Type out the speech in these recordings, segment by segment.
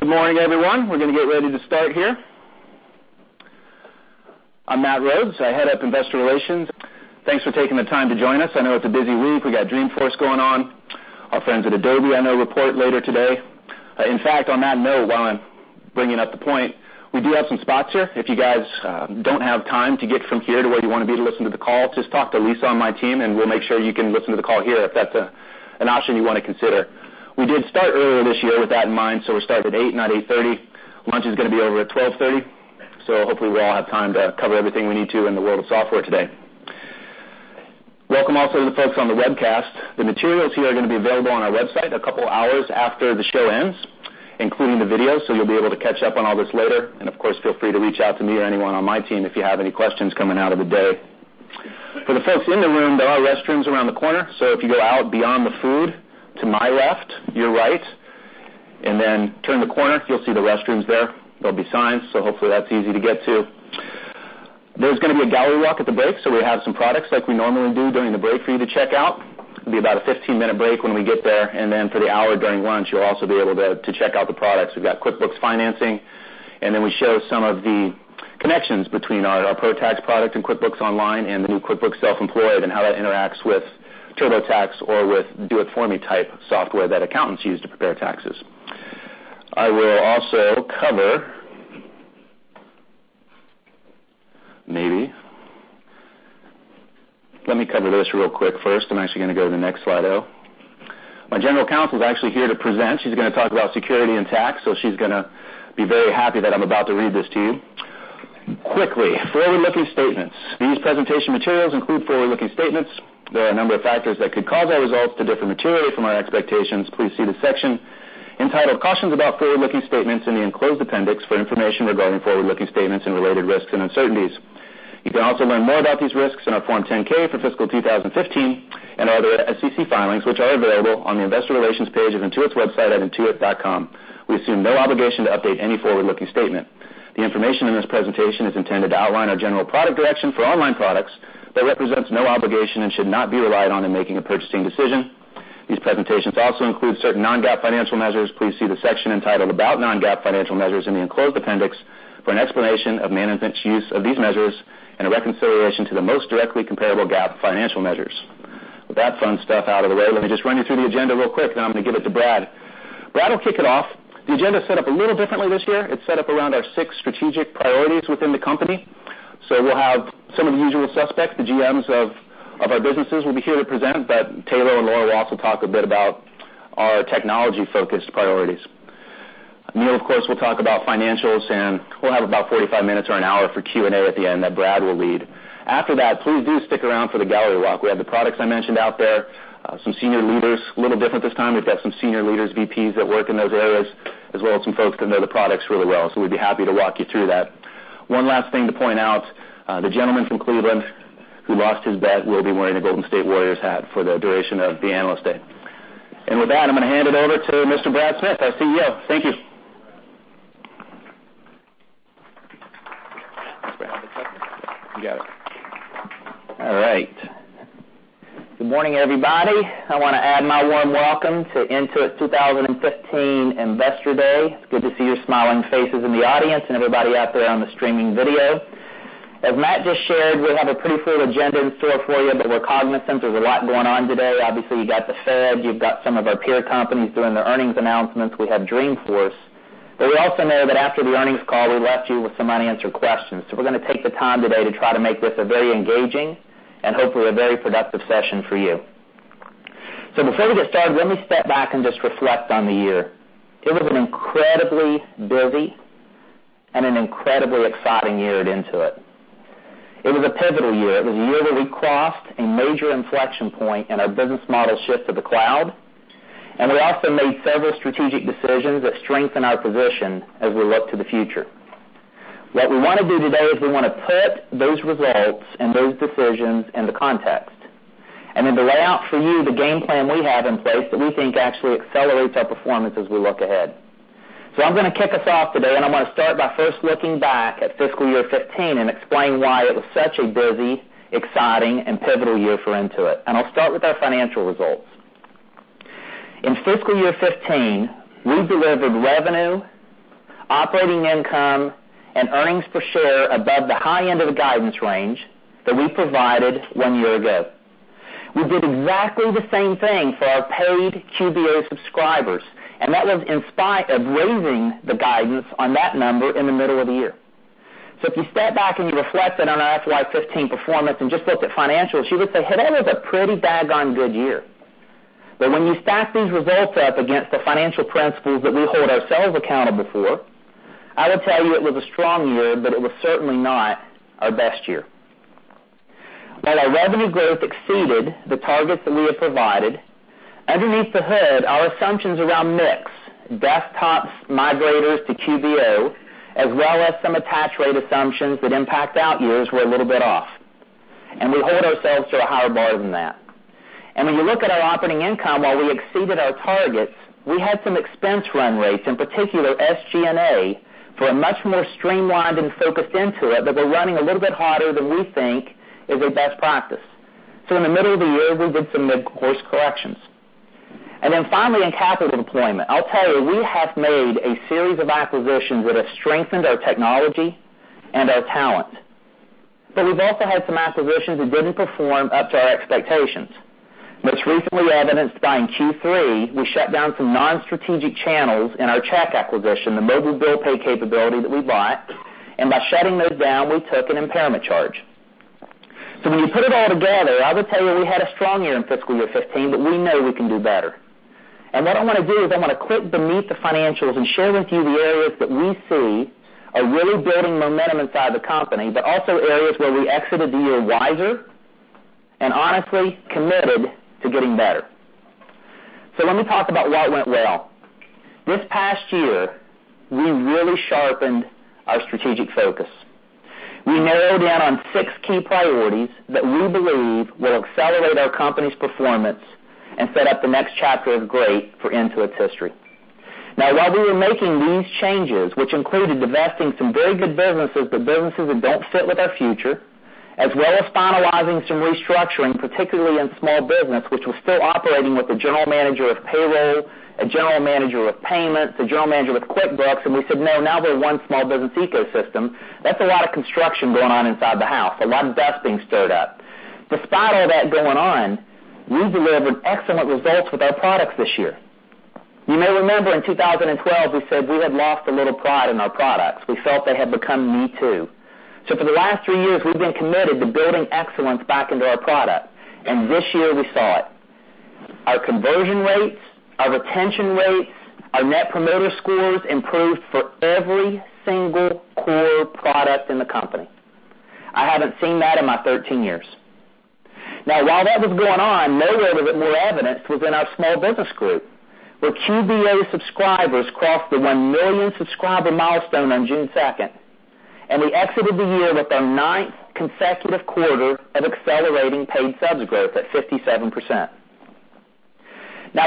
Good morning, everyone. We're going to get ready to start here. I'm Matt Rhodes. I head up investor relations. Thanks for taking the time to join us. I know it's a busy week. We got Dreamforce going on. Our friends at Adobe, I know, report later today. In fact, on that note, while I'm bringing up the point, we do have some spots here. If you guys don't have time to get from here to where you want to be to listen to the call, just talk to Lisa on my team, and we'll make sure you can listen to the call here if that's an option you want to consider. We did start earlier this year with that in mind, so we started at 8:00, not 8:30. Lunch is going to be over at 12:30, so hopefully we'll have time to cover everything we need to in the world of software today. Welcome also to the folks on the webcast. The materials here are going to be available on our website a couple of hours after the show ends, including the video, so you'll be able to catch up on all this later. Of course, feel free to reach out to me or anyone on my team if you have any questions coming out of the day. For the folks in the room, there are restrooms around the corner, so if you go out beyond the food to my left, your right, and then turn the corner, you'll see the restrooms there. There'll be signs, so hopefully that's easy to get to. There's going to be a gallery walk at the break, so we have some products like we normally do during the break for you to check out. It'll be about a 15-minute break when we get there. Then for the hour during lunch, you'll also be able to check out the products. We've got QuickBooks Financing, and then we show some of the connections between our ProTax product and QuickBooks Online and the new QuickBooks Self-Employed and how that interacts with TurboTax or with do-it-for-me type software that accountants use to prepare taxes. I will also cover. Let me cover this real quick first. I'm actually going to go to the next slide, though. My General Counsel is actually here to present. She's going to talk about security and tax, so she's going to be very happy that I'm about to read this to you. Quickly, forward-looking statements. These presentation materials include forward-looking statements. There are a number of factors that could cause our results to differ materially from our expectations. Please see the section entitled Cautions about Forward-Looking Statements in the enclosed appendix for information regarding forward-looking statements and related risks and uncertainties. You can also learn more about these risks in our Form 10-K for fiscal 2015 and our other SEC filings, which are available on the Investor Relations page of Intuit's website at intuit.com. We assume no obligation to update any forward-looking statement. The information in this presentation is intended to outline our general product direction for online products, but represents no obligation and should not be relied on in making a purchasing decision. These presentations also include certain non-GAAP financial measures. Please see the section entitled About Non-GAAP Financial Measures in the enclosed appendix for an explanation of management's use of these measures and a reconciliation to the most directly comparable GAAP financial measures. With that fun stuff out of the way, let me just run you through the agenda real quick. Then I'm going to give it to Brad. Brad will kick it off. The agenda is set up a little differently this year. It's set up around our six strategic priorities within the company. We'll have some of the usual suspects, the GMs of our businesses will be here to present, but Tayloe and Laura will also talk a bit about our technology-focused priorities. Neil, of course, will talk about financials, and we'll have about 45 minutes or an hour for Q&A at the end that Brad will lead. After that, please do stick around for the gallery walk. We have the products I mentioned out there, some senior leaders, a little different this time. We've got some senior leaders, VPs that work in those areas, as well as some folks that know the products really well. We'd be happy to walk you through that. One last thing to point out, the gentleman from Cleveland who lost his bet will be wearing a Golden State Warriors hat for the duration of the Analyst Day. With that, I'm going to hand it over to Mr. Brad Smith, our CEO. Thank you. You got it. All right. Good morning, everybody. I want to add my warm welcome to Intuit's 2015 Investor Day. It's good to see your smiling faces in the audience and everybody out there on the streaming video. As Matt just shared, we have a pretty full agenda in store for you, but we're cognizant there's a lot going on today. Obviously, you've got the Fed, you've got some of our peer companies doing their earnings announcements. We have Dreamforce. We also know that after the earnings call, we left you with some unanswered questions, so we're going to take the time today to try to make this a very engaging and hopefully a very productive session for you. Before we get started, let me step back and just reflect on the year. It was an incredibly busy and an incredibly exciting year at Intuit. It was a pivotal year. It was a year that we crossed a major inflection point in our business model shift to the cloud, and we also made several strategic decisions that strengthen our position as we look to the future. What we want to do today is we want to put those results and those decisions into context, and then to lay out for you the game plan we have in place that we think actually accelerates our performance as we look ahead. I'm going to kick us off today, and I'm going to start by first looking back at fiscal year 2015 and explain why it was such a busy, exciting, and pivotal year for Intuit. I'll start with our financial results. In fiscal year 2015, we delivered revenue, operating income, and earnings per share above the high end of the guidance range that we provided one year ago. We did exactly the same thing for our paid QuickBooks Online subscribers, that was in spite of raising the guidance on that number in the middle of the year. If you step back and you reflected on our FY 2015 performance and just looked at financials, you would say, "Hey, that was a pretty doggone good year." When you stack these results up against the financial principles that we hold ourselves accountable for, I would tell you it was a strong year, but it was certainly not our best year. While our revenue growth exceeded the targets that we had provided, underneath the hood, our assumptions around mix, desktops, migrators to QuickBooks Online, as well as some attach rate assumptions that impact out years were a little bit off, we hold ourselves to a higher bar than that. When you look at our operating income, while we exceeded our targets, we had some expense run rates, in particular SG&A, for a much more streamlined and focused Intuit that were running a little bit harder than we think is a best practice. In the middle of the year, we did some mid-course corrections. Then finally, in capital deployment, I'll tell you, we have made a series of acquisitions that have strengthened our technology and our talent, we've also had some acquisitions that didn't perform up to our expectations. Most recently evidenced by in Q3, we shut down some non-strategic channels in our Check acquisition, the mobile bill pay capability that we bought, by shutting those down, we took an impairment charge. When you put it all together, I will tell you we had a strong year in fiscal year 2015, we know we can do better. What I want to do is I want to click beneath the financials and share with you the areas that we see are really building momentum inside the company, also areas where we exited the year wiser, honestly, committed to getting better. Let me talk about what went well. This past year, we really sharpened our strategic focus. We narrowed down on six key priorities that we believe will accelerate our company's performance and set up the next chapter of great for Intuit's history. Now, while we were making these changes, which included divesting some very good businesses that don't fit with our future, as well as finalizing some restructuring, particularly in small business, which was still operating with a general manager of payroll, a general manager of payments, a general manager with QuickBooks, we said, "No, now they're one small business ecosystem." That's a lot of construction going on inside the house, a lot of dust being stirred up. Despite all that going on, we delivered excellent results with our products this year. You may remember in 2012, we said we had lost a little pride in our products. We felt they had become me too. For the last three years, we've been committed to building excellence back into our product, this year we saw it. Our conversion rates, our retention rates, our Net Promoter Scores improved for every single core product in the company. I haven't seen that in my 13 years. While that was going on, nowhere was it more evident within our Small Business Group, where QBO subscribers crossed the 1 million subscriber milestone on June 2nd, and we exited the year with our ninth consecutive quarter of accelerating paid subs growth at 57%.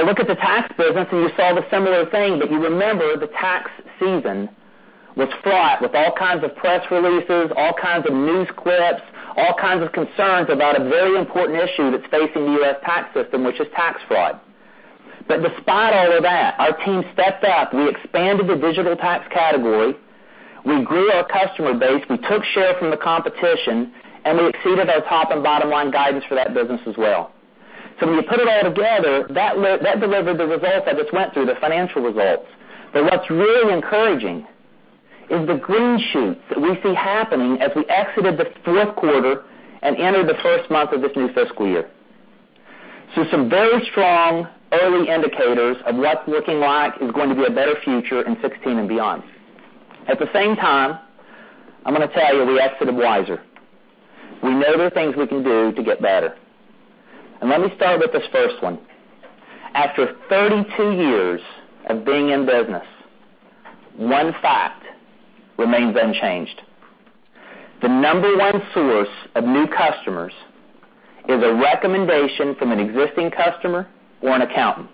Look at the tax business and you saw the similar thing, you remember the tax season was fraught with all kinds of press releases, all kinds of news clips, all kinds of concerns about a very important issue that's facing the U.S. tax system, which is tax fraud. Despite all of that, our team stepped up. We expanded the digital tax category. We grew our customer base. We took share from the competition, we exceeded our top and bottom-line guidance for that business as well. When you put it all together, that delivered the results I just went through, the financial results. What's really encouraging is the green shoots that we see happening as we exited the fourth quarter and entered the first month of this new fiscal year. Some very strong early indicators of what's looking like is going to be a better future in 2016 and beyond. At the same time, I'm going to tell you, we exited wiser. We know there are things we can do to get better, and let me start with this first one. After 32 years of being in business, one fact remains unchanged. The number one source of new customers is a recommendation from an existing customer or an accountant,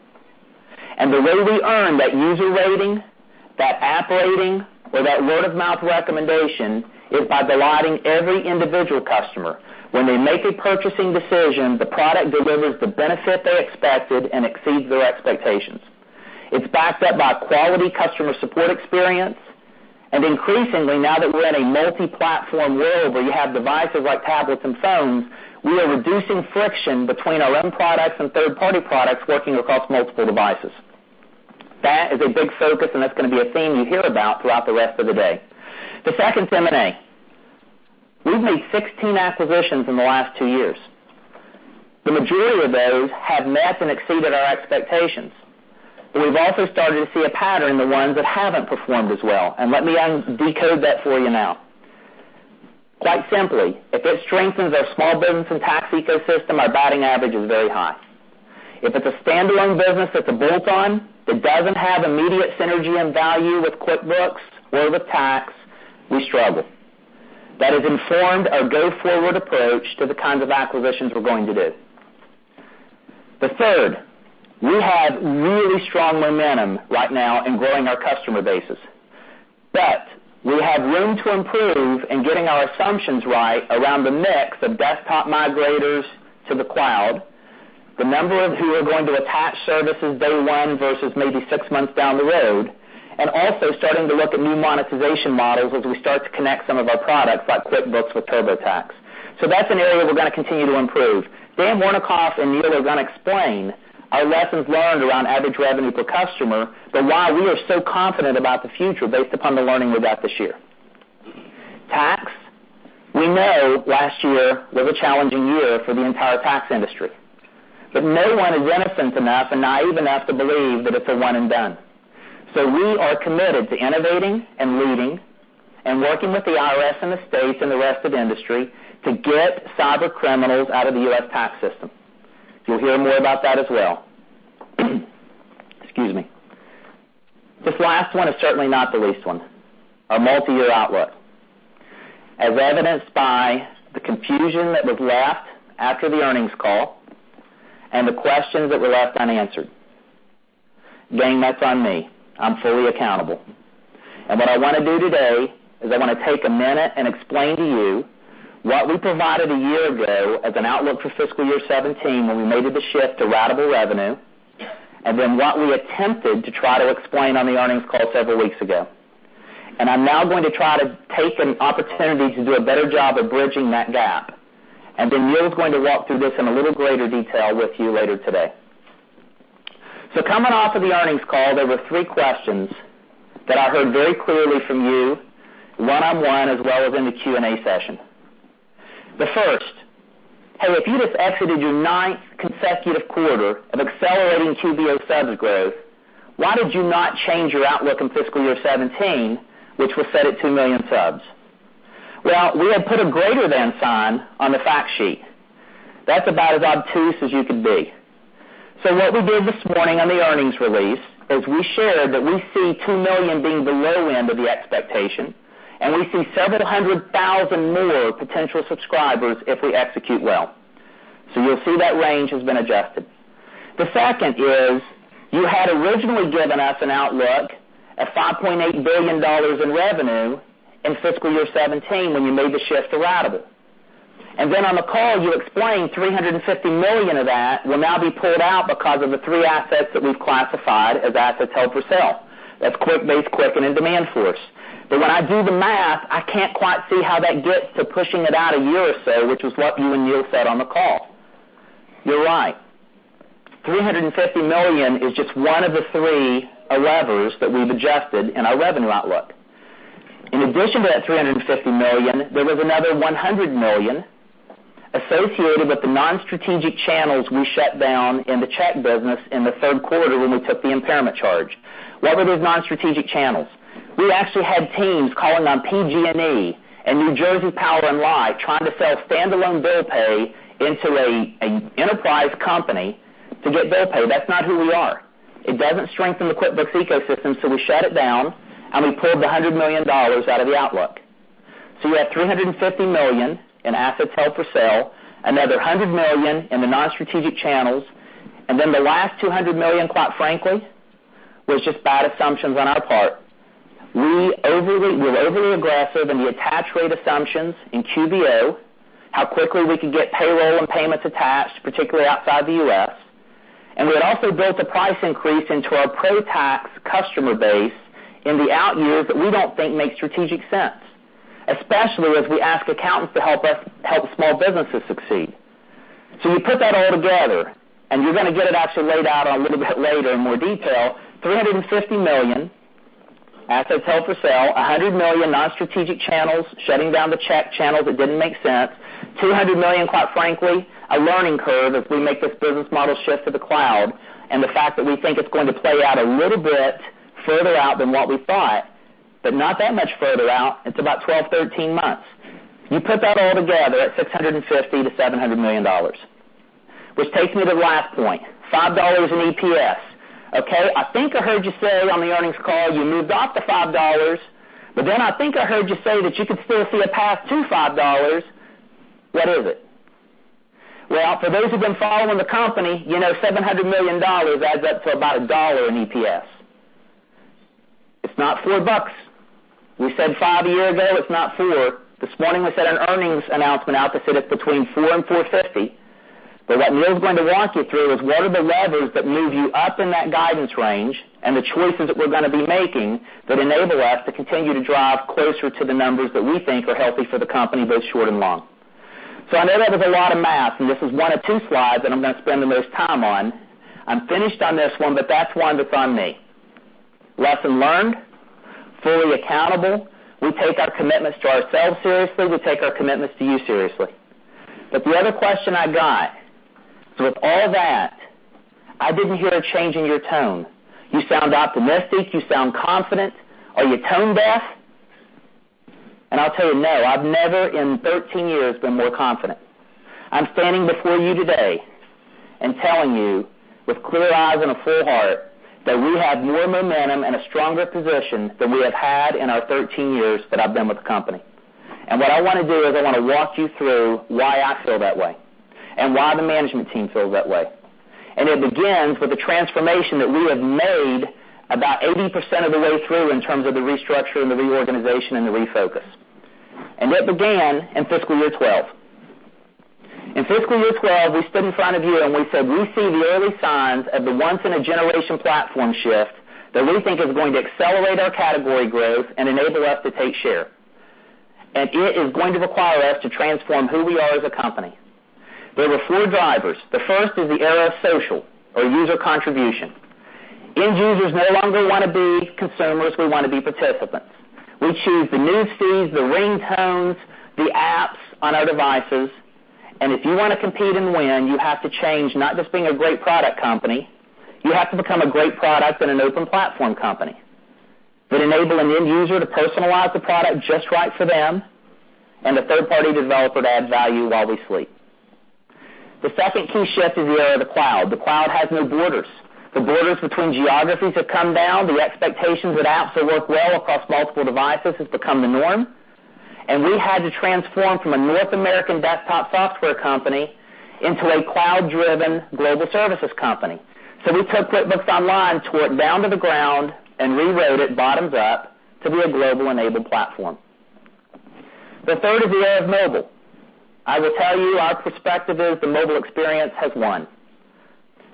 the way we earn that user rating, that app rating, or that word-of-mouth recommendation is by delighting every individual customer. When they make a purchasing decision, the product delivers the benefit they expected and exceeds their expectations. It's backed up by a quality customer support experience, increasingly, now that we're in a multi-platform world where you have devices like tablets and phones, we are reducing friction between our own products and third-party products working across multiple devices. That is a big focus, and that's going to be a theme you hear about throughout the rest of the day. The second M&A. We've made 16 acquisitions in the last two years. The majority of those have met and exceeded our expectations, we've also started to see a pattern in the ones that haven't performed as well, let me decode that for you now. Quite simply, if it strengthens our small business and tax ecosystem, our batting average is very high. If it's a standalone business that's a bolt-on, that doesn't have immediate synergy and value with QuickBooks or with tax, we struggle. That has informed our go-forward approach to the kinds of acquisitions we're going to do. The third, we have really strong momentum right now in growing our customer bases, but we have room to improve in getting our assumptions right around the mix of desktop migrators to the cloud, the number of who are going to attach services day one versus maybe six months down the road, and also starting to look at new monetization models as we start to connect some of our products like QuickBooks with TurboTax. That's an area we're going to continue to improve. Dan Wernikoff and Neil are going to explain our lessons learned around average revenue per customer, but why we are so confident about the future based upon the learning we got this year. Tax, we know last year was a challenging year for the entire tax industry, but no one is innocent enough and naive enough to believe that it's a one and done. We are committed to innovating and leading and working with the IRS and the states and the rest of the industry to get cybercriminals out of the U.S. tax system. You'll hear more about that as well. Excuse me. This last one is certainly not the least one, our multi-year outlook. As evidenced by the confusion that was left after the earnings call and the questions that were left unanswered. Gang, that's on me. I'm fully accountable. And what I want to do today is I want to take a minute and explain to you what we provided a year ago as an outlook for fiscal year 2017, when we made the shift to ratable revenue, and then what we attempted to try to explain on the earnings call several weeks ago. I'm now going to try to take an opportunity to do a better job at bridging that gap. Then Neil's going to walk through this in a little greater detail with you later today. Coming off of the earnings call, there were three questions that I heard very clearly from you, one-on-one, as well as in the Q&A session. The first, "Hey, if you just exited your ninth consecutive quarter of accelerating QBO subs growth, why did you not change your outlook in fiscal year 2017, which was set at 2 million subs?" Well, we had put a greater than sign on the fact sheet. That's about as obtuse as you could be. What we did this morning on the earnings release is we shared that we see 2 million being the low end of the expectation, and we see several hundred thousand more potential subscribers if we execute well. You'll see that range has been adjusted. The second is, "You had originally given us an outlook of $5.8 billion in revenue in fiscal year 2017 when you made the shift to ratable. Then on the call, you explained $350 million of that will now be pulled out because of the three assets that we've classified as assets held for sale. That's Quicken, QuickBase, and DemandForce. But when I do the math, I can't quite see how that gets to pushing it out a year or so, which was what you and Neil said on the call." You're right. $350 million is just one of the three levers that we've adjusted in our revenue outlook. In addition to that $350 million, there was another $100 million associated with the non-strategic channels we shut down in the Check business in the third quarter when we took the impairment charge. What were those non-strategic channels? We actually had teams calling on PG&E and Jersey Central Power & Light trying to sell standalone bill pay into an enterprise company to get bill pay. That's not who we are. It doesn't strengthen the QuickBooks ecosystem, so we shut it down, and we pulled the $100 million out of the outlook. You have $350 million in assets held for sale, another $100 million in the non-strategic channels, and then the last $200 million, quite frankly, was just bad assumptions on our part. We were overly aggressive in the attach rate assumptions in QBO, how quickly we could get payroll and payments attached, particularly outside the U.S. We had also built a price increase into our ProConnect Tax customer base in the out years that we don't think makes strategic sense, especially as we ask accountants to help small businesses succeed. You put that all together, and you're going to get it actually laid out a little bit later in more detail, $350 million assets held for sale, $100 million non-strategic channels, shutting down the Check channels that didn't make sense. $200 million, quite frankly, a learning curve as we make this business model shift to the cloud, and the fact that we think it's going to play out a little bit further out than what we thought, but not that much further out. It's about 12, 13 months. You put that all together at $650 million-$700 million. Which takes me to the last point, $5 in EPS. I think I heard you say on the earnings call you moved off the $5, but then I think I heard you say that you could still see a path to $5. What is it? For those who've been following the company, you know $700 million adds up to about $1 in EPS. It's not $4. We said $5 a year ago, it's not $4. This morning we set an earnings announcement out that said it's between $4 and $450. What Neil's going to walk you through is what are the levers that move you up in that guidance range and the choices that we're going to be making that enable us to continue to drive closer to the numbers that we think are healthy for the company, both short and long. I know that was a lot of math, and this is one of two slides that I'm going to spend the most time on. I'm finished on this one, but that's one that's on me. Lesson learned. Fully accountable. We take our commitments to ourselves seriously. We take our commitments to you seriously. The other question I got, "With all that, I didn't hear a change in your tone. You sound optimistic. You sound confident. Are you tone deaf?" I'll tell you, no. I've never, in 13 years, been more confident. I'm standing before you today and telling you with clear eyes and a full heart that we have more momentum and a stronger position than we have had in our 13 years that I've been with the company. What I want to do is I want to walk you through why I feel that way and why the management team feels that way. It begins with the transformation that we have made about 80% of the way through in terms of the restructuring, the reorganization, and the refocus. It began in fiscal year 2012. In fiscal year 2012, we stood in front of you, and we said, "We see the early signs of the once-in-a-generation platform shift that we think is going to accelerate our category growth and enable us to take share. It is going to require us to transform who we are as a company." There were four drivers. The first is the era of social or user contribution. End users no longer want to be consumers, we want to be participants. We choose the news feeds, the ringtones, the apps on our devices, and if you want to compete and win, you have to change not just being a great product company, you have to become a great product and an open platform company that enable an end user to personalize the product just right for them, and a third-party developer to add value while we sleep. The second key shift is the era of the cloud. The cloud has no borders. The borders between geographies have come down. The expectations that apps that work well across multiple devices has become the norm. We had to transform from a North American desktop software company into a cloud-driven global services company. We took QuickBooks Online, tore it down to the ground, and rewrote it bottoms up to be a global-enabled platform. The third is the era of mobile. I will tell you our perspective is the mobile experience has won.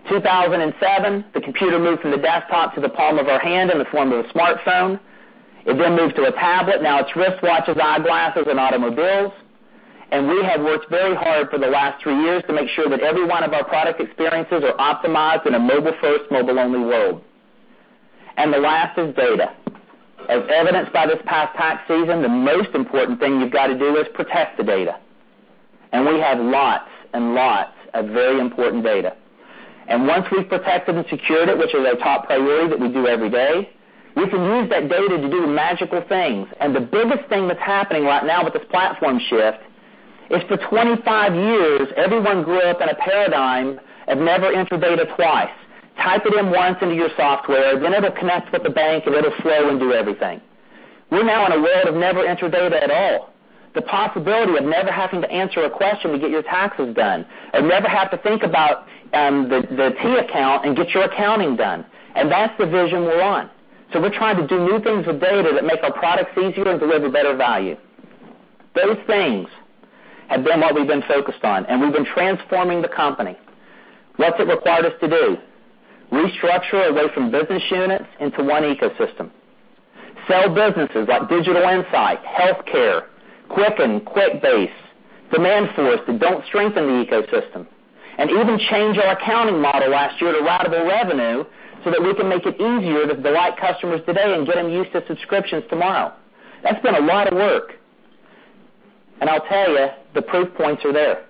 2007, the computer moved from the desktop to the palm of our hand in the form of a smartphone. It then moved to a tablet. Now it's wristwatches, eyeglasses, and automobiles. We have worked very hard for the last three years to make sure that every one of our product experiences are optimized in a mobile-first, mobile-only world. The last is data. As evidenced by this past tax season, the most important thing you've got to do is protect the data, and we have lots and lots of very important data. Once we've protected and secured it, which is a top priority that we do every day, we can use that data to do magical things. The biggest thing that's happening right now with this platform shift is for 25 years, everyone grew up in a paradigm of never enter data twice. Type it in once into your software, then it'll connect with the bank, and it'll flow and do everything. We're now in a world of never enter data at all. The possibility of never having to answer a question to get your taxes done and never have to think about the T account and get your accounting done, and that's the vision we're on. We're trying to do new things with data that make our products easier and deliver better value. Those things have been what we've been focused on, and we've been transforming the company. What's it required us to do? Restructure away from business units into one ecosystem. Sell businesses like Digital Insight, Healthcare, Quicken, QuickBase, DemandForce, that don't strengthen the ecosystem. Even change our accounting model last year to ratable revenue so that we can make it easier to delight customers today and get them used to subscriptions tomorrow. That's been a lot of work. I'll tell you, the proof points are there.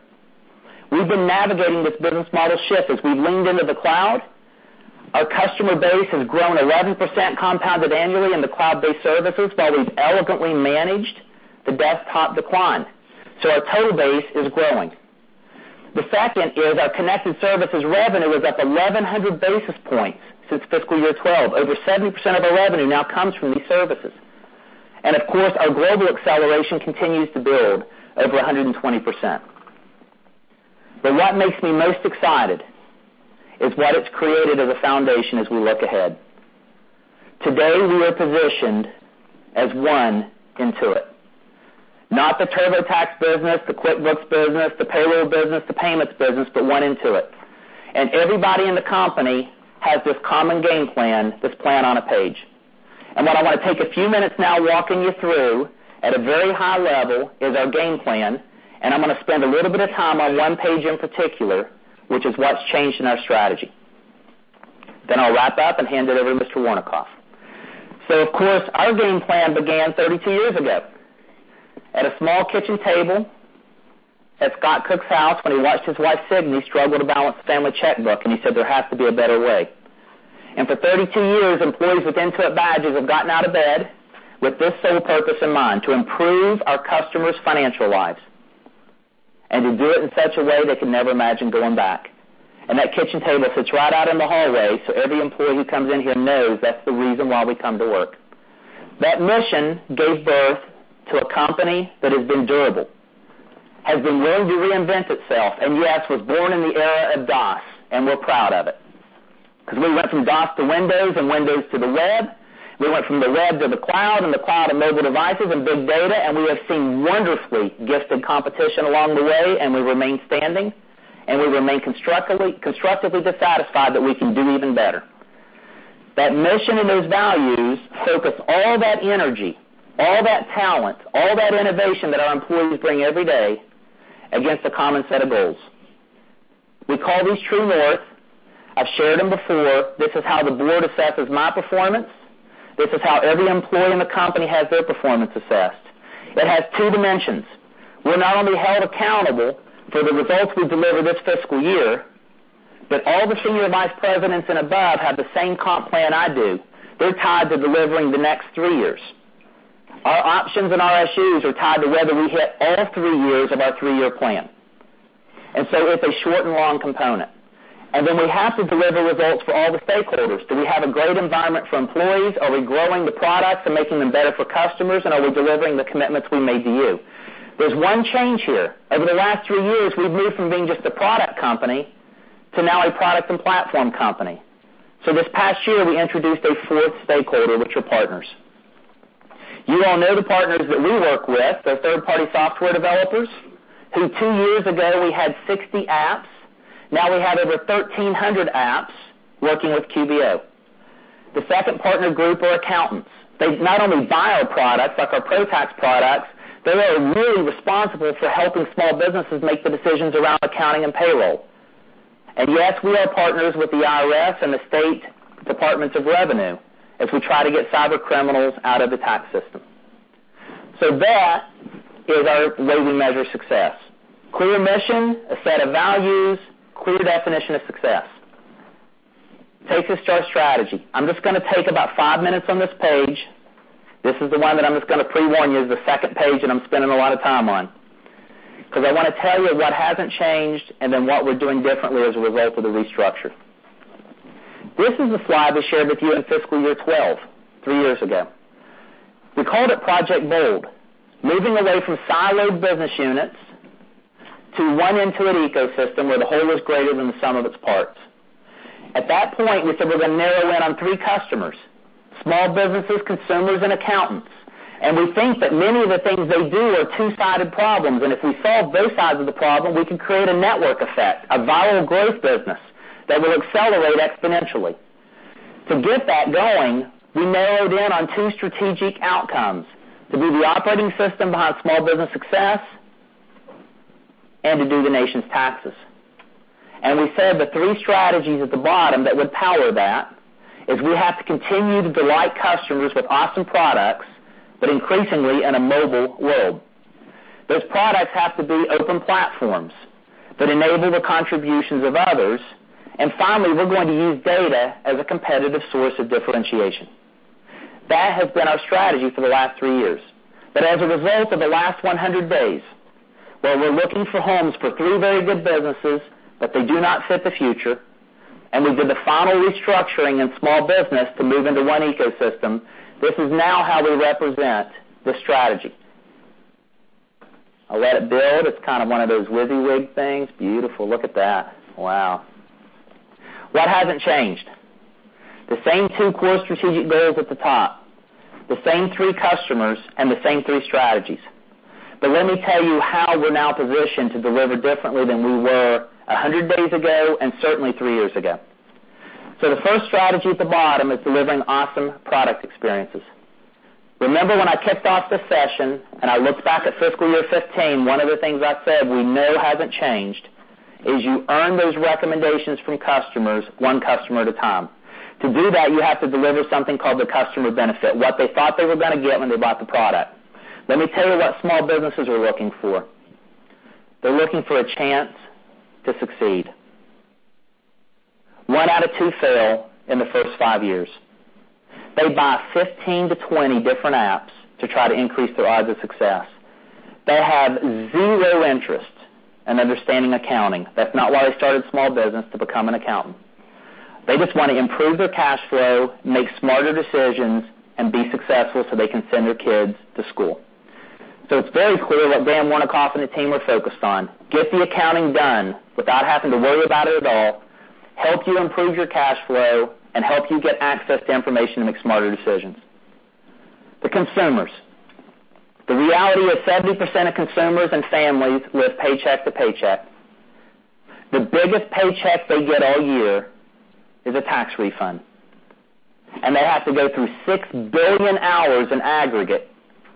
We've been navigating this business model shift as we leaned into the cloud. Our customer base has grown 11% compounded annually in the cloud-based services, while we've elegantly managed the desktop decline. Our total base is growing. The second is our connected services revenue is up 1,100 basis points since fiscal year 2012. Over 70% of our revenue now comes from these services. Of course, our global acceleration continues to build over 120%. What makes me most excited is what it's created as a foundation as we look ahead. Today, we are positioned as One Intuit. Not the TurboTax business, the QuickBooks business, the payroll business, the payments business, but One Intuit. Everybody in the company has this common game plan, this plan on a page. What I want to take a few minutes now walking you through at a very high level is our game plan, I'm going to spend a little bit of time on one page in particular, which is what's changed in our strategy. I'll wrap up and hand it over to Mr. Wernikoff. Of course, our game plan began 32 years ago at a small kitchen table at Scott Cook's house when he watched his wife, Signe, struggle to balance the family checkbook, and he said, "There has to be a better way." For 32 years, employees with Intuit badges have gotten out of bed with this sole purpose in mind, to improve our customers' financial lives and to do it in such a way they can never imagine going back. That kitchen table sits right out in the hallway, so every employee who comes in here knows that's the reason why we come to work. That mission gave birth to a company that has been durable, has been willing to reinvent itself, and yes, was born in the era of DOS, and we're proud of it. We went from DOS to Windows and Windows to the web. We went from the web to the cloud, the cloud to mobile devices and big data, we have seen wonderfully gifted competition along the way, we remain standing, we remain constructively dissatisfied that we can do even better. That mission and those values focus all that energy, all that talent, all that innovation that our employees bring every day against a common set of goals. We call these True North. I've shared them before. This is how the board assesses my performance. This is how every employee in the company has their performance assessed. It has two dimensions. We're not only held accountable for the results we deliver this fiscal year, but all the Senior Vice Presidents and above have the same comp plan I do. They're tied to delivering the next three years. Our options and RSUs are tied to whether we hit all three years of our three-year plan. It's a short and long component. Then we have to deliver results for all the stakeholders. Do we have a great environment for employees? Are we growing the products and making them better for customers? Are we delivering the commitments we made to you? There's one change here. Over the last three years, we've moved from being just a product company to now a product and platform company. This past year, we introduced a fourth stakeholder, which are partners. You all know the partners that we work with, they're third-party software developers, who two years ago, we had 60 apps. Now we have over 1,300 apps working with QuickBooks Online. The second partner group are accountants. They not only buy our products, like our ProTax products, they are really responsible for helping small businesses make the decisions around accounting and payroll. Yes, we are partners with the IRS and the state departments of revenue as we try to get cybercriminals out of the tax system. That is our way we measure success. Clear mission, a set of values, clear definition of success. Takes us to our strategy. I'm just going to take about five minutes on this page. This is the one that I'm just going to pre-warn you is the second page that I'm spending a lot of time on, because I want to tell you what hasn't changed and then what we're doing differently as a result of the restructure. This is a slide we shared with you in FY 2012, three years ago. We called it Project Bold, moving away from siloed business units to One Intuit ecosystem where the whole is greater than the sum of its parts. At that point, we said we're going to narrow in on three customers, small businesses, consumers, and accountants. We think that many of the things they do are two-sided problems, if we solve both sides of the problem, we can create a network effect, a viral growth business that will accelerate exponentially. To get that going, we narrowed in on two strategic outcomes, to be the operating system behind small business success and to do the nation's taxes. We said the three strategies at the bottom that would power that is we have to continue to delight customers with awesome products, but increasingly in a mobile world. Those products have to be open platforms that enable the contributions of others. Finally, we're going to use data as a competitive source of differentiation. That has been our strategy for the last three years. As a result of the last 100 days, where we're looking for homes for three very good businesses, but they do not fit the future, we did the final restructuring in small business to move into one ecosystem, this is now how we represent the strategy. I'll let it build. It's kind of one of those WYSIWYG things. Beautiful. Look at that. Wow. What hasn't changed? The same two core strategic goals at the top, the same three customers, the same three strategies. Let me tell you how we're now positioned to deliver differently than we were 100 days ago and certainly three years ago. The first strategy at the bottom is delivering awesome product experiences. Remember when I kicked off the session and I looked back at fiscal year 2015, one of the things I said we know hasn't changed is you earn those recommendations from customers one customer at a time. To do that, you have to deliver something called the customer benefit, what they thought they were going to get when they bought the product. Let me tell you what small businesses are looking for. They're looking for a chance to succeed. One out of two fail in the first five years. They buy 15-20 different apps to try to increase their odds of success. They have zero interest in understanding accounting. That's not why they started a small business, to become an accountant. They just want to improve their cash flow, make smarter decisions, and be successful so they can send their kids to school. It's very clear what Dan Wernikoff and the team are focused on, get the accounting done without having to worry about it at all, help you improve your cash flow, and help you get access to information to make smarter decisions. The consumers, the reality is 70% of consumers and families live paycheck to paycheck. The biggest paycheck they get all year is a tax refund, they have to go through 6 billion hours in aggregate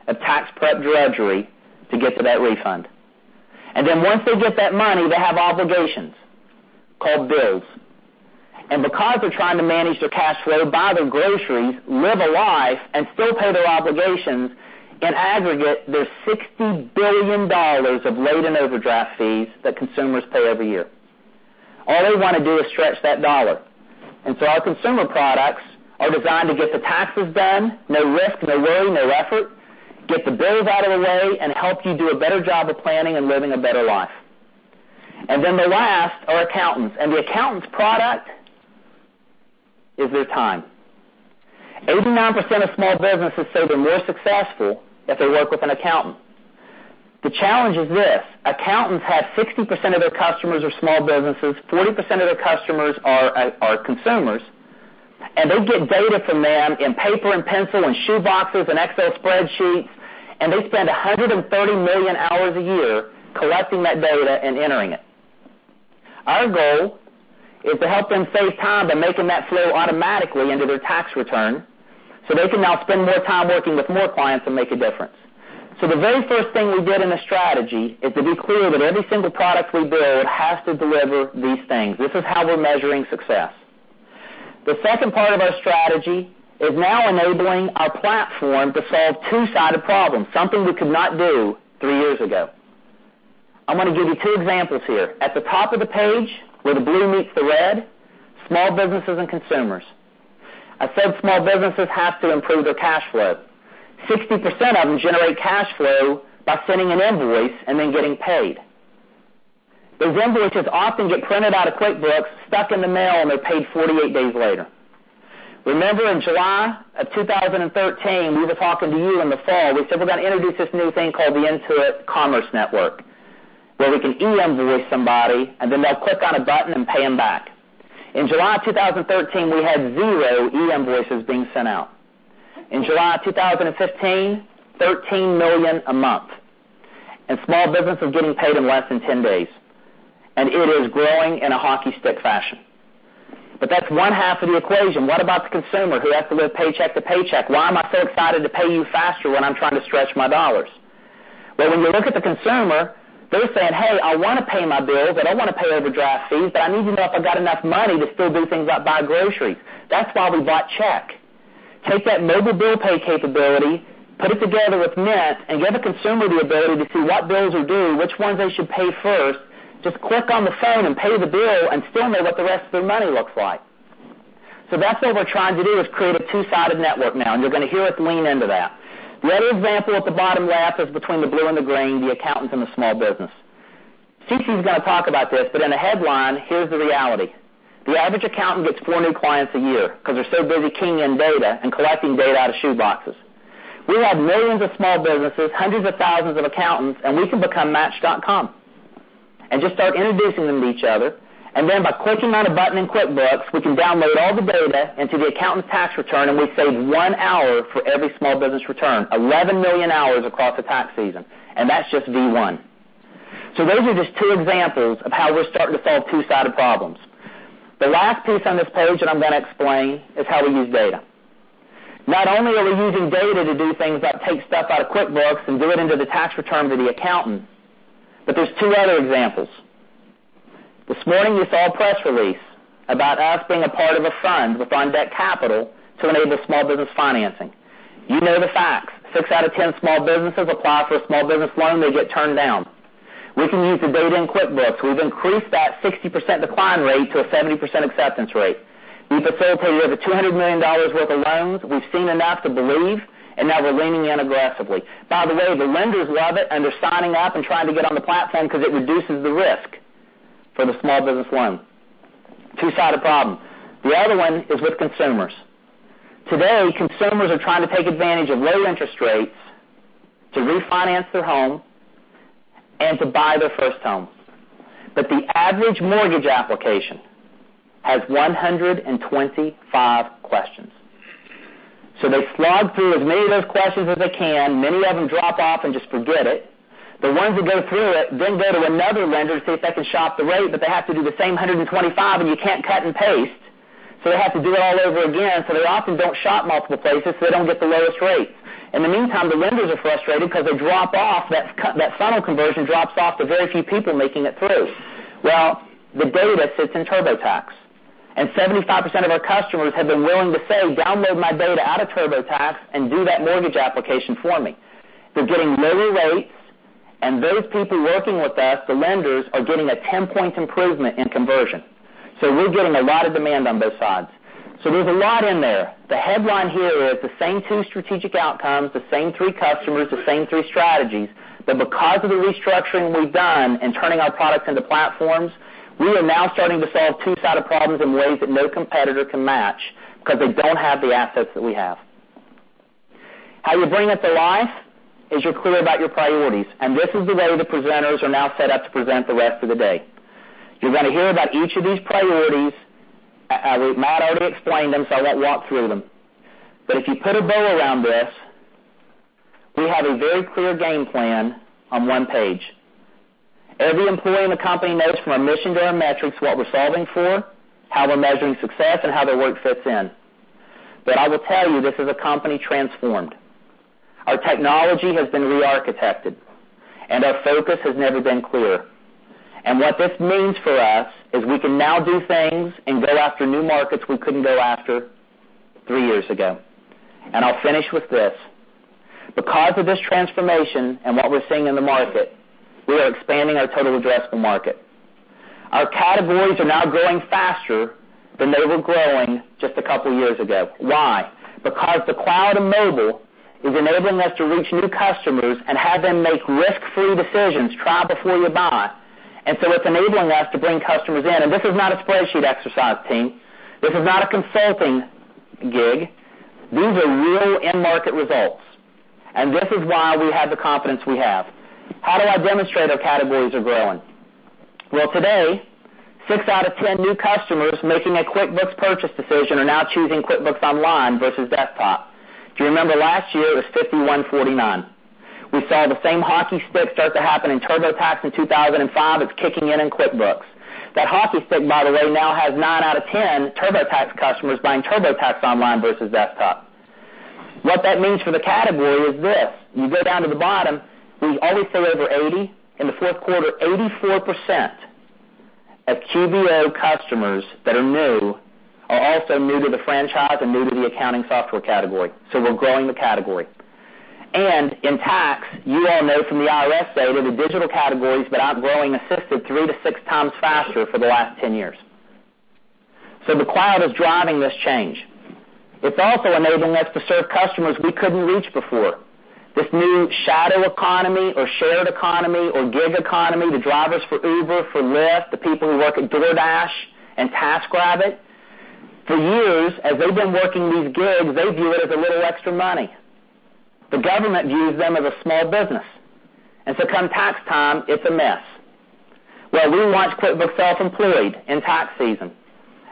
of tax prep drudgery to get to that refund. Once they get that money, they have obligations called bills. Because they're trying to manage their cash flow, buy their groceries, live a life, and still pay their obligations, in aggregate, there's $60 billion of late and overdraft fees that consumers pay every year. All they want to do is stretch that dollar. Our consumer products are designed to get the taxes done, no risk, no worry, no effort, get the bills out of the way, and help you do a better job of planning and living a better life. The last are accountants, and the accountants' product is their time. 89% of small businesses say they're more successful if they work with an accountant. The challenge is this, accountants have 60% of their customers are small businesses, 40% of their customers are consumers, and they get data from them in paper and pencil and shoe boxes and Excel spreadsheets, and they spend 130 million hours a year collecting that data and entering it. Our goal is to help them save time by making that flow automatically into their tax return, so they can now spend more time working with more clients and make a difference. The very first thing we did in the strategy is to be clear that every single product we build has to deliver these things. This is how we're measuring success. The second part of our strategy is now enabling our platform to solve two-sided problems, something we could not do three years ago. I'm going to give you two examples here. At the top of the page where the blue meets the red, small businesses and consumers. I said small businesses have to improve their cash flow. 60% of them generate cash flow by sending an invoice and then getting paid. Those invoices often get printed out of QuickBooks, stuck in the mail, and they're paid 48 days later. Remember in July 2013, we were talking to you in the fall, we said we're going to introduce this new thing called the Intuit Commerce Network, where we can e-invoice somebody, and then they'll click on a button and pay them back. In July 2013, we had zero e-invoices being sent out. In July 2015, $13 million a month, and small businesses getting paid in less than 10 days, and it is growing in a hockey stick fashion. That's one half of the equation. What about the consumer who has to live paycheck to paycheck? Why am I so excited to pay you faster when I'm trying to stretch my dollars? When you look at the consumer, they're saying, "Hey, I want to pay my bills. I don't want to pay overdraft fees, I need to know if I've got enough money to still do things like buy groceries." That's why we bought Check. Take that mobile bill pay capability, put it together with Mint, and give the consumer the ability to see what bills are due, which ones they should pay first, just click on the phone and pay the bill and still know what the rest of their money looks like. That's what we're trying to do, is create a two-sided network now, and you're going to hear us lean into that. The other example at the bottom left is between the blue and the green, the accountants and the small business. CeCe is going to talk about this, in a headline, here's the reality. The average accountant gets four new clients a year because they're so busy keying in data and collecting data out of shoe boxes. We have millions of small businesses, hundreds of thousands of accountants, we can become Match.com, and just start introducing them to each other. Then by clicking on a button in QuickBooks, we can download all the data into the accountant's tax return, and we've saved one hour for every small business return, 11 million hours across the tax season, and that's just V1. Those are just two examples of how we're starting to solve two-sided problems. The last piece on this page that I'm going to explain is how we use data. Not only are we using data to do things that take stuff out of QuickBooks and do it into the tax return to the accountant, there's two other examples. This morning, you saw a press release about us being a part of a fund with Fund That Capital to enable small business financing. You know the facts. Six out of 10 small businesses apply for a small business loan, they get turned down. We can use the data in QuickBooks. We've increased that 60% decline rate to a 70% acceptance rate. We facilitate over $200 million worth of loans. We've seen enough to believe, and now we're leaning in aggressively. By the way, the lenders love it, and they're signing up and trying to get on the platform because it reduces the risk for the small business loan. Two-sided problem. The other one is with consumers. Today, consumers are trying to take advantage of low interest rates to refinance their home and to buy their first home. The average mortgage application has 125 questions. They slog through as many of those questions as they can. Many of them drop off and just forget it. The ones that go through it then go to another lender to see if they can shop the rate, they have to do the same 125, and you can't cut and paste, they have to do it all over again. They often don't shop multiple places, they don't get the lowest rate. In the meantime, the lenders are frustrated because they drop off. That funnel conversion drops off to very few people making it through. The data sits in TurboTax, 75% of our customers have been willing to say, "Download my data out of TurboTax and do that mortgage application for me." They're getting lower rates, those people working with us, the lenders, are getting a 10-point improvement in conversion. We're getting a lot of demand on both sides. There's a lot in there. The headline here is the same two strategic outcomes, the same three customers, the same three strategies. Because of the restructuring we've done in turning our products into platforms, we are now starting to solve two-sided problems in ways that no competitor can match because they don't have the assets that we have. How you bring it to life is you're clear about your priorities, this is the way the presenters are now set up to present the rest of the day. You're going to hear about each of these priorities. Matt already explained them, I won't walk through them. If you put a bow around this, we have a very clear game plan on one page. Every employee in the company knows from our mission to our metrics, what we're solving for, how we're measuring success, how their work fits in. I will tell you, this is a company transformed. Our technology has been re-architected, our focus has never been clearer. What this means for us is we can now do things go after new markets we couldn't go after three years ago. I'll finish with this. Because of this transformation what we're seeing in the market, we are expanding our total addressable market. Our categories are now growing faster than they were growing just a couple years ago. Why? The cloud mobile is enabling us to reach new customers have them make risk-free decisions, try before you buy. It's enabling us to bring customers in. This is not a spreadsheet exercise, team. This is not a consulting gig. These are real end-market results, this is why we have the confidence we have. How do I demonstrate our categories are growing? Today, six out of ten new customers making a QuickBooks purchase decision are now choosing QuickBooks Online versus Desktop. Do you remember last year, it was 51/49. We saw the same hockey stick start to happen in TurboTax in 2005. It's kicking in in QuickBooks. That hockey stick, by the way, now has nine out of ten TurboTax customers buying TurboTax Online versus Desktop. What that means for the category is this. You go down to the bottom, we already said over 80% in the fourth quarter, 84% of QBO customers that are new are also new to the franchise new to the accounting software category. We're growing the category. In tax, you all know from the IRS data, the digital categories that aren't growing assisted three to six times faster for the last 10 years. The cloud is driving this change. It's also enabling us to serve customers we couldn't reach before. This new shadow economy or shared economy or gig economy, the drivers for Uber, for Lyft, the people who work at DoorDash and TaskRabbit, for years, as they've been working these gigs, they view it as a little extra money. The government views them as a small business, come tax time, it's a mess. We launched QuickBooks Self-Employed in tax season,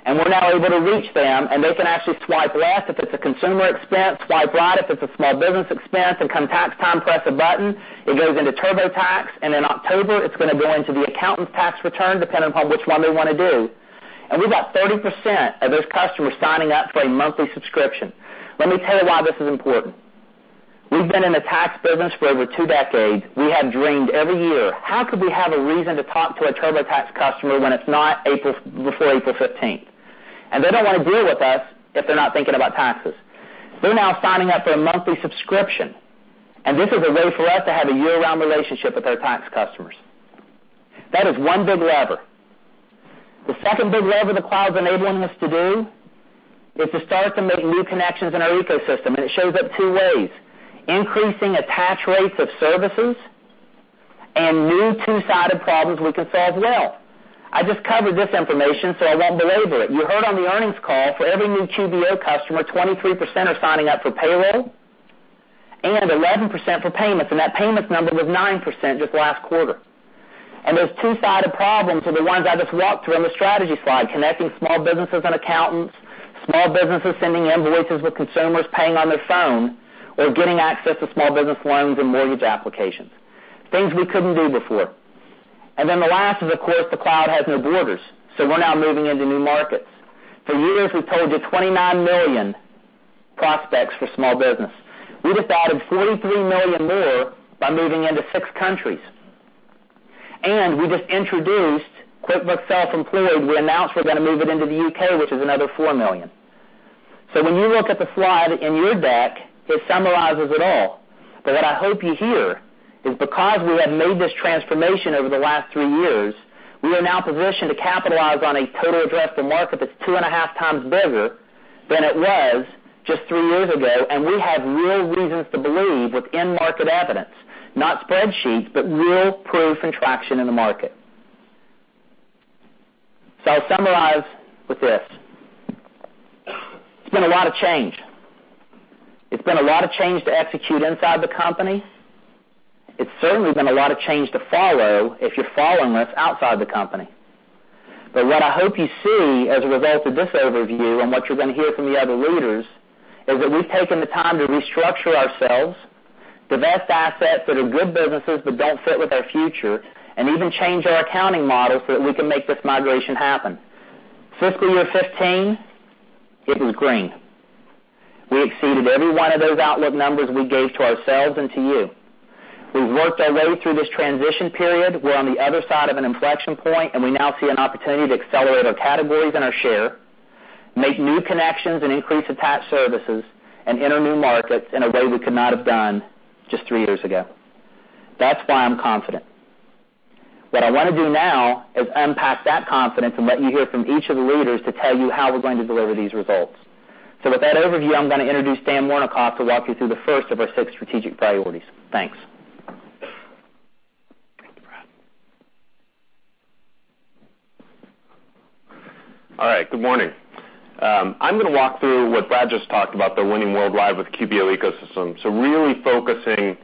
and we're now able to reach them, and they can actually swipe left if it's a consumer expense, swipe right if it's a small business expense, and come tax time, press a button. It goes into TurboTax, in October, it's going to go into the accountant's tax return, depending upon which one they want to do. We've got 30% of those customers signing up for a monthly subscription. Let me tell you why this is important. We've been in the tax business for over two decades. We have dreamed every year, how could we have a reason to talk to a TurboTax customer when it's not before April 15th? They don't want to deal with us if they're not thinking about taxes. They're now signing up for a monthly subscription, and this is a way for us to have a year-round relationship with our tax customers. That is one big lever. The second big lever the cloud's enabling us to do is to start to make new connections in our ecosystem, and it shows up two ways. Increasing attach rates of services and new two-sided problems we can solve well. I just covered this information, I won't belabor it. You heard on the earnings call, for every new QBO customer, 23% are signing up for payroll, and 11% for payments, and that payments number was 9% just last quarter. Those two-sided problems are the ones I just walked through on the strategy slide, connecting small businesses and accountants, small businesses sending invoices with consumers paying on their phone, or getting access to small business loans and mortgage applications. Things we couldn't do before. The last is, of course, the cloud has no borders. We're now moving into new markets. For years, we've told you 29 million prospects for small business. We just added 43 million more by moving into six countries. We just introduced QuickBooks Self-Employed. We announced we're going to move it into the U.K., which is another four million. When you look at the slide in your deck, it summarizes it all. What I hope you hear is because we have made this transformation over the last three years, we are now positioned to capitalize on a total addressable market that's two and a half times bigger than it was just three years ago, and we have real reasons to believe with end market evidence, not spreadsheets, but real proof and traction in the market. I'll summarize with this. It's been a lot of change. It's been a lot of change to execute inside the company. It's certainly been a lot of change to follow if you're following us outside the company. What I hope you see as a result of this overview and what you're going to hear from the other leaders, is that we've taken the time to restructure ourselves, divest assets that are good businesses but don't fit with our future, and even change our accounting model so that we can make this migration happen. Fiscal year 2015, it was green. We exceeded every one of those outlook numbers we gave to ourselves and to you. We've worked our way through this transition period. We're on the other side of an inflection point, we now see an opportunity to accelerate our categories and our share, make new connections and increase attached services, and enter new markets in a way we could not have done just three years ago. That's why I'm confident. What I want to do now is unpack that confidence and let you hear from each of the leaders to tell you how we're going to deliver these results. With that overview, I'm going to introduce Dan Wernikoff to walk you through the first of our six strategic priorities. Thanks. Thank you, Brad. All right. Good morning. I'm going to walk through what Brad just talked about, the winning worldwide with QBO ecosystem. Really focusing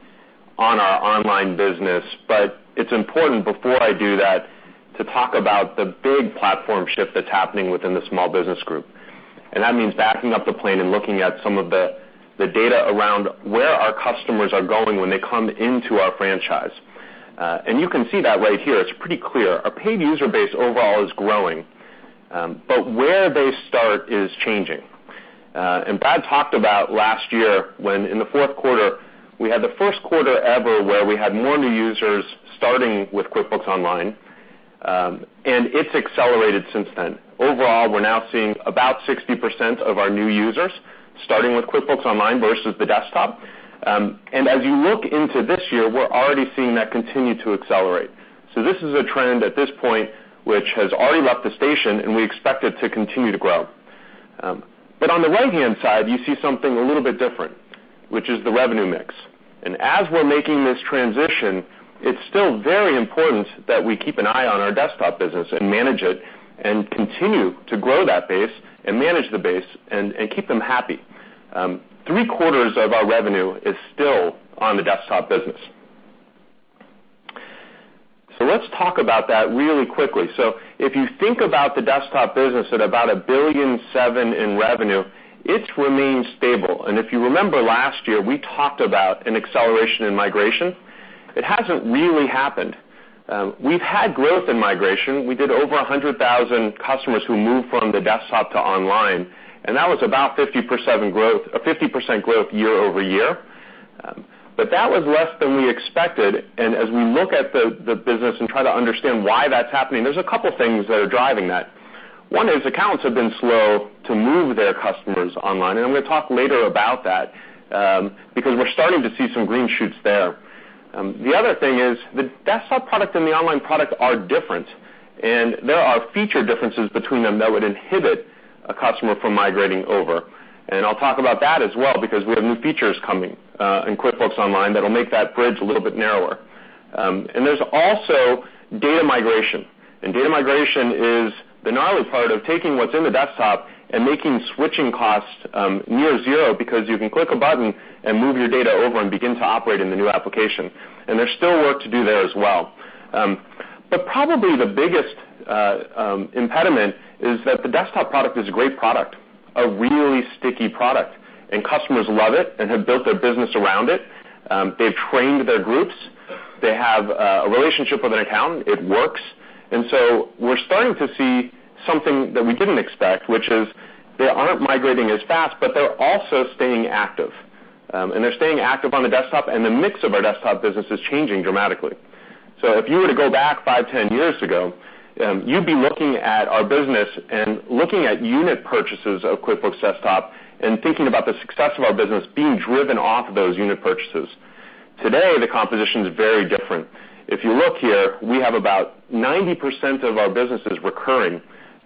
on our online business, but it's important before I do that to talk about the big platform shift that's happening within the Small Business Group. That means backing up the plane and looking at some of the data around where our customers are going when they come into our franchise. You can see that right here. It's pretty clear. Our paid user base overall is growing. Where they start is changing. Brad talked about last year, when in the fourth quarter, we had the first quarter ever where we had more new users starting with QuickBooks Online, and it's accelerated since then. Overall, we're now seeing about 60% of our new users starting with QuickBooks Online versus the desktop. As you look into this year, we're already seeing that continue to accelerate. This is a trend at this point, which has already left the station, and we expect it to continue to grow. On the right-hand side, you see something a little bit different, which is the revenue mix. As we're making this transition, it's still very important that we keep an eye on our desktop business and manage it and continue to grow that base and manage the base and keep them happy. Three-quarters of our revenue is still on the desktop business. Let's talk about that really quickly. If you think about the desktop business at about $1.7 billion in revenue, it's remained stable. If you remember last year, we talked about an acceleration in migration. It hasn't really happened. We've had growth in migration. We did over 100,000 customers who moved from the desktop to online, and that was about 50% growth year-over-year. That was less than we expected, and as we look at the business and try to understand why that's happening, there's a couple things that are driving that. One is accounts have been slow to move their customers online, and I'm gonna talk later about that, because we're starting to see some green shoots there. The other thing is the desktop product and the online product are different, and there are feature differences between them that would inhibit a customer from migrating over. I'll talk about that as well because we have new features coming in QuickBooks Online that'll make that bridge a little bit narrower. There's also data migration, and data migration is the gnarly part of taking what's in the desktop and making switching costs near zero because you can click a button and move your data over and begin to operate in the new application. There's still work to do there as well. Probably the biggest impediment is that the desktop product is a great product, a really sticky product, and customers love it and have built their business around it. They've trained their groups. They have a relationship with an account. It works. We're starting to see something that we didn't expect, which is they aren't migrating as fast, but they're also staying active. They're staying active on the desktop, and the mix of our desktop business is changing dramatically. If you were to go back five, 10 years ago, you'd be looking at our business and looking at unit purchases of QuickBooks Desktop and thinking about the success of our business being driven off of those unit purchases. Today, the composition is very different. If you look here, we have about 90% of our business is recurring,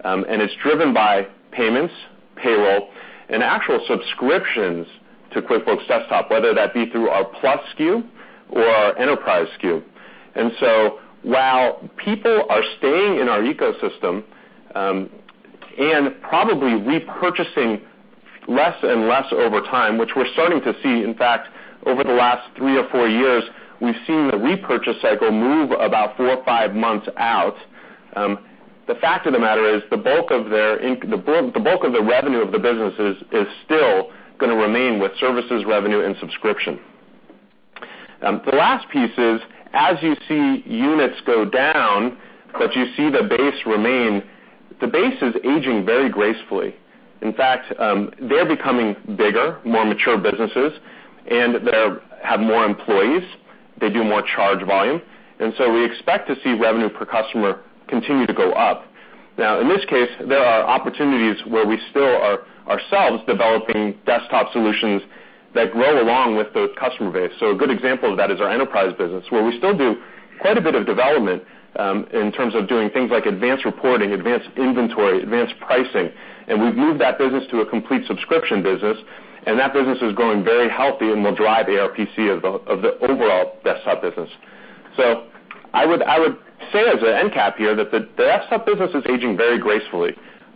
and it's driven by payments, payroll, and actual subscriptions to QuickBooks Desktop, whether that be through our Plus SKU or our Enterprise SKU. While people are staying in our ecosystem and probably repurchasing less and less over time, which we're starting to see, in fact, over the last three or four years, we've seen the repurchase cycle move about four or five months out. The fact of the matter is the bulk of the revenue of the business is still going to remain with services revenue and subscription. The last piece is, as you see units go down, but you see the base remain, the base is aging very gracefully. In fact, they're becoming bigger, more mature businesses, and they have more employees. They do more charge volume. We expect to see revenue per customer continue to go up. In this case, there are opportunities where we still are ourselves developing desktop solutions that grow along with those customer base. A good example of that is our enterprise business, where we still do quite a bit of development in terms of doing things like advanced reporting, advanced inventory, advanced pricing, and we've moved that business to a complete subscription business, and that business is growing very healthy and will drive ARPC of the overall desktop business. I would say as an end cap here that the desktop business is aging very gracefully.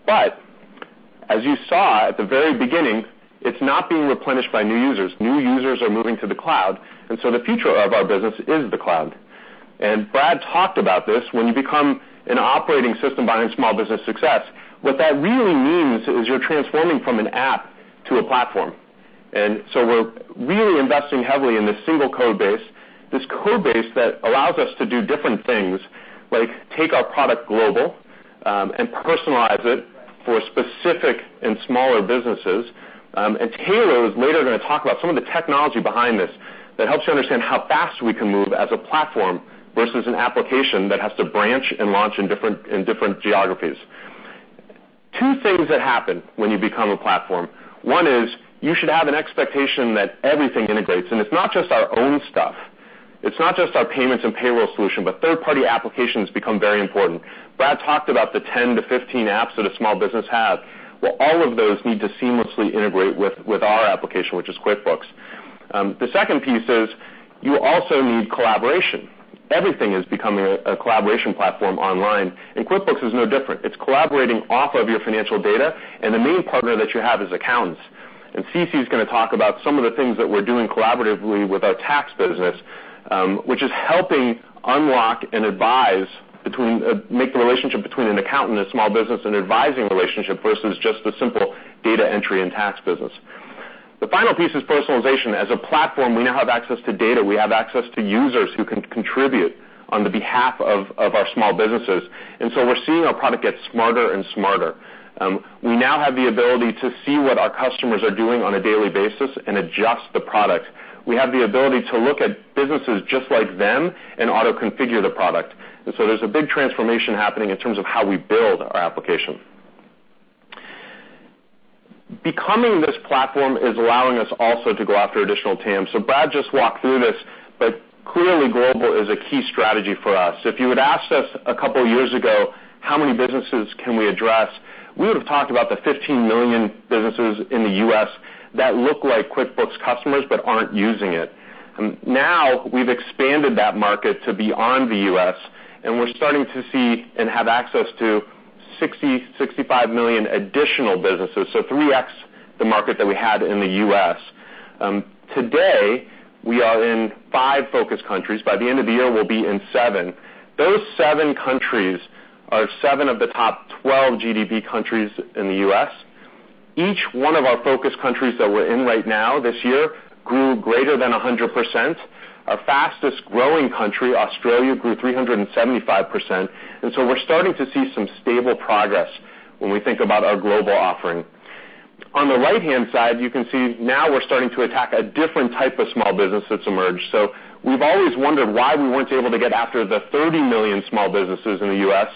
As you saw at the very beginning, it's not being replenished by new users. New users are moving to the cloud, the future of our business is the cloud. Brad talked about this. When you become an operating system behind small business success, what that really means is you're transforming from an app to a platform. We're really investing heavily in this single code base, this code base that allows us to do different things like take our product global, and personalize it for specific and smaller businesses. Tayloe is later going to talk about some of the technology behind this that helps you understand how fast we can move as a platform versus an application that has to branch and launch in different geographies. Two things that happen when you become a platform. One is you should have an expectation that everything integrates, it's not just our own stuff. It's not just our payments and payroll solution, third-party applications become very important. Brad talked about the 10 to 15 apps that a small business has. All of those need to seamlessly integrate with our application, which is QuickBooks. The second piece is you also need collaboration. Everything is becoming a collaboration platform online, QuickBooks is no different. It's collaborating off of your financial data, the main partner that you have is accountants. CeCe is going to talk about some of the things that we're doing collaboratively with our tax business, which is helping unlock and make the relationship between an accountant and a small business an advising relationship versus just a simple data entry and tax business. The final piece is personalization. As a platform, we now have access to data. We have access to users who can contribute on the behalf of our small businesses, we're seeing our product get smarter and smarter. We now have the ability to see what our customers are doing on a daily basis and adjust the product. We have the ability to look at businesses just like them and auto-configure the product. There's a big transformation happening in terms of how we build our application. Becoming this platform is allowing us also to go after additional TAM. Brad just walked through this, clearly global is a key strategy for us. If you had asked us a couple of years ago, how many businesses can we address? We would have talked about the 15 million businesses in the U.S. that look like QuickBooks customers but aren't using it. We've expanded that market to beyond the U.S., we're starting to see and have access to 60, 65 million additional businesses, so 3x the market that we had in the U.S. Today, we are in five focus countries. By the end of the year, we'll be in seven. Those seven countries are seven of the top 12 GDP countries in the U.S. Each one of our focus countries that we're in right now this year grew greater than 100%. Our fastest-growing country, Australia, grew 375%. We're starting to see some stable progress when we think about our global offering. On the right-hand side, you can see now we're starting to attack a different type of small business that's emerged. We've always wondered why we weren't able to get after the 30 million small businesses in the U.S.,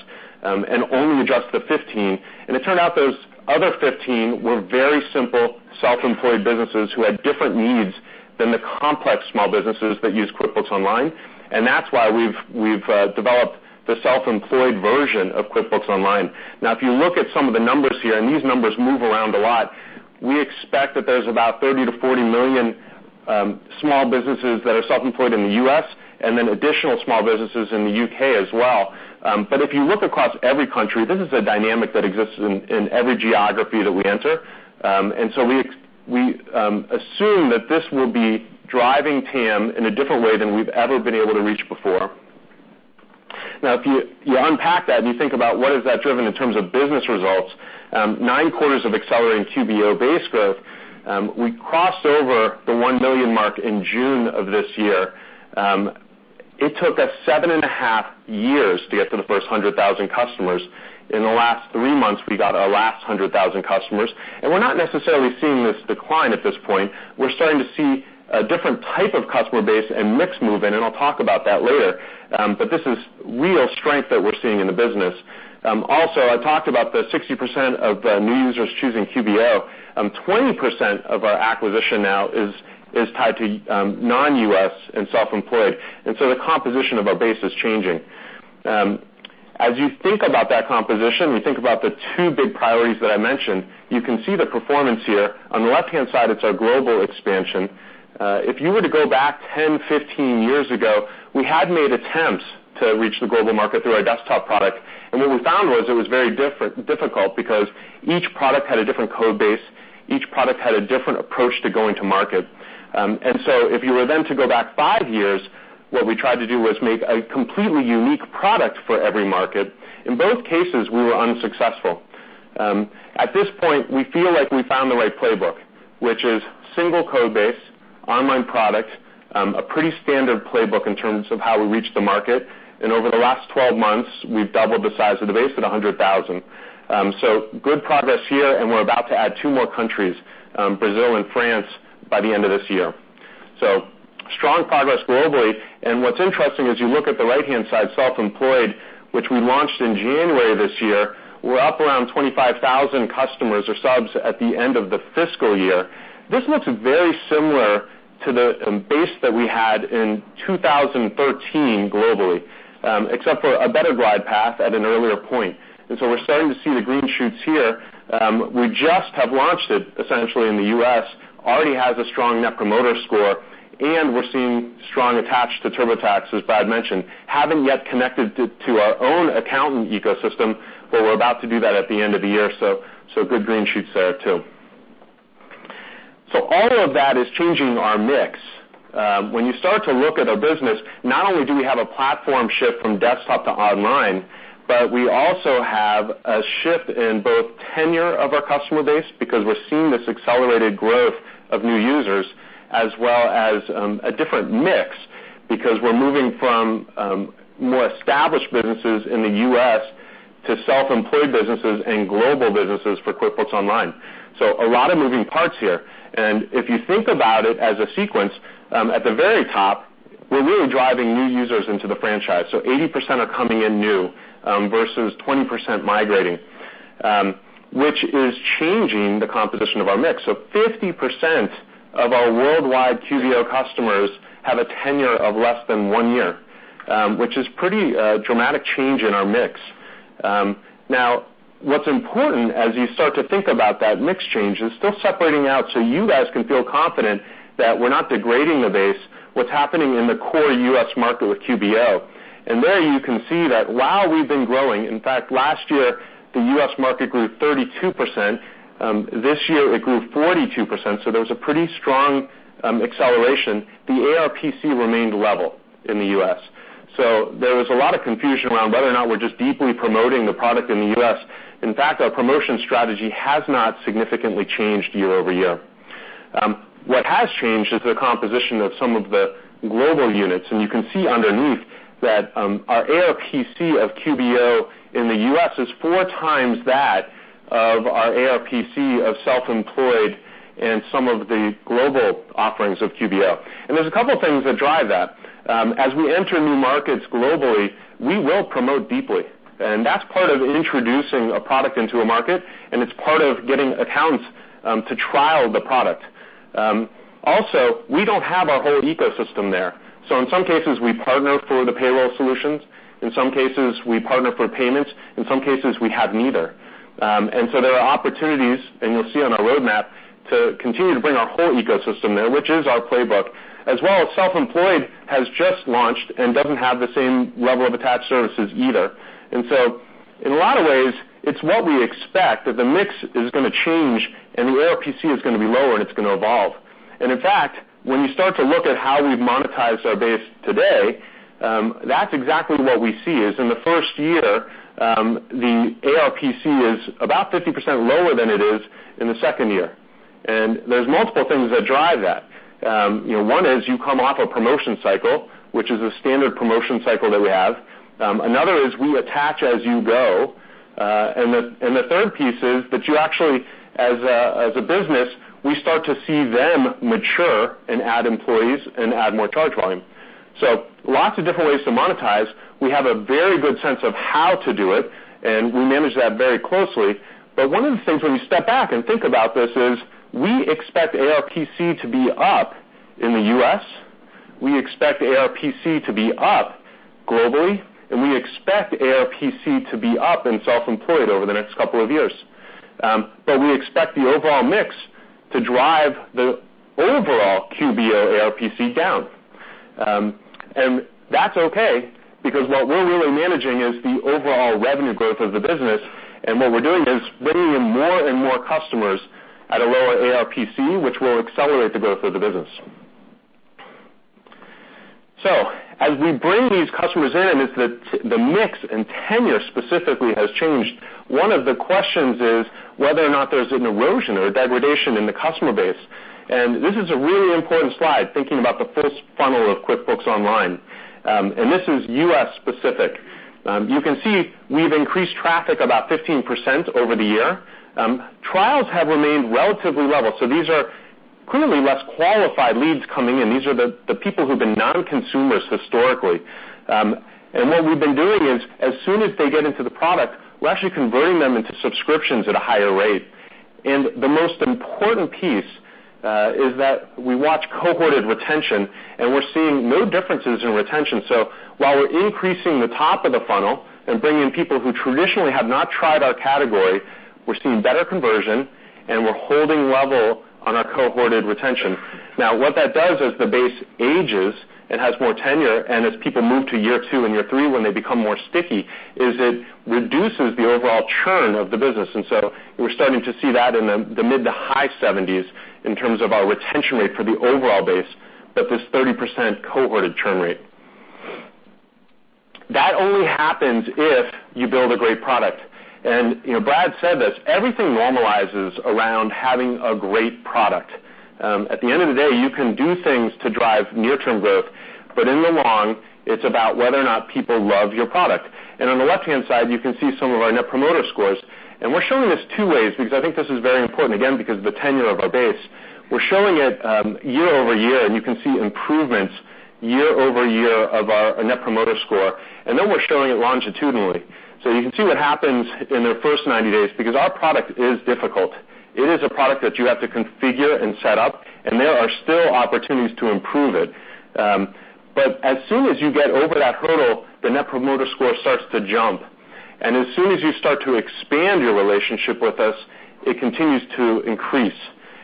and only adjust the 15. It turned out those other 15 were very simple self-employed businesses who had different needs than the complex small businesses that use QuickBooks Online. That's why we've developed the self-employed version of QuickBooks Online. Now, if you look at some of the numbers here, these numbers move around a lot, we expect that there's about 30 million-40 million small businesses that are self-employed in the U.S., then additional small businesses in the U.K. as well. If you look across every country, this is a dynamic that exists in every geography that we enter. We assume that this will be driving TAM in a different way than we've ever been able to reach before. Now, if you unpack that and you think about what has that driven in terms of business results, nine quarters of accelerating QBO base growth. We crossed over the 1 million mark in June of this year. It took us seven and a half years to get to the first 100,000 customers. In the last three months, we got our last 100,000 customers. We're not necessarily seeing this decline at this point. We're starting to see a different type of customer base and mix move in, and I'll talk about that later. This is real strength that we're seeing in the business. Also, I talked about the 60% of new users choosing QBO. 20% of our acquisition now is tied to non-U.S. and self-employed. The composition of our base is changing. As you think about that composition, we think about the two big priorities that I mentioned. You can see the performance here. On the left-hand side, it's our global expansion. If you were to go back 10, 15 years ago, we had made attempts to reach the global market through our desktop product. What we found was it was very difficult because each product had a different code base. Each product had a different approach to going to market. If you were then to go back five years, what we tried to do was make a completely unique product for every market. In both cases, we were unsuccessful. At this point, we feel like we found the right playbook, which is single code base, online product, a pretty standard playbook in terms of how we reach the market. Over the last 12 months, we've doubled the size of the base at 100,000. Good progress here, and we're about to add two more countries, Brazil and France, by the end of this year. Strong progress globally. What's interesting as you look at the right-hand side, Self-Employed, which we launched in January this year, we're up around 25,000 customers or subs at the end of the fiscal year. This looks very similar to the base that we had in 2013 globally, except for a better glide path at an earlier point. We're starting to see the green shoots here. We just have launched it essentially in the U.S. Already has a strong Net Promoter Score, and we're seeing strong attach to TurboTax, as Brad mentioned, haven't yet connected to our own accountant ecosystem, but we're about to do that at the end of the year. Good green shoots there, too. All of that is changing our mix. When you start to look at a business, not only do we have a platform shift from desktop to online, but we also have a shift in both tenure of our customer base because we're seeing this accelerated growth of new users, as well as, a different mix because we're moving from more established businesses in the U.S. to self-employed businesses and global businesses for QuickBooks Online. A lot of moving parts here. If you think about it as a sequence, at the very top, we're really driving new users into the franchise. 80% are coming in new, versus 20% migrating, which is changing the composition of our mix. 50% of our worldwide QBO customers have a tenure of less than one year, which is pretty dramatic change in our mix. Now, what's important as you start to think about that mix change is still separating out so you guys can feel confident that we're not degrading the base, what's happening in the core U.S. market with QBO. There you can see that while we've been growing, in fact, last year, the U.S. market grew 32%, this year it grew 42%, there was a pretty strong acceleration. The ARPC remained level in the U.S. There was a lot of confusion around whether or not we're just deeply promoting the product in the U.S. In fact, our promotion strategy has not significantly changed year-over-year. What has changed is the composition of some of the global units, and you can see underneath that, our ARPC of QBO in the U.S. is four times that of our ARPC of Self-Employed and some of the global offerings of QBO. There's a couple of things that drive that. As we enter new markets globally, we will promote deeply, and that's part of introducing a product into a market, and it's part of getting accountants to trial the product. Also, we don't have our whole ecosystem there. In some cases, we partner for the payroll solutions, in some cases, we partner for payments, in some cases, we have neither. There are opportunities, and you'll see on our roadmap to continue to bring our whole ecosystem there, which is our playbook. As well as Self-Employed has just launched and doesn't have the same level of attached services either. In a lot of ways, it's what we expect, that the mix is going to change and the ARPC is going to be lower and it's going to evolve. In fact, when you start to look at how we've monetized our base today, that's exactly what we see, is in the first year, the ARPC is about 50% lower than it is in the second year. There's multiple things that drive that. One is you come off a promotion cycle, which is a standard promotion cycle that we have. Another is we attach as you go. The third piece is that you actually, as a business, we start to see them mature and add employees and add more charge volume. Lots of different ways to monetize. We have a very good sense of how to do it, and we manage that very closely. One of the things when we step back and think about this is we expect ARPC to be up in the U.S., we expect ARPC to be up globally, and we expect ARPC to be up in QuickBooks Self-Employed over the next couple of years. We expect the overall mix to drive the overall QBO ARPC down. That's okay because what we're really managing is the overall revenue growth of the business, and what we're doing is bringing in more and more customers at a lower ARPC, which will accelerate the growth of the business. As we bring these customers in, the mix and tenure specifically has changed. One of the questions is whether or not there's an erosion or degradation in the customer base. This is a really important slide, thinking about the first funnel of QuickBooks Online. This is U.S.-specific. You can see we've increased traffic about 15% over the year. Trials have remained relatively level. These are clearly less qualified leads coming in. These are the people who've been non-consumers historically. What we've been doing is, as soon as they get into the product, we're actually converting them into subscriptions at a higher rate. The most important piece is that we watch cohorted retention, and we're seeing no differences in retention. While we're increasing the top of the funnel and bringing in people who traditionally have not tried our category, we're seeing better conversion and we're holding level on our cohorted retention. Now, what that does, as the base ages and has more tenure, and as people move to year two and year three when they become more sticky, is it reduces the overall churn of the business. We're starting to see that in the mid to high 70s in terms of our retention rate for the overall base, but this 30% cohorted churn rate. That only happens if you build a great product. Brad said this, everything normalizes around having a great product. At the end of the day, you can do things to drive near-term growth, but in the long, it's about whether or not people love your product. On the left-hand side, you can see some of our Net Promoter Scores. We're showing this two ways, because I think this is very important, again, because of the tenure of our base. We're showing it year-over-year, and you can see improvements year-over-year of our Net Promoter Score, and then we're showing it longitudinally. You can see what happens in their first 90 days, because our product is difficult. It is a product that you have to configure and set up, and there are still opportunities to improve it. As soon as you get over that hurdle, the Net Promoter Score starts to jump. As soon as you start to expand your relationship with us, it continues to increase.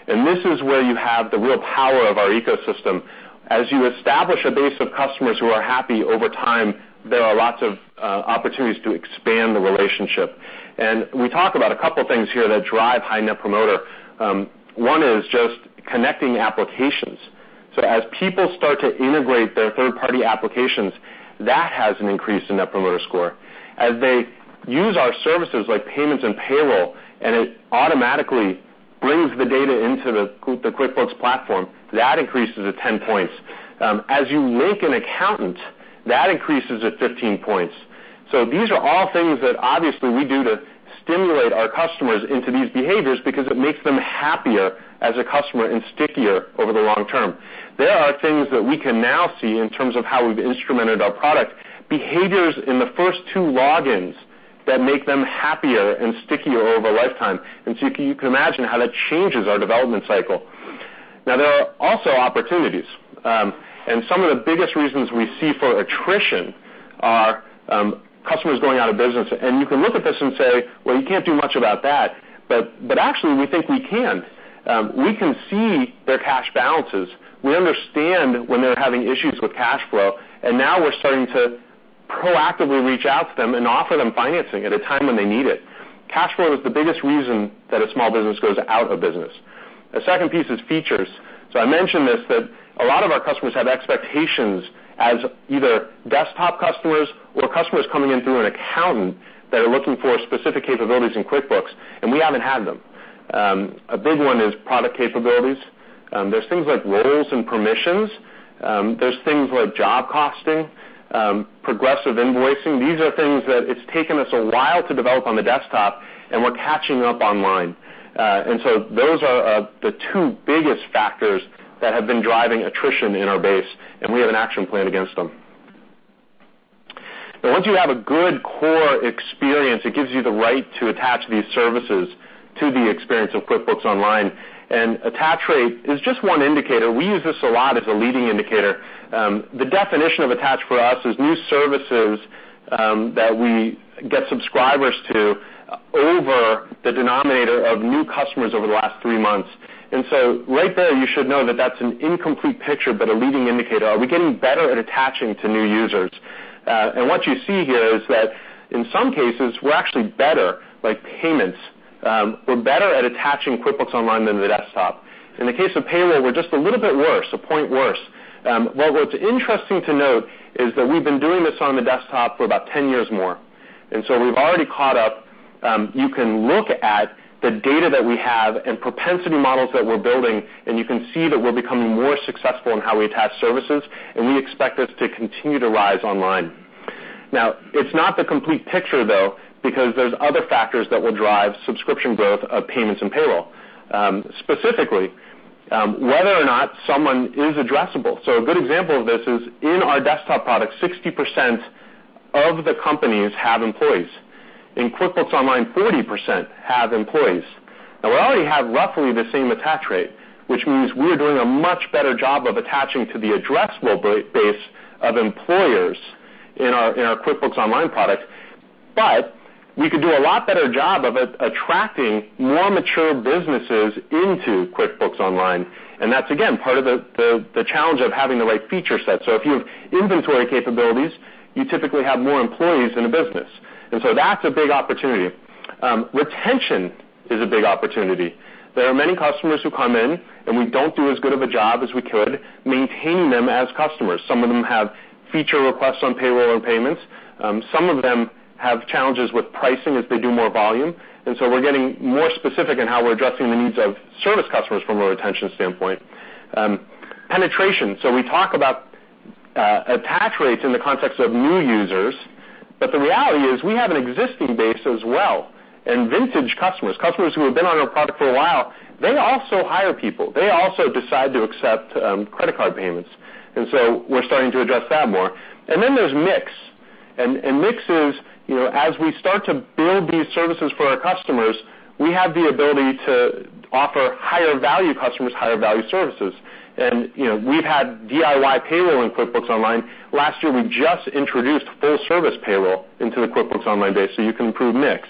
This is where you have the real power of our ecosystem. As you establish a base of customers who are happy over time, there are lots of opportunities to expand the relationship. We talk about a couple of things here that drive high Net Promoter. One is just connecting applications. As people start to integrate their third-party applications, that has an increase in Net Promoter Score. As they use our services like payments and payroll, and it automatically brings the data into the QuickBooks platform, that increases it 10 points. As you link an accountant, that increases it 15 points. These are all things that obviously we do to stimulate our customers into these behaviors because it makes them happier as a customer, and stickier over the long term. There are things that we can now see in terms of how we've instrumented our product, behaviors in the first two logins that make them happier and stickier over a lifetime. You can imagine how that changes our development cycle. Now, there are also opportunities. Some of the biggest reasons we see for attrition are customers going out of business. You can look at this and say, "Well, you can't do much about that." Actually, we think we can. We can see their cash balances. We understand when they're having issues with cash flow, and now we're starting to proactively reach out to them and offer them financing at a time when they need it. Cash flow is the biggest reason that a small business goes out of business. The second piece is features. I mentioned this, that a lot of our customers have expectations as either desktop customers or customers coming in through an accountant that are looking for specific capabilities in QuickBooks, and we haven't had them. A big one is product capabilities. There's things like roles and permissions. There's things like job costing, progressive invoicing. These are things that it's taken us a while to develop on the desktop, and we're catching up online. Those are the two biggest factors that have been driving attrition in our base, and we have an action plan against them. Now, once you have a good core experience, it gives you the right to attach these services to the experience of QuickBooks Online. Attach rate is just one indicator. We use this a lot as a leading indicator. The definition of attach for us is new services that we get subscribers to over the denominator of new customers over the last three months. Right there, you should know that that's an incomplete picture, but a leading indicator. Are we getting better at attaching to new users? What you see here is that in some cases, we're actually better. Like payments, we're better at attaching QuickBooks Online than the desktop. In the case of payroll, we're just a little bit worse, a point worse. Well, what's interesting to note is that we've been doing this on the desktop for about 10 years more, we've already caught up. You can look at the data that we have and propensity models that we're building, and you can see that we're becoming more successful in how we attach services, and we expect this to continue to rise online. Now, it's not the complete picture, though, because there's other factors that will drive subscription growth of payments and payroll, specifically, whether or not someone is addressable. A good example of this is, in our desktop product, 60% of the companies have employees. In QuickBooks Online, 40% have employees. Now, we already have roughly the same attach rate, which means we're doing a much better job of attaching to the addressable base of employers in our QuickBooks Online product. We could do a lot better job of attracting more mature businesses into QuickBooks Online, and that's, again, part of the challenge of having the right feature set. If you have inventory capabilities, you typically have more employees in a business. That's a big opportunity. Retention is a big opportunity. There are many customers who come in, and we don't do as good of a job as we could maintaining them as customers. Some of them have feature requests on payroll and payments. Some of them have challenges with pricing as they do more volume. We're getting more specific in how we're addressing the needs of service customers from a retention standpoint. Penetration. We talk about attach rates in the context of new users, but the reality is we have an existing base as well, and vintage customers who have been on our product for a while. They also hire people. They also decide to accept credit card payments. We're starting to address that more. Then there's mix. Mix is, as we start to build these services for our customers, we have the ability to offer higher value customers higher value services. We've had DIY payroll in QuickBooks Online. Last year, we just introduced full service payroll into the QuickBooks Online base, so you can improve mix.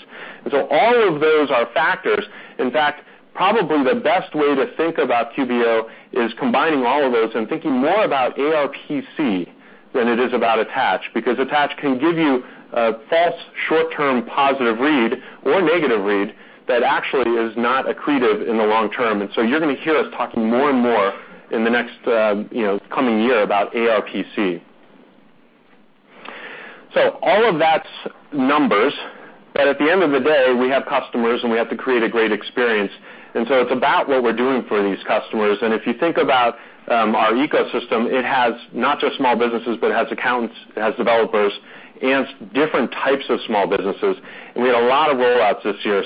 All of those are factors. In fact, probably the best way to think about QBO is combining all of those and thinking more about ARPC than it is about attach, because attach can give you a false short-term positive read or negative read that actually is not accretive in the long term. You're going to hear us talking more and more in the next coming year about ARPC. All of that's numbers, but at the end of the day, we have customers, and we have to create a great experience. It's about what we're doing for these customers. If you think about our ecosystem, it has not just small businesses, but it has accountants, it has developers, and different types of small businesses. We had a lot of rollouts this year.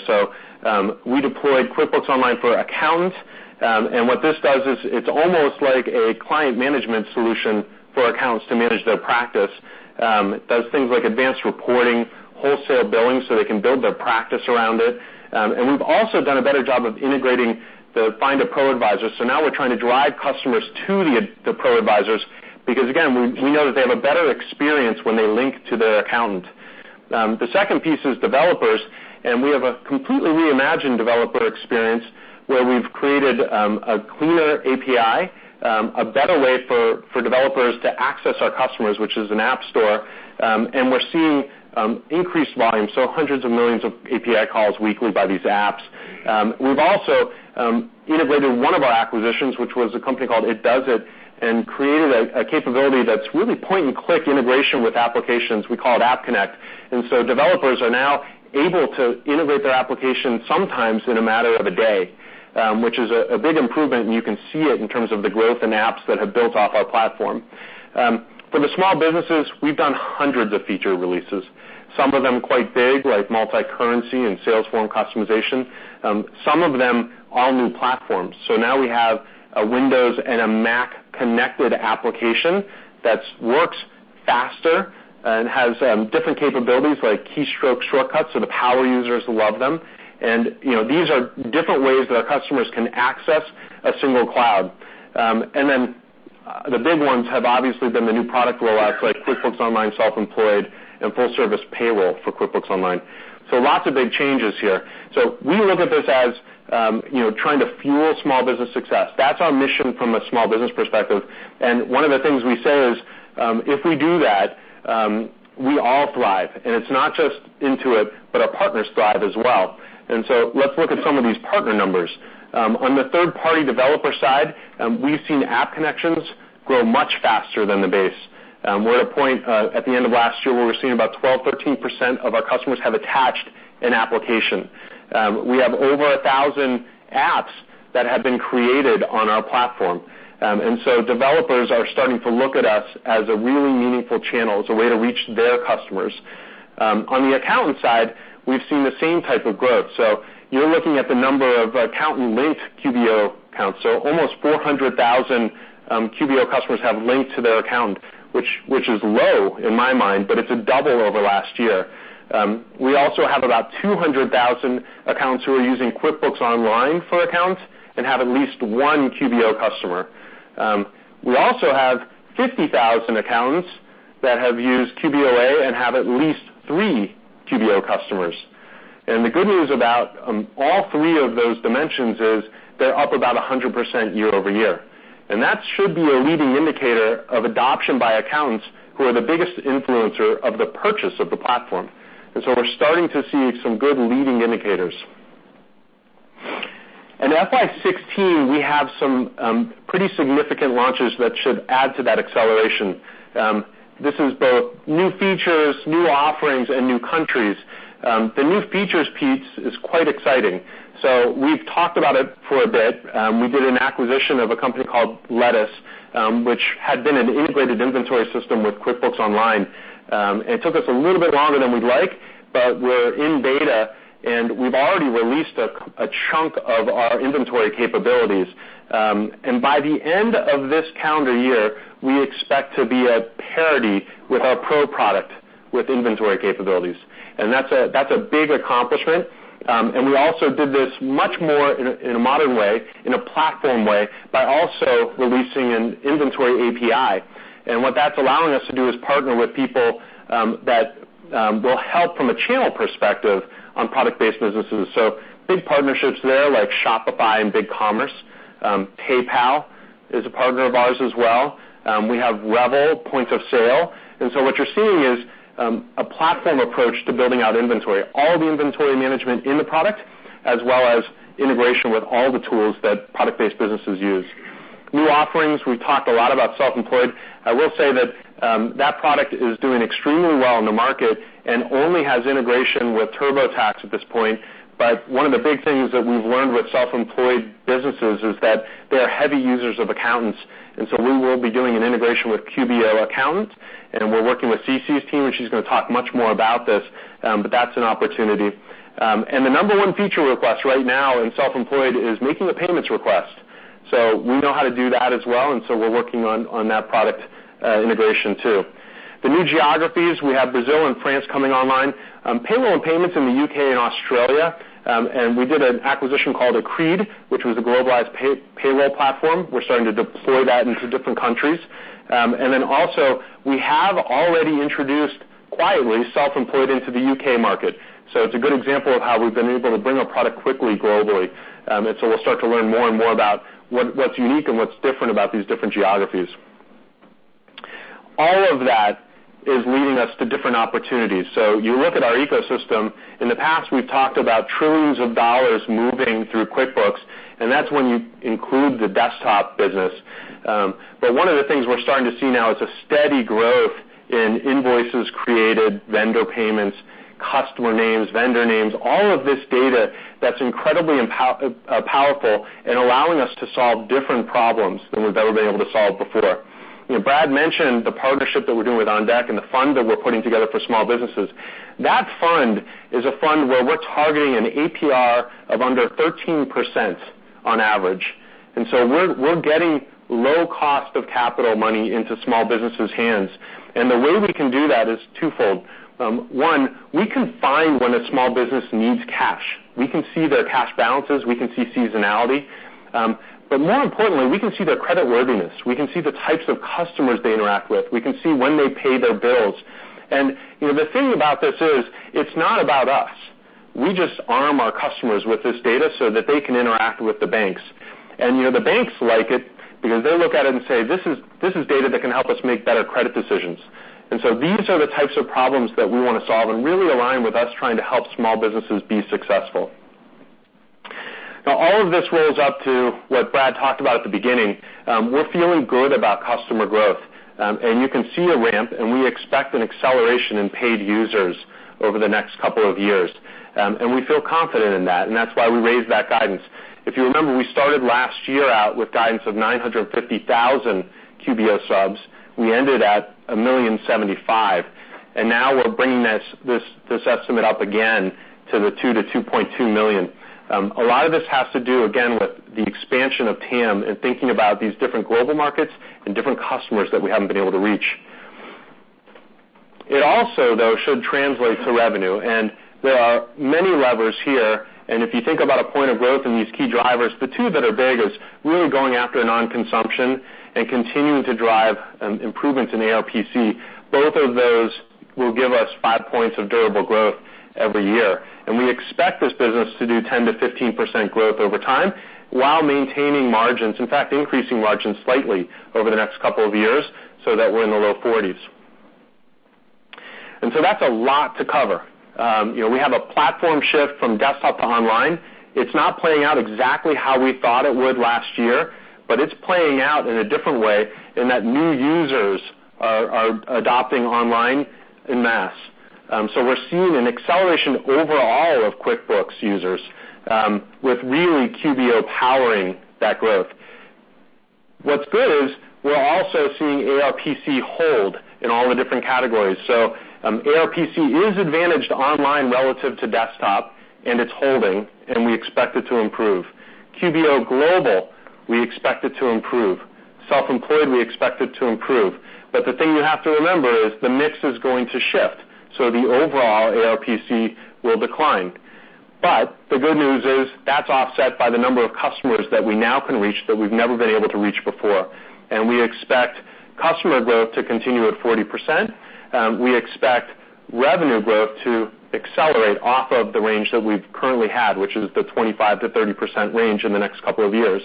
We deployed QuickBooks Online for accountants, and what this does is it's almost like a client management solution for accountants to manage their practice. It does things like advanced reporting, wholesale billing, so they can build their practice around it. We've also done a better job of integrating the Find a ProAdvisor. Now we're trying to drive customers to the ProAdvisors because, again, we know that they have a better experience when they link to their accountant. The second piece is developers, and we have a completely reimagined developer experience where we've created a cleaner API, a better way for developers to access our customers, which is an app store. We're seeing increased volume, hundreds of millions of API calls weekly by these apps. We've also integrated one of our acquisitions, which was a company called itDuzzit, and created a capability that's really point-and-click integration with applications. We call it App Connect. Developers are now able to innovate their application sometimes in a matter of a day, which is a big improvement, and you can see it in terms of the growth in apps that have built off our platform. For the small businesses, we've done hundreds of feature releases, some of them quite big, like multi-currency and sales form customization. Some of them, all new platforms. Now we have a Windows and a Mac-connected application that works faster and has different capabilities, like keystroke shortcuts, so the power users love them. These are different ways that our customers can access a single cloud. The big ones have obviously been the new product rollouts, like QuickBooks Online Self-Employed and full service payroll for QuickBooks Online. Lots of big changes here. We look at this as trying to fuel small business success. That's our mission from a small business perspective. One of the things we say is, if we do that, we all thrive. It's not just Intuit, but our partners thrive as well. Let's look at some of these partner numbers. On the third-party developer side, we've seen app connections grow much faster than the base. We're at a point at the end of last year where we're seeing about 12%-13% of our customers have attached an application. We have over 1,000 apps that have been created on our platform. Developers are starting to look at us as a really meaningful channel, as a way to reach their customers. On the accountant side, we've seen the same type of growth. You're looking at the number of accountant-linked QBO accounts. Almost 400,000 QBO customers have linked to their account, which is low in my mind, but it's a double over last year. We also have about 200,000 accounts who are using QuickBooks Online Accountant and have at least one QBO customer. We also have 50,000 accountants that have used QBOA and have at least three QBO customers. The good news about all three of those dimensions is they're up about 100% year-over-year. That should be a leading indicator of adoption by accountants who are the biggest influencer of the purchase of the platform. We're starting to see some good leading indicators. In FY 2016, we have some pretty significant launches that should add to that acceleration. This is both new features, new offerings, and new countries. The new features piece is quite exciting. We've talked about it for a bit. We did an acquisition of a company called Lettuce, which had been an integrated inventory system with QuickBooks Online. It took us a little bit longer than we'd like, but we're in beta, and we've already released a chunk of our inventory capabilities. By the end of this calendar year, we expect to be at parity with our Pro product with inventory capabilities. That's a big accomplishment. We also did this much more in a modern way, in a platform way by also releasing an inventory API. What that's allowing us to do is partner with people that will help from a channel perspective on product-based businesses. Big partnerships there like Shopify and BigCommerce. PayPal is a partner of ours as well. We have Revel point-of-sale. What you're seeing is a platform approach to building out inventory, all the inventory management in the product, as well as integration with all the tools that product-based businesses use. New offerings, we've talked a lot about Self-Employed. I will say that that product is doing extremely well in the market and only has integration with TurboTax at this point. One of the big things that we've learned with self-employed businesses is that they are heavy users of accountants, we will be doing an integration with QBO Accountants, and we're working with CeCe's team, and she's going to talk much more about this, but that's an opportunity. The number 1 feature request right now in Self-Employed is making a payments request. We know how to do that as well, we're working on that product integration too. The new geographies, we have Brazil and France coming online. Payroll and payments in the U.K. and Australia. We did an acquisition called Acrede, which was a globalized payroll platform. We're starting to deploy that into different countries. We have already introduced quietly, Self-Employed into the U.K. market. It's a good example of how we've been able to bring a product quickly globally. We'll start to learn more and more about what's unique and what's different about these different geographies. All of that is leading us to different opportunities. You look at our ecosystem. In the past, we've talked about trillions of dollars moving through QuickBooks, and that's when you include the desktop business. One of the things we're starting to see now is a steady growth in invoices created, vendor payments, customer names, vendor names, all of this data that's incredibly powerful and allowing us to solve different problems than we've ever been able to solve before. Brad mentioned the partnership that we're doing with OnDeck and the fund that we're putting together for small businesses. That fund is a fund where we're targeting an APR of under 13% on average. We're getting low cost of capital money into small businesses' hands. The way we can do that is twofold. One, we can find when a small business needs cash. We can see their cash balances, we can see seasonality. More importantly, we can see their creditworthiness. We can see the types of customers they interact with. We can see when they pay their bills. The thing about this is, it's not about us. We just arm our customers with this data so that they can interact with the banks. The banks like it because they look at it and say, "This is data that can help us make better credit decisions." These are the types of problems that we want to solve and really align with us trying to help small businesses be successful. Now, all of this rolls up to what Brad talked about at the beginning. We're feeling good about customer growth. You can see a ramp, and we expect an acceleration in paid users over the next couple of years. We feel confident in that, and that's why we raised that guidance. If you remember, we started last year out with guidance of 950,000 QBO subs. We ended at 1,000,075, and now we're bringing this estimate up again to the $2 million-$2.2 million. A lot of this has to do, again, with the expansion of TAM and thinking about these different global markets and different customers that we haven't been able to reach. It also, though, should translate to revenue. There are many levers here, and if you think about a point of growth in these key drivers, the two that are big is really going after non-consumption and continuing to drive improvements in ARPC. Both of those will give us five points of durable growth every year. We expect this business to do 10%-15% growth over time while maintaining margins. In fact, increasing margins slightly over the next couple of years so that we're in the low 40s. That's a lot to cover. We have a platform shift from desktop to online. It's not playing out exactly how we thought it would last year, but it's playing out in a different way in that new users are adopting online in mass. We're seeing an acceleration overall of QuickBooks users, with really QBO powering that growth. What's good is we're also seeing ARPC hold in all the different categories. ARPC is advantaged online relative to desktop, and it's holding, and we expect it to improve. QBO Global, we expect it to improve. Self-Employed, we expect it to improve. The thing you have to remember is the mix is going to shift, so the overall ARPC will decline. The good news is that's offset by the number of customers that we now can reach that we've never been able to reach before. We expect customer growth to continue at 40%. We expect revenue growth to accelerate off of the range that we've currently had, which is the 25%-30% range in the next couple of years.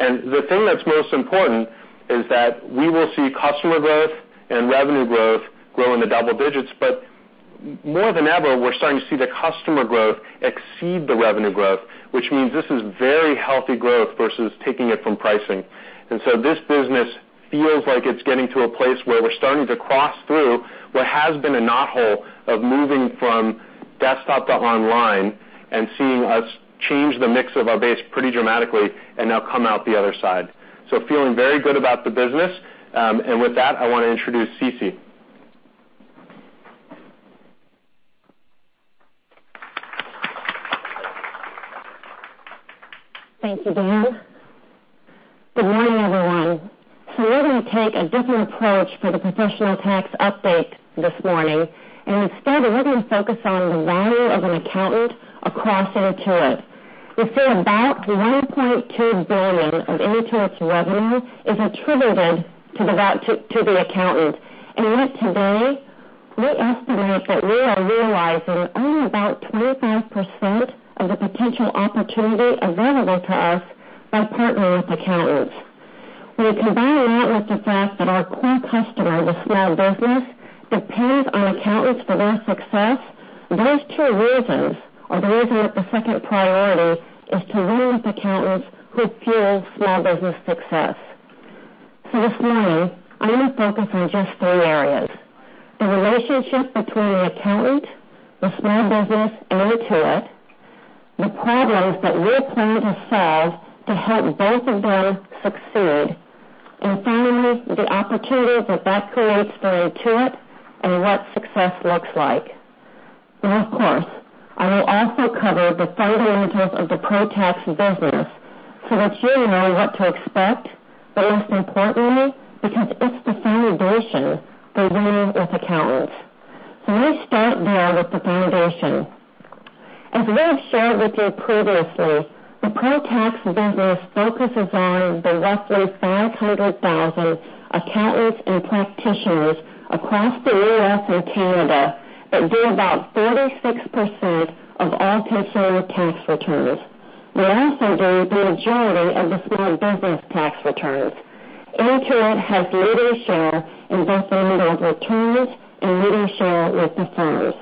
The thing that's most important is that we will see customer growth and revenue growth grow in the double digits, more than ever, we're starting to see the customer growth exceed the revenue growth, which means this is very healthy growth versus taking it from pricing. This business feels like it's getting to a place where we're starting to cross through what has been a knothole of moving from desktop to online and seeing us change the mix of our base pretty dramatically and now come out the other side. Feeling very good about the business. With that, I want to introduce CeCe. Thank you, Dan. Good morning, everyone. We're going to take a different approach for the professional tax update this morning. Instead, we're going to focus on the value of an accountant across Intuit. You see, about $1.2 billion of Intuit's revenue is attributed to the accountant. Yet today, we estimate that we are realizing only about 25% of the potential opportunity available to us by partnering with accountants. When you combine that with the fact that our core customer, the small business, depends on accountants for their success, those two reasons are the reason that the second priority is to win with accountants who fuel small business success. This morning, I'm going to focus on just three areas: the relationship between the accountant, the small business, and Intuit, the problems that we're planning to solve to help both of them succeed, and finally, the opportunity that creates for Intuit and what success looks like. Well, of course, I will also cover the fundamentals of the ProTax business so that you know what to expect, but most importantly, because it's the foundation for winning with accountants. Let me start there with the foundation. As we have shared with you previously, the ProTax business focuses on the roughly 500,000 accountants and practitioners across the U.S. and Canada that do about 46% of all personal tax returns. They also do the majority of the small business tax returns. Intuit has leader share in both the amount of returns and leader share with the firms.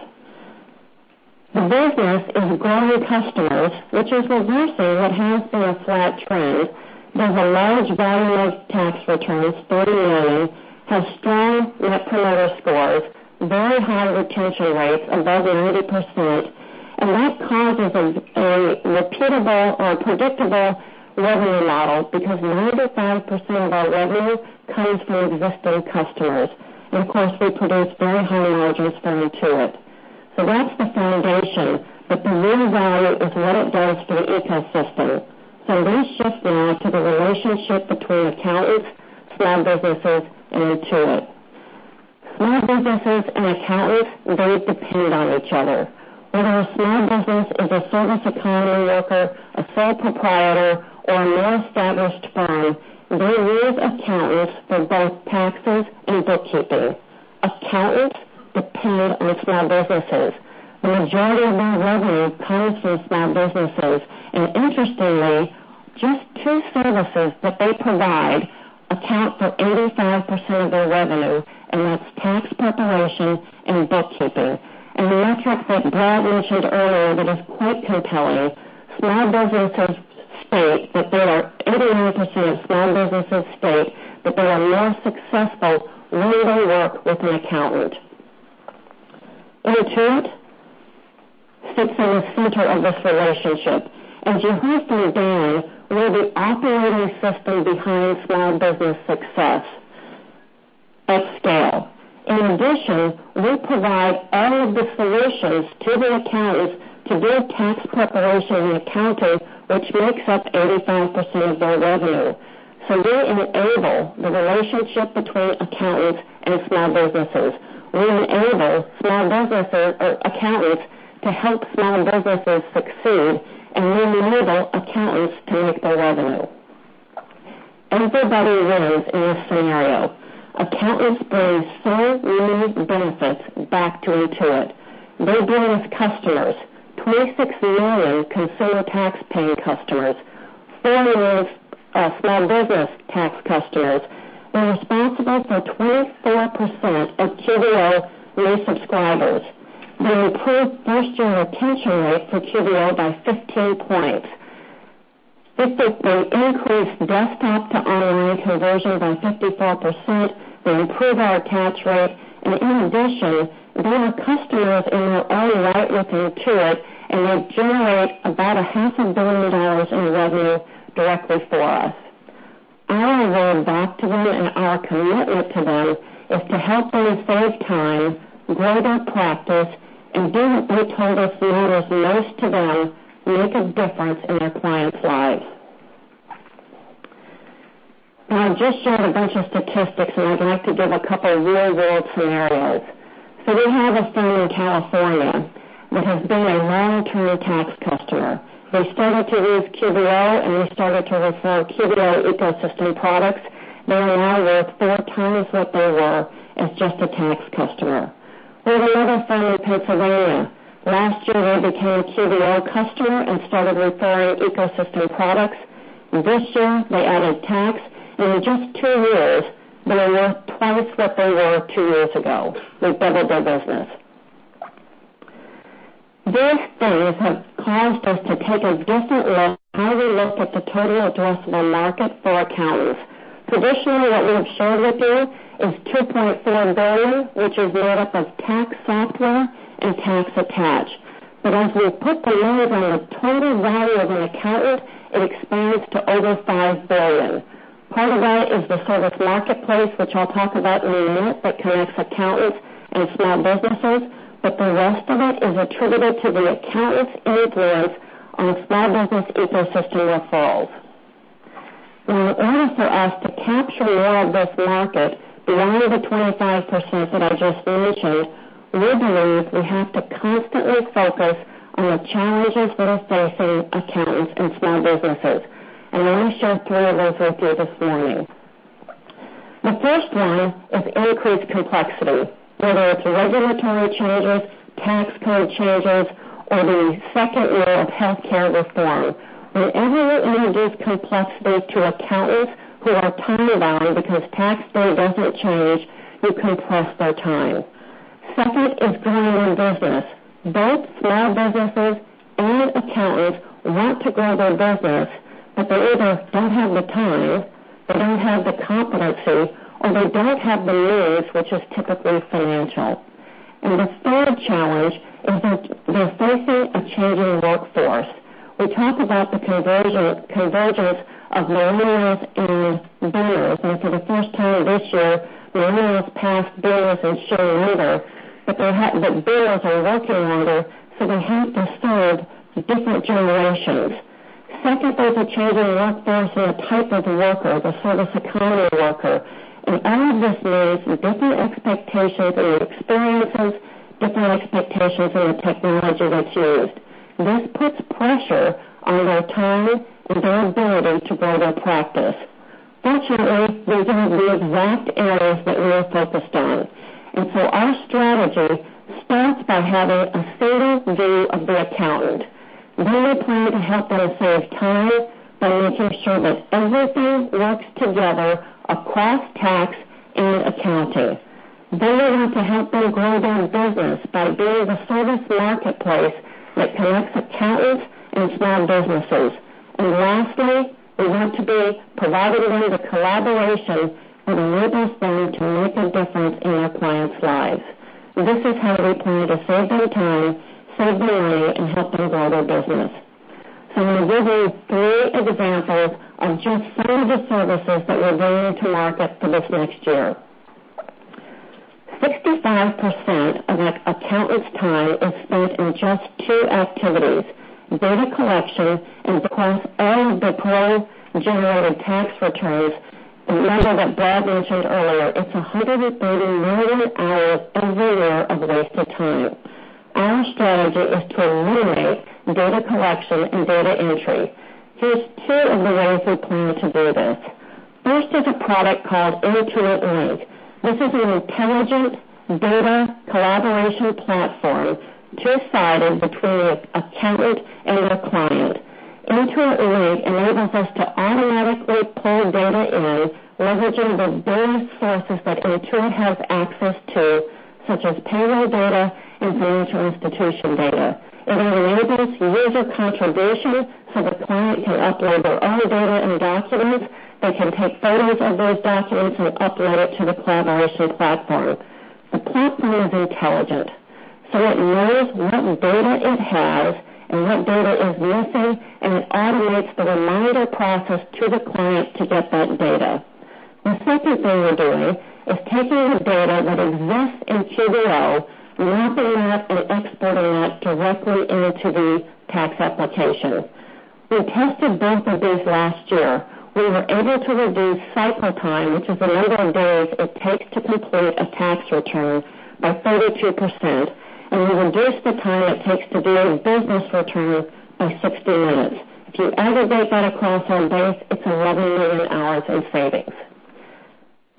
The business is growing customers, which is reversing what has been a flat trend, has a large volume of tax returns, 40 million, has strong Net Promoter Scores, very high retention rates above 80%, and that causes a repeatable or predictable revenue model because 95% of our revenue comes from existing customers. Of course, we produce very high margins for Intuit. That's the foundation. The real value is what it does for the ecosystem. I'm going to shift now to the relationship between accountants, small businesses, and Intuit. Small businesses and accountants, they depend on each other. Whether a small business is a service economy worker, a sole proprietor, or a more established firm, they use accountants for both taxes and bookkeeping. Accountants depend on small businesses. The majority of their revenue comes from small businesses, and interestingly, just two services that they provide account for 85% of their revenue, and that's tax preparation and bookkeeping. The metric that Brad mentioned earlier that is quite compelling, 81% of small businesses state that they are more successful when they work with an accountant. Intuit sits in the center of this relationship. As you heard from Dan, we're the operating system behind small business success at scale. In addition, we provide all of the solutions to the accountants to do tax preparation and accounting, which makes up 85% of their revenue. We enable the relationship between accountants and small businesses. We enable accountants to help small businesses succeed, and we enable accountants to make their revenue. Everybody wins in this scenario. Accountants bring four unique benefits back to Intuit. They bring us customers, 26 million consumer tax-paying customers, four million small business tax customers. They're responsible for 24% of QBO new subscribers. They improve first-year retention rates for QBO by 15 points. They increase desktop to online conversion by 54%, they improve our attach rate, and in addition, they are customers in their own right with Intuit, and they generate about a half a billion dollars in revenue directly for us. Our reward back to them and our commitment to them is to help them save time, grow their practice, and do what they told us matters most to them, make a difference in their clients' lives. I just shared a bunch of statistics, and I'd like to give a couple of real-world scenarios. We have a firm in California that has been a long-term tax customer. They started to use QBO, and they started to refer QBO ecosystem products. They are now worth four times what they were as just a tax customer. We have another firm in Pennsylvania. Last year, they became a QBO customer and started referring ecosystem products. This year, they added tax, and in just two years, they are worth twice what they were two years ago. They've doubled their business. These things have caused us to take a different look how we look at the total addressable market for accountants. Traditionally, what we have shared with you is $2.4 billion, which is made up of tax software and tax attach. As we put the lens on the total value of an accountant, it expands to over $5 billion. Part of that is the service marketplace, which I'll talk about in a minute, that connects accountants and small businesses, but the rest of it is attributed to the accountant's influence on small business ecosystem referrals. In order for us to capture more of this market, beyond the 25% that I just mentioned, we believe we have to constantly focus on the challenges that are facing accountants and small businesses. Let me share three of those with you this morning. The first one is increased complexity. Whether it's regulatory changes, tax code changes, or the second year of healthcare reform. Whenever you introduce complexity to accountants who are time-bound because tax day doesn't change, you compress their time. Second is growing their business. Both small businesses and accountants want to grow their business, but they either don't have the time, they don't have the competency, or they don't have the means, which is typically financial. The third challenge is that they're facing a changing workforce. We talk about the convergence of millennials and boomers. For the first time this year, millennials passed boomers in sheer number. But boomers are working longer, so we have two sets of different generations. Second, there's a changing workforce in the type of worker, the service economy worker. All of this means different expectations and experiences, different expectations in the technology that's used. This puts pressure on their time and their ability to grow their practice. Fortunately, these are the exact areas that we are focused on. Our strategy starts by having a central view of the accountant. We plan to help them save time by making sure that everything works together across tax and accounting. We want to help them grow their business by being the service marketplace that connects accountants and small businesses. Lastly, we want to be providing them the collaboration that enables them to make a difference in their clients' lives. This is how we plan to save them time, save them money, and help them grow their business. I'm going to give you three examples of just some of the services that we're bringing to market for this next year. 65% of an accountant's time is spent in just two activities, data collection and across all deployed generated tax returns. Remember what Brad mentioned earlier, it's 130 million hours every year of wasted time. Our strategy is to eliminate data collection and data entry. Here's two of the ways we plan to do this. First is a product called Intuit Link. This is an intelligent data collaboration platform, two-sided between the accountant and the client. Intuit Link enables us to automatically pull data in, leveraging the various sources that Intuit has access to, such as payroll data and financial institution data. It enables user contribution, so the client can upload their own data and documents. They can take photos of those documents and upload it to the collaboration platform. The platform is intelligent, so it knows what data it has and what data is missing, and it automates the reminder process to the client to get that data. The second thing we're doing is taking the data that exists in QBO, wrapping it up, and exporting that directly into the tax application. We tested both of these last year. We were able to reduce cycle time, which is the number of days it takes to complete a tax return, by 32%, and we reduced the time it takes to do a business return by 60 minutes. If you aggregate that across our base, it's 11 million hours in savings.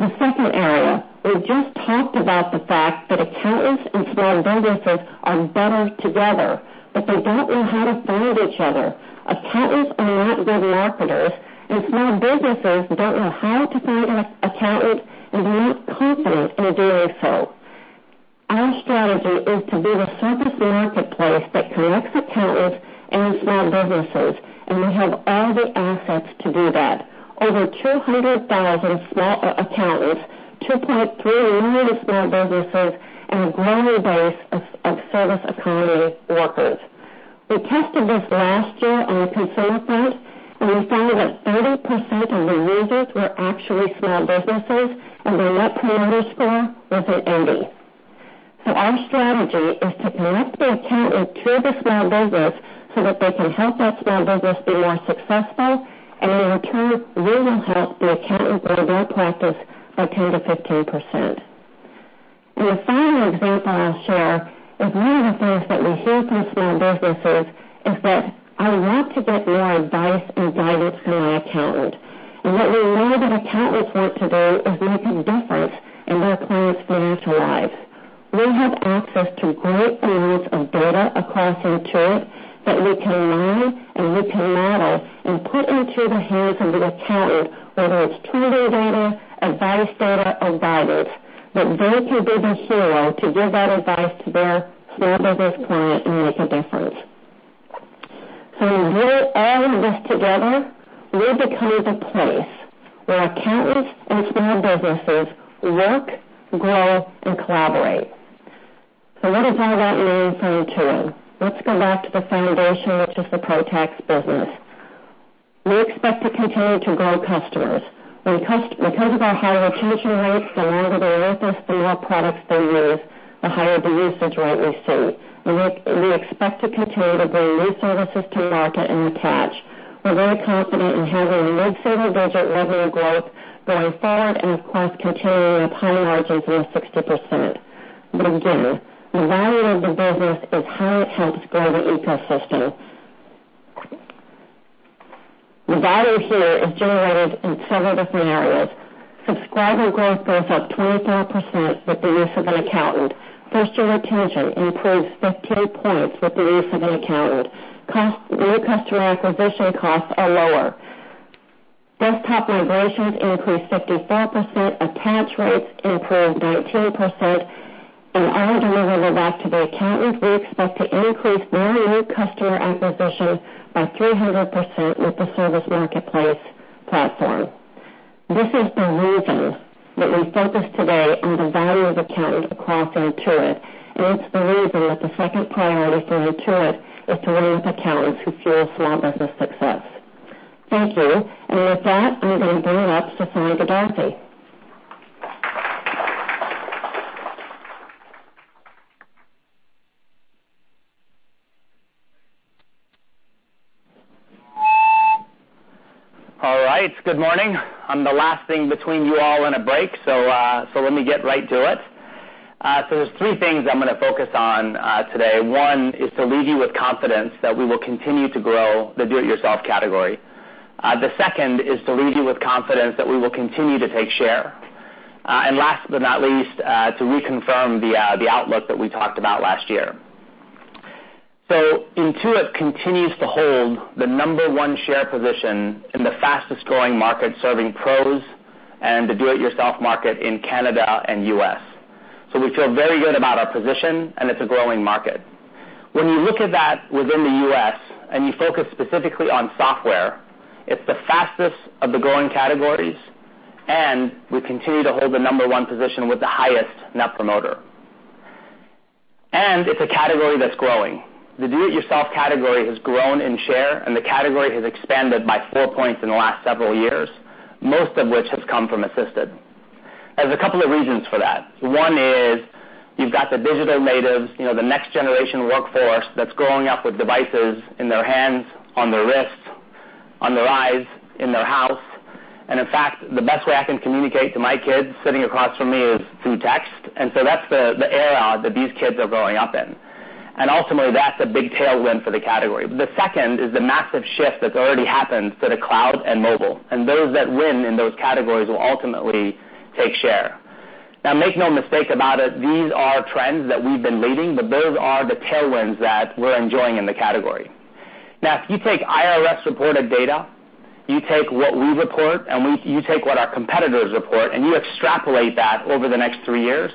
The second area, we've just talked about the fact that accountants and small businesses are better together, but they don't know how to find each other. Accountants are not good marketers, and small businesses don't know how to find an accountant and are not confident in doing so. Our strategy is to be the service marketplace that connects accountants and small businesses, and we have all the assets to do that. Over 200,000 small accountants, 2.3 million small businesses, and a growing base of service economy workers. We tested this last year on the consumer front, we found that 30% of the users were actually small businesses, and their Net Promoter Score was at 80. Our strategy is to connect the accountant to the small business so that they can help that small business be more successful, and in return, we will help the accountant grow their practice by 10%-15%. The final example I'll share is one of the things that we hear from small businesses is that, "I want to get more advice and guidance from my accountant." What we know that accountants want to do is make a difference in their clients' lives. We have access to great volumes of data across Intuit that we can mine, and we can model and put into the hands of the accountant, whether it's tooling data, advice data, or guidance. They can be the hero to give that advice to their small business client and make a difference. When you put all of this together, we're becoming the place where accountants and small businesses work, grow, and collaborate. What does all that mean for Intuit? Let's go back to the foundation, which is the ProTax business. We expect to continue to grow customers. Because of our high retention rates, the longer they're with us, the more products they use, the higher the usage rate we see. We expect to continue to bring new services to market and attach. We're very confident in having mid-single-digit revenue growth going forward and of course, continuing upon margins near 60%. Again, the value of the business is how it helps grow the ecosystem. The value here is generated in several different areas. Subscriber growth goes up 24% with the use of an accountant. First-year retention improves 15 points with the use of an accountant. New customer acquisition costs are lower. Desktop migrations increase 54%, attach rates improve 19%, and our delivery back to the accountant, we expect to increase their new customer acquisition by 300% with the service marketplace platform. This is the reason that we focus today on the value of accountants across Intuit, and it's the reason that the second priority for Intuit is to win with accountants who fuel small business success. Thank you. With that, I'm going to bring it up to Sasan Goodarzi. All right. Good morning. I'm the last thing between you all and a break, let me get right to it. There's three things I'm going to focus on today. One is to leave you with confidence that we will continue to grow the do-it-yourself category. The second is to leave you with confidence that we will continue to take share. Last but not least, to reconfirm the outlook that we talked about last year. Intuit continues to hold the number one share position in the fastest-growing market, serving pros and the do-it-yourself market in Canada and U.S. We feel very good about our position, and it's a growing market. When you look at that within the U.S. and you focus specifically on software, it's the fastest of the growing categories, and we continue to hold the number one position with the highest net promoter. It's a category that's growing. The do-it-yourself category has grown in share, and the category has expanded by four points in the last several years, most of which has come from assisted. There's a couple of reasons for that. One is you've got the digital natives, the next-generation workforce that's growing up with devices in their hands, on their wrists, on their eyes, in their house. In fact, the best way I can communicate to my kids sitting across from me is through text, that's the era that these kids are growing up in. Ultimately, that's a big tailwind for the category. The second is the massive shift that's already happened to the cloud and mobile, and those that win in those categories will ultimately take share. Make no mistake about it, these are trends that we've been leading, but those are the tailwinds that we're enjoying in the category. If you take IRS-reported data, you take what we report, and you take what our competitors report, and you extrapolate that over the next three years,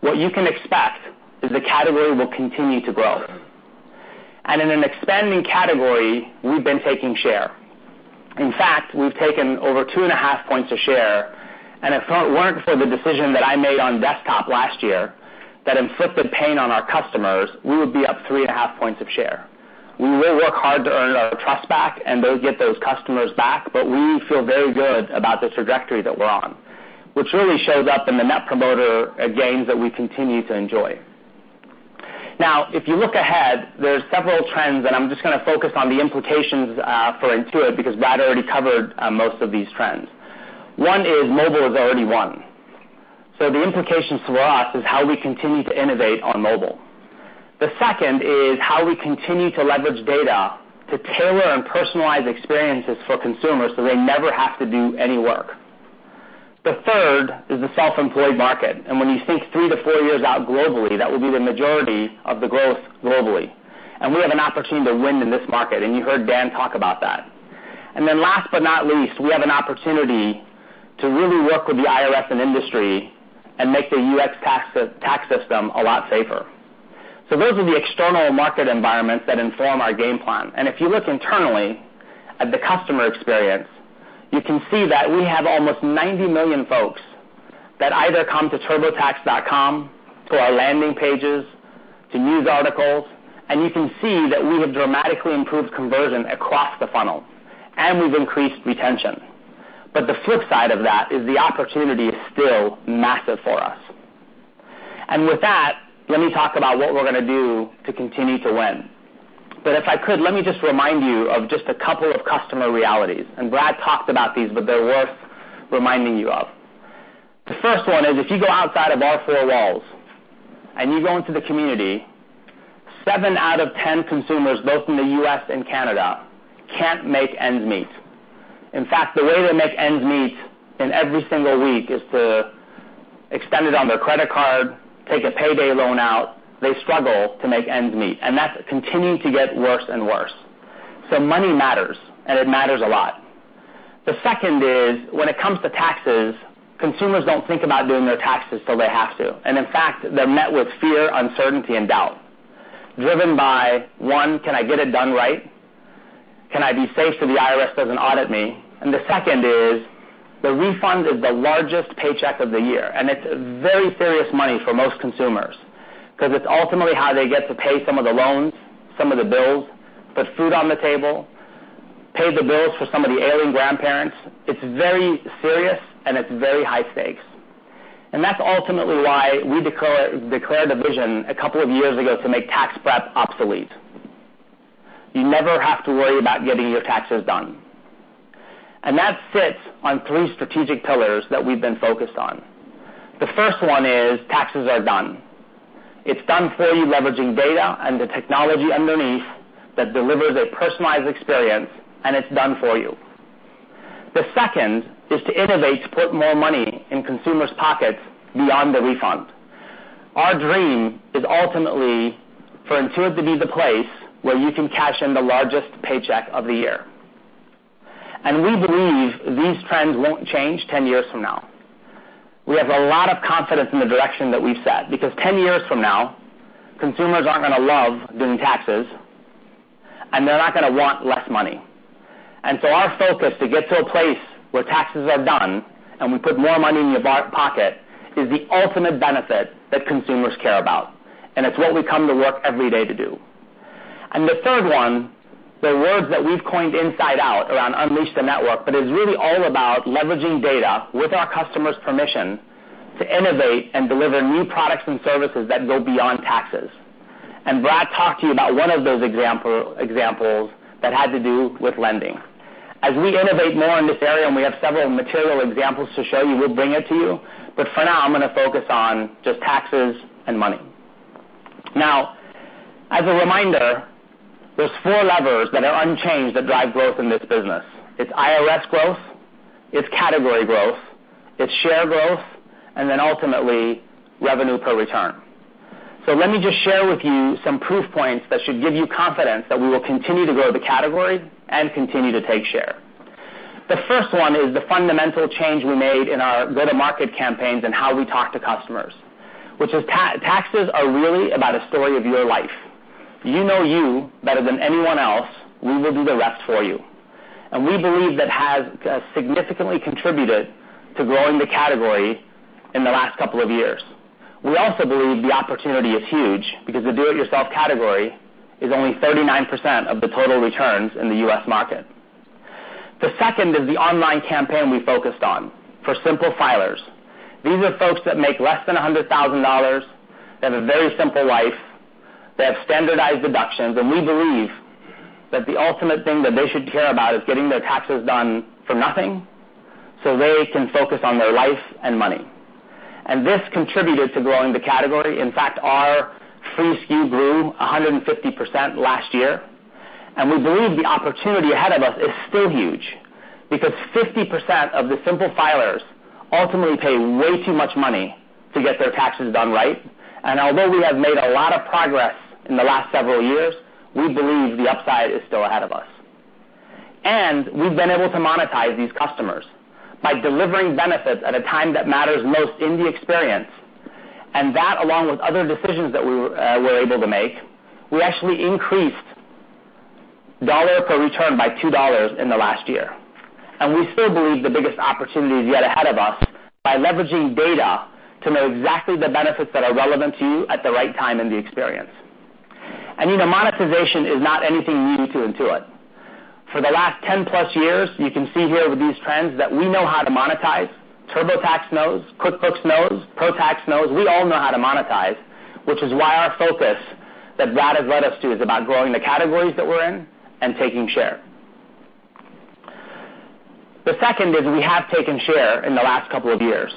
what you can expect is the category will continue to grow. In an expanding category, we've been taking share. In fact, we've taken over two and a half points of share, and if it weren't for the decision that I made on desktop last year that inflicted pain on our customers, we would be up three and a half points of share. We will work hard to earn our trust back and get those customers back, but we feel very good about the trajectory that we're on, which really shows up in the Net Promoter gains that we continue to enjoy. If you look ahead, there's several trends, and I'm just going to focus on the implications for Intuit because Brad already covered most of these trends. One is mobile is already one. The implications for us is how we continue to innovate on mobile. The second is how we continue to leverage data to tailor and personalize experiences for consumers so they never have to do any work. The third is the self-employed market, and when you think three to four years out globally, that will be the majority of the growth globally. We have an opportunity to win in this market, and you heard Dan talk about that. Last but not least, we have an opportunity to really work with the IRS and industry and make the U.S. tax system a lot safer. Those are the external market environments that inform our game plan. If you look internally at the customer experience, you can see that we have almost 90 million folks that either come to turbotax.com, to our landing pages, to news articles, you can see that we have dramatically improved conversion across the funnel, and we've increased retention. The flip side of that is the opportunity is still massive for us. With that, let me talk about what we're going to do to continue to win. If I could, let me just remind you of just a couple of customer realities, and Brad talked about these, but they're worth reminding you of. The first one is if you go outside of our four walls and you go into the community, seven out of 10 consumers, both in the U.S. and Canada, can't make ends meet. In fact, the way they make ends meet in every single week is to extend it on their credit card, take a payday loan out. They struggle to make ends meet, and that's continuing to get worse and worse. Money matters, and it matters a lot. The second is when it comes to taxes, consumers don't think about doing their taxes till they have to, and in fact, they're met with fear, uncertainty, and doubt driven by, one, can I get it done right? Can I be safe so the IRS doesn't audit me? The second is the refund is the largest paycheck of the year, and it's very serious money for most consumers because it's ultimately how they get to pay some of the loans, some of the bills, put food on the table, pay the bills for some of the ailing grandparents. It's very serious, and it's very high stakes. That's ultimately why we declared a vision a couple of years ago to make tax prep obsolete. You never have to worry about getting your taxes done. That sits on three strategic pillars that we've been focused on. The first one is taxes are done. It's done for you leveraging data and the technology underneath that delivers a personalized experience, and it's done for you. The second is to innovate to put more money in consumers' pockets beyond the refund. Our dream is ultimately for Intuit to be the place where you can cash in the largest paycheck of the year. We believe these trends won't change 10 years from now. We have a lot of confidence in the direction that we've set because 10 years from now, consumers aren't going to love doing taxes. They're not going to want less money. Our focus to get to a place where taxes are done and we put more money in your pocket, is the ultimate benefit that consumers care about, and it's what we come to work every day to do. The third one, the words that we've coined inside out around Unleash the Network, but is really all about leveraging data with our customers' permission to innovate and deliver new products and services that go beyond taxes. Brad talked to you about one of those examples that had to do with lending. As we innovate more in this area, we have several material examples to show you, we'll bring it to you, but for now, I'm going to focus on just taxes and money. As a reminder, there's four levers that are unchanged that drive growth in this business. It's IRS growth, it's category growth, it's share growth, and then ultimately, revenue per return. Let me just share with you some proof points that should give you confidence that we will continue to grow the category and continue to take share. The first one is the fundamental change we made in our go-to-market campaigns and how we talk to customers, which is taxes are really about a story of your life. You know you better than anyone else, we will do the rest for you. We believe that has significantly contributed to growing the category in the last couple of years. We also believe the opportunity is huge because the do-it-yourself category is only 39% of the total returns in the U.S. market. The second is the online campaign we focused on for simple filers. These are folks that make less than $100,000, they have a very simple life, they have standardized deductions, and we believe that the ultimate thing that they should care about is getting their taxes done for nothing, so they can focus on their life and money. This contributed to growing the category. In fact, our free SKU grew 150% last year. We believe the opportunity ahead of us is still huge, because 50% of the simple filers ultimately pay way too much money to get their taxes done right. Although we have made a lot of progress in the last several years, we believe the upside is still ahead of us. We've been able to monetize these customers by delivering benefits at a time that matters most in the experience. That, along with other decisions that we were able to make, we actually increased dollar per return by $2 in the last year. We still believe the biggest opportunity is yet ahead of us by leveraging data to know exactly the benefits that are relevant to you at the right time in the experience. Monetization is not anything new to Intuit. For the last 10 plus years, you can see here with these trends that we know how to monetize. TurboTax knows, QuickBooks knows, ProTax knows. We all know how to monetize, which is why our focus that Brad has led us to is about growing the categories that we're in and taking share. The second is we have taken share in the last couple of years,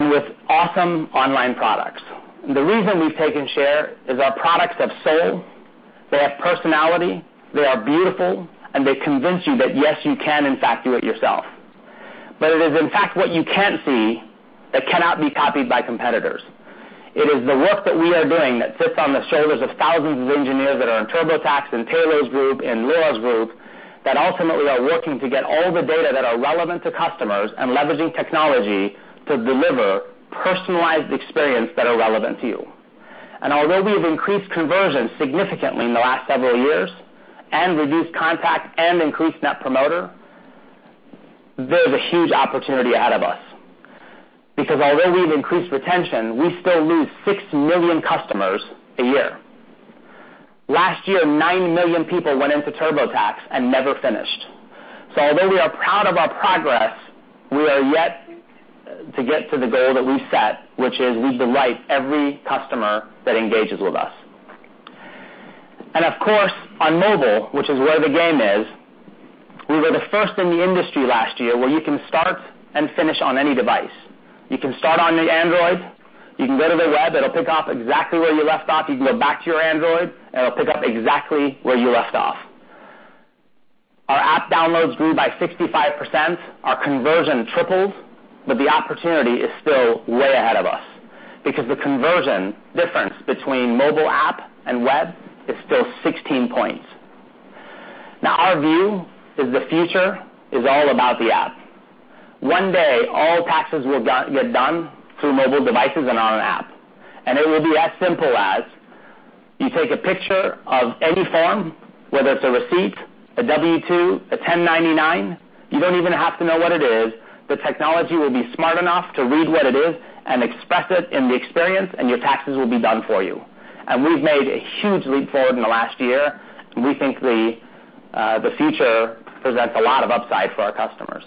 with awesome online products. The reason we've taken share is our products have soul, they have personality, they are beautiful, and they convince you that, yes, you can, in fact, do it yourself. It is, in fact, what you can't see that cannot be copied by competitors. It is the work that we are doing that sits on the shoulders of thousands of engineers that are in TurboTax, in Tayloe's group, in Laura's group, that ultimately are working to get all the data that are relevant to customers and leveraging technology to deliver personalized experience that are relevant to you. Although we've increased conversion significantly in the last several years and reduced contact and increased Net promoter, there's a huge opportunity ahead of us. Although we've increased retention, we still lose 6 million customers a year. Last year, 9 million people went into TurboTax and never finished. Although we are proud of our progress, we are yet to get to the goal that we set, which is we delight every customer that engages with us. Of course, on mobile, which is where the game is, we were the first in the industry last year where you can start and finish on any device. You can start on your Android, you can go to the web, it'll pick up exactly where you left off. You can go back to your Android, it'll pick up exactly where you left off. Our app downloads grew by 65%, our conversion tripled, the opportunity is still way ahead of us because the conversion difference between mobile app and web is still 16 points. Our view is the future is all about the app. One day, all taxes will get done through mobile devices and on an app. It will be as simple as you take a picture of any form, whether it's a receipt, a W-2, a 1099, you don't even have to know what it is. The technology will be smart enough to read what it is and express it in the experience, and your taxes will be done for you. We've made a huge leap forward in the last year, and we think the future presents a lot of upside for our customers.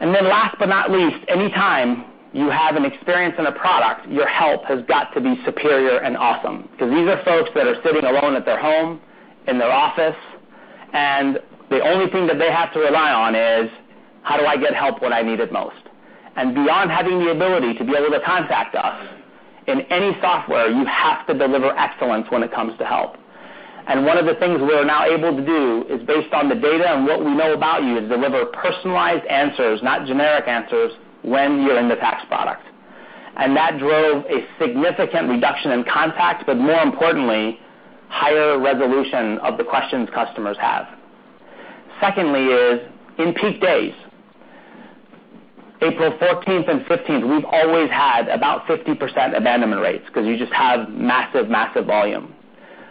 Last but not least, any time you have an experience in a product, your help has got to be superior and awesome, because these are folks that are sitting alone at their home, in their office, and the only thing that they have to rely on is, how do I get help when I need it most? Beyond having the ability to be able to contact us, in any software, you have to deliver excellence when it comes to help. One of the things we're now able to do is based on the data and what we know about you, is deliver personalized answers, not generic answers, when you're in the tax product. That drove a significant reduction in contacts, but more importantly, higher resolution of the questions customers have. Secondly is in peak days, April 14th and 15th, we've always had about 50% abandonment rates because you just have massive volume.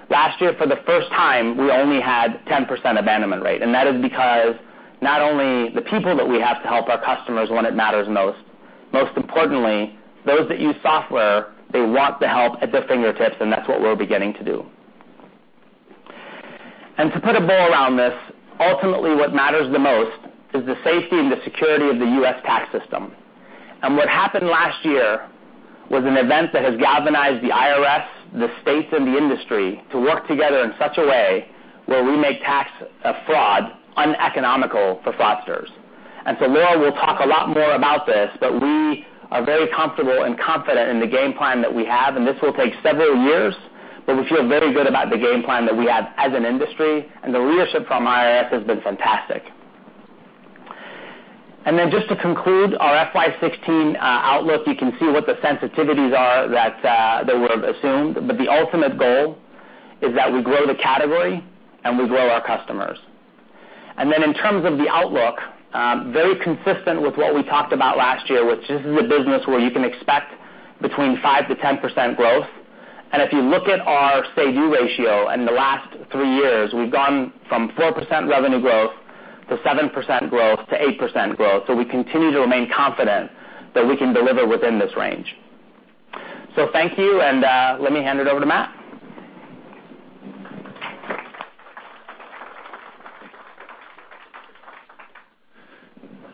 Last year, for the first time, we only had 10% abandonment rate, and that is because not only the people that we have to help our customers when it matters most importantly, those that use software, they want the help at their fingertips, and that's what we're beginning to do. To put a bow around this, ultimately what matters the most is the safety and the security of the U.S. tax system. What happened last year was an event that has galvanized the IRS, the states, and the industry to work together in such a way where we make tax fraud uneconomical for fraudsters. Laura will talk a lot more about this, but we are very comfortable and confident in the game plan that we have, and this will take several years, but we feel very good about the game plan that we have as an industry, and the leadership from IRS has been fantastic. Just to conclude our FY 2016 outlook, you can see what the sensitivities are that were assumed. The ultimate goal is that we grow the category and we grow our customers. In terms of the outlook, very consistent with what we talked about last year, which this is a business where you can expect between 5%-10% growth. If you look at our say-do ratio in the last three years, we've gone from 4% revenue growth to 7% growth to 8% growth. We continue to remain confident that we can deliver within this range. Thank you, and let me hand it over to Matt.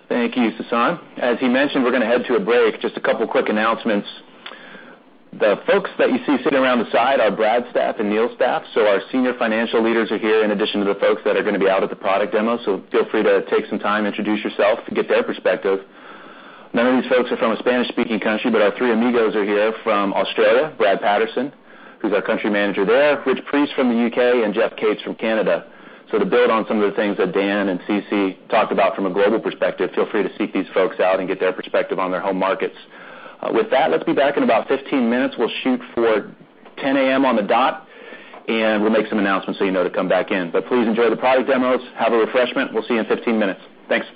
Thank you, Sasan. As he mentioned, we're going to head to a break. Just a couple of quick announcements. The folks that you see sitting around the side are Brad's staff and Neil's staff. Our senior financial leaders are here, in addition to the folks that are going to be out at the product demo. Feel free to take some time, introduce yourself to get their perspective. None of these folks are from a Spanish-speaking country, but our three amigos are here from Australia, Brad Patterson, who's our country manager there, Rich Preece from the U.K., and Jeff Cates from Canada. To build on some of the things that Dan and CeCe talked about from a global perspective, feel free to seek these folks out and get their perspective on their home markets. With that, let's be back in about 15 minutes. We'll shoot for 10:00 A.M. on the dot, and we'll make some announcements so you know to come back in. Please enjoy the product demos. Have a refreshment. We'll see you in 15 minutes. Thanks.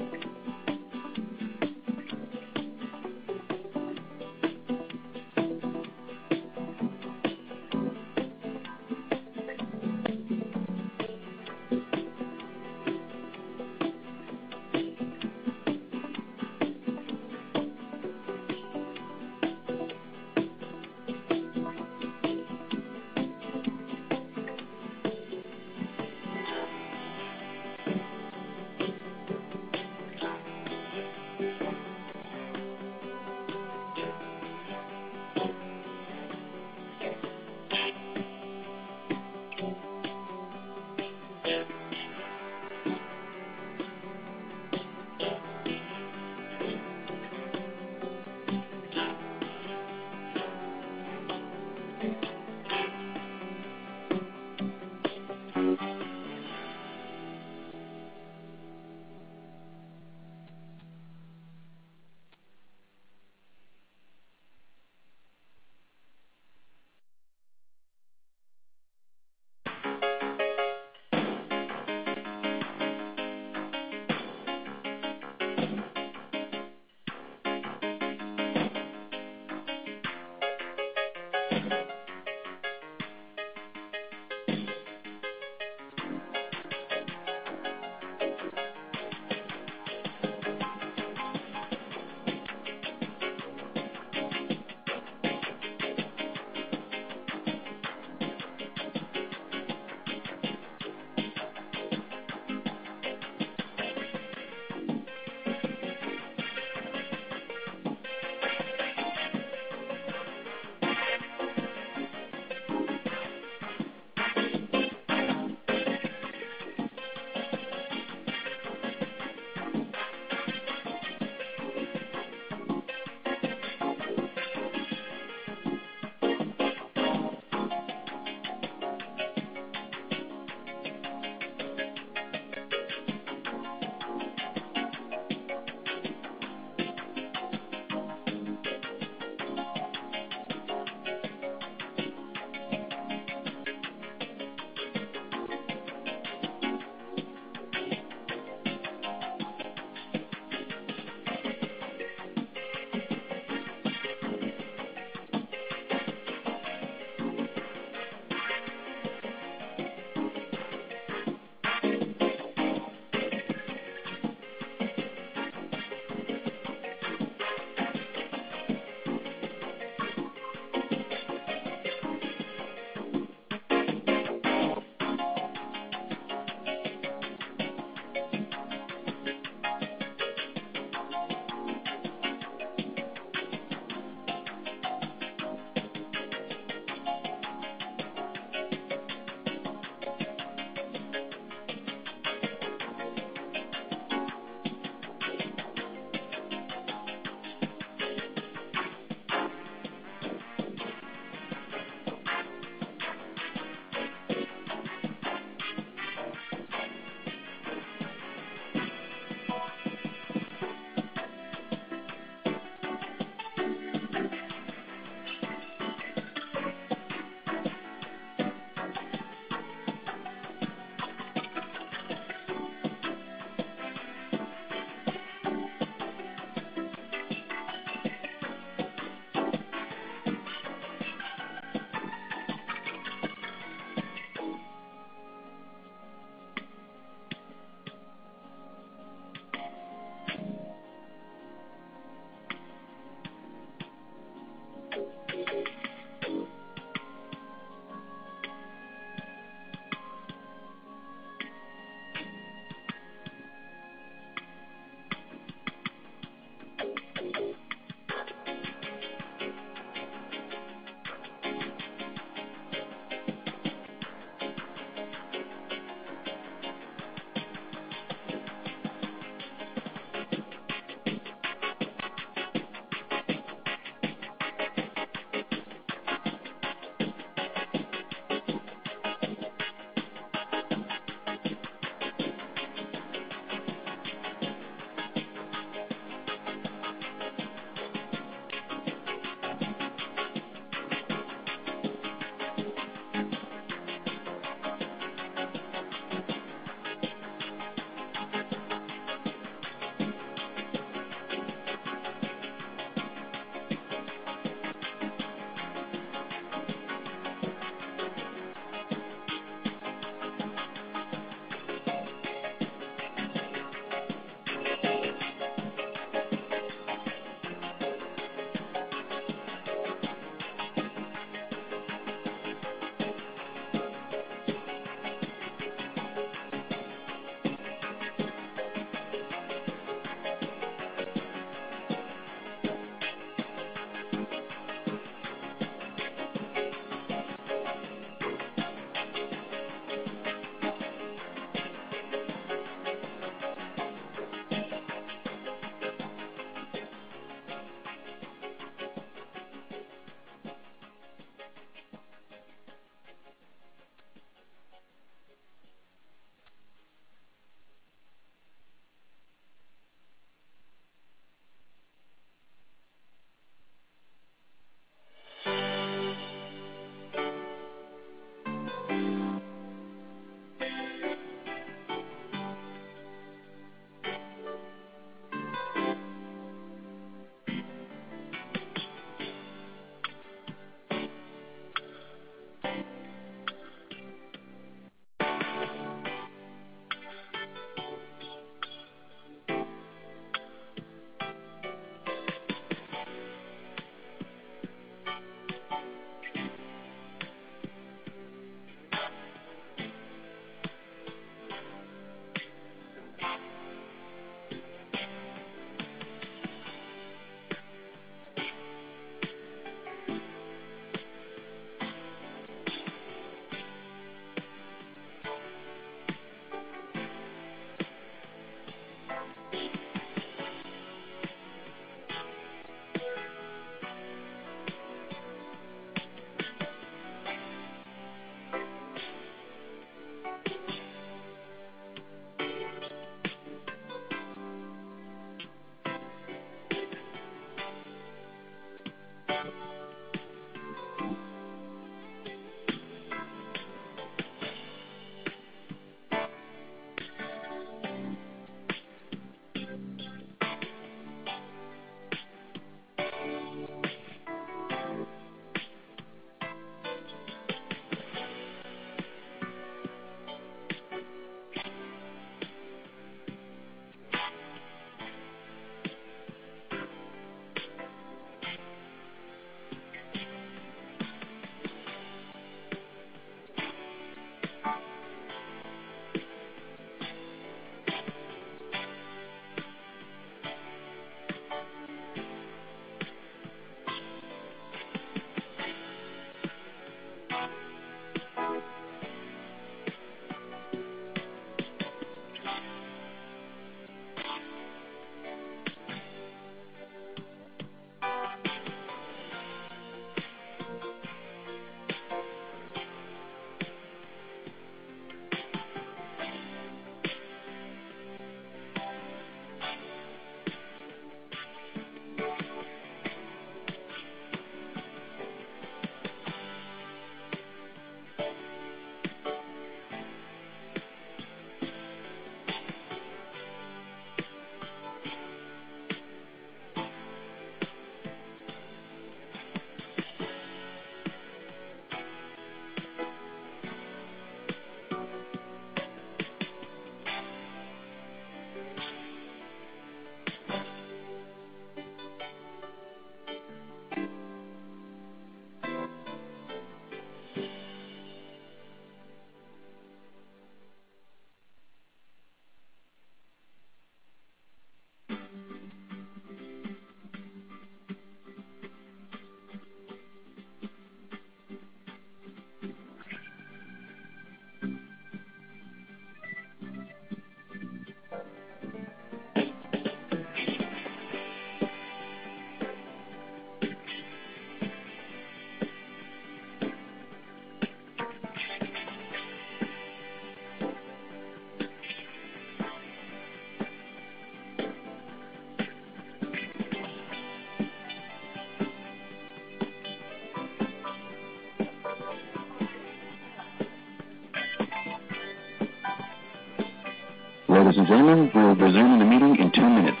Ladies and gentlemen, we'll be resuming the meeting in 2 minutes.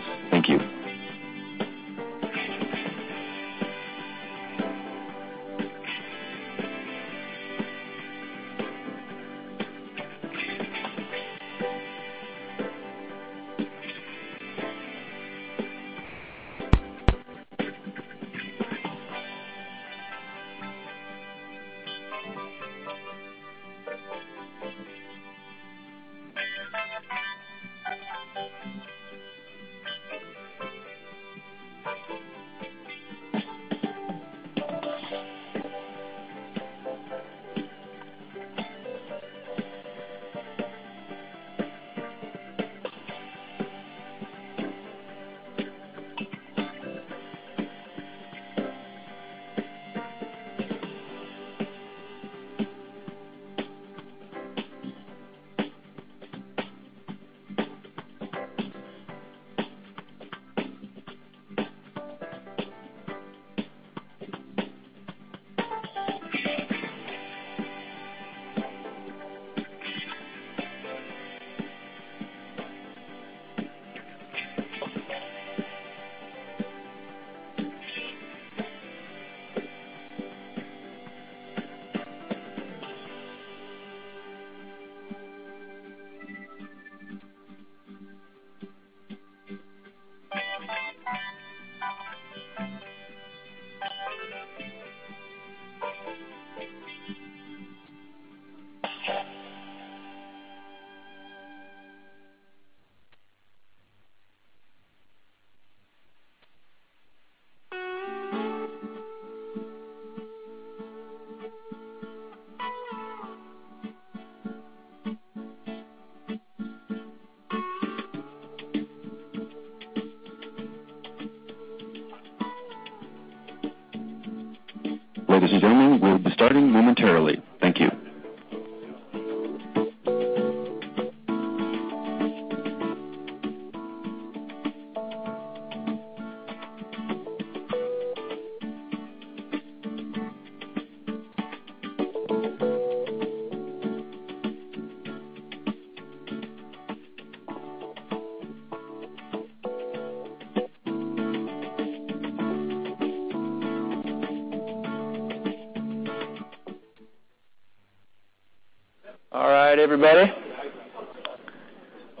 Thank you. Ladies and gentlemen, we'll be starting momentarily. Thank you.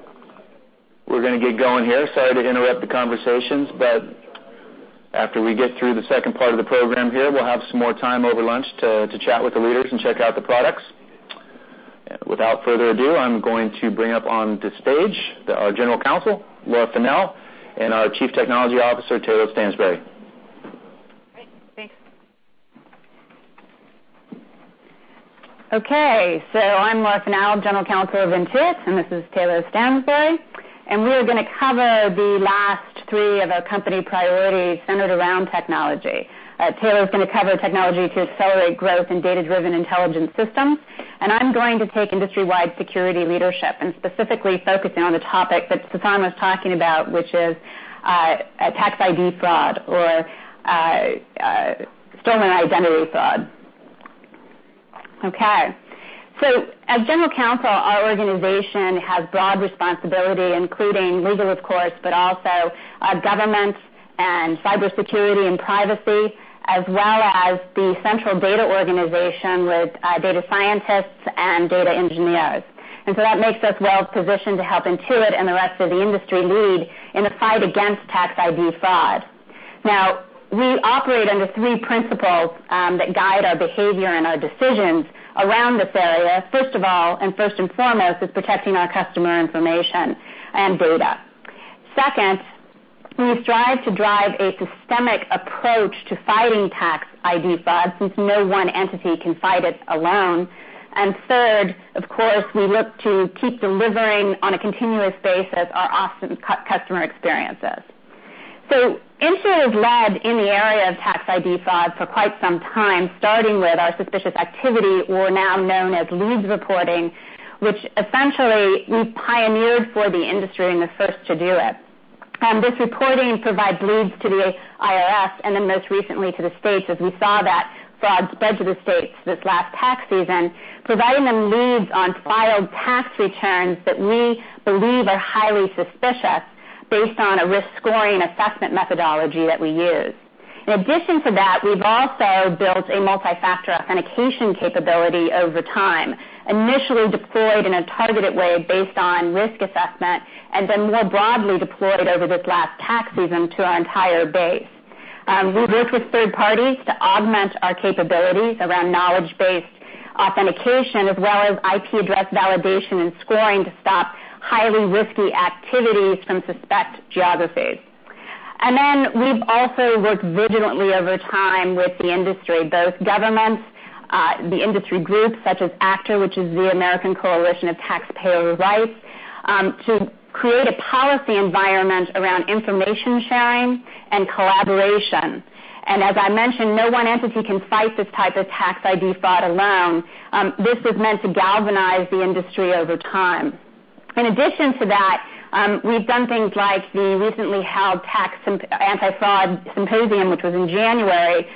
All right, everybody. We're going to get going here. Sorry to interrupt the conversations, but after we get through the second part of the program here, we'll have some more time over lunch to chat with the leaders and check out the products. Without further ado, I'm going to bring up on to stage our General Counsel, Laura Fennell, and our Chief Technology Officer, Tayloe Stansbury. Great. Thanks. Okay. I'm Laura Fennell, General Counsel of Intuit, and this is Tayloe Stansbury, and we're going to cover the last three of our company priorities centered around technology. Tayloe is going to cover technology to accelerate growth in data-driven intelligence systems, and I'm going to take industry-wide security leadership and specifically focusing on the topic that Sasan was talking about, which is tax ID fraud or stolen identity fraud. Okay. As general counsel, our organization has broad responsibility, including legal, of course, but also government and cybersecurity and privacy, as well as the central data organization with data scientists and data engineers. That makes us well-positioned to help Intuit and the rest of the industry lead in the fight against tax ID fraud. Now, we operate under three principles that guide our behavior and our decisions around this area. First of all, and first and foremost, is protecting our customer information and data. Second, we strive to drive a systemic approach to fighting tax ID fraud, since no one entity can fight it alone. Third, of course, we look to keep delivering on a continuous basis our awesome customer experiences. Intuit has led in the area of tax ID fraud for quite some time, starting with our suspicious activity, or now known as leads reporting, which essentially we pioneered for the industry and the first to do it. This reporting provides leads to the IRS and then most recently to the states, as we saw that fraud spread to the states this last tax season, providing them leads on filed tax returns that we believe are highly suspicious based on a risk scoring assessment methodology that we use. In addition to that, we've also built a multi-factor authentication capability over time, initially deployed in a targeted way based on risk assessment, then more broadly deployed over this last tax season to our entire base. We've worked with third parties to augment our capabilities around knowledge-based authentication, as well as IP address validation and scoring to stop highly risky activities from suspect geographies. We've also worked vigilantly over time with the industry, both governments, the industry groups such as ACTR, which is the American Coalition for Taxpayer Rights, to create a policy environment around information sharing and collaboration. As I mentioned, no one entity can fight this type of tax ID fraud alone. This is meant to galvanize the industry over time. In addition to that, we've done things like the recently held Tax Anti-Fraud Symposium, which was in January,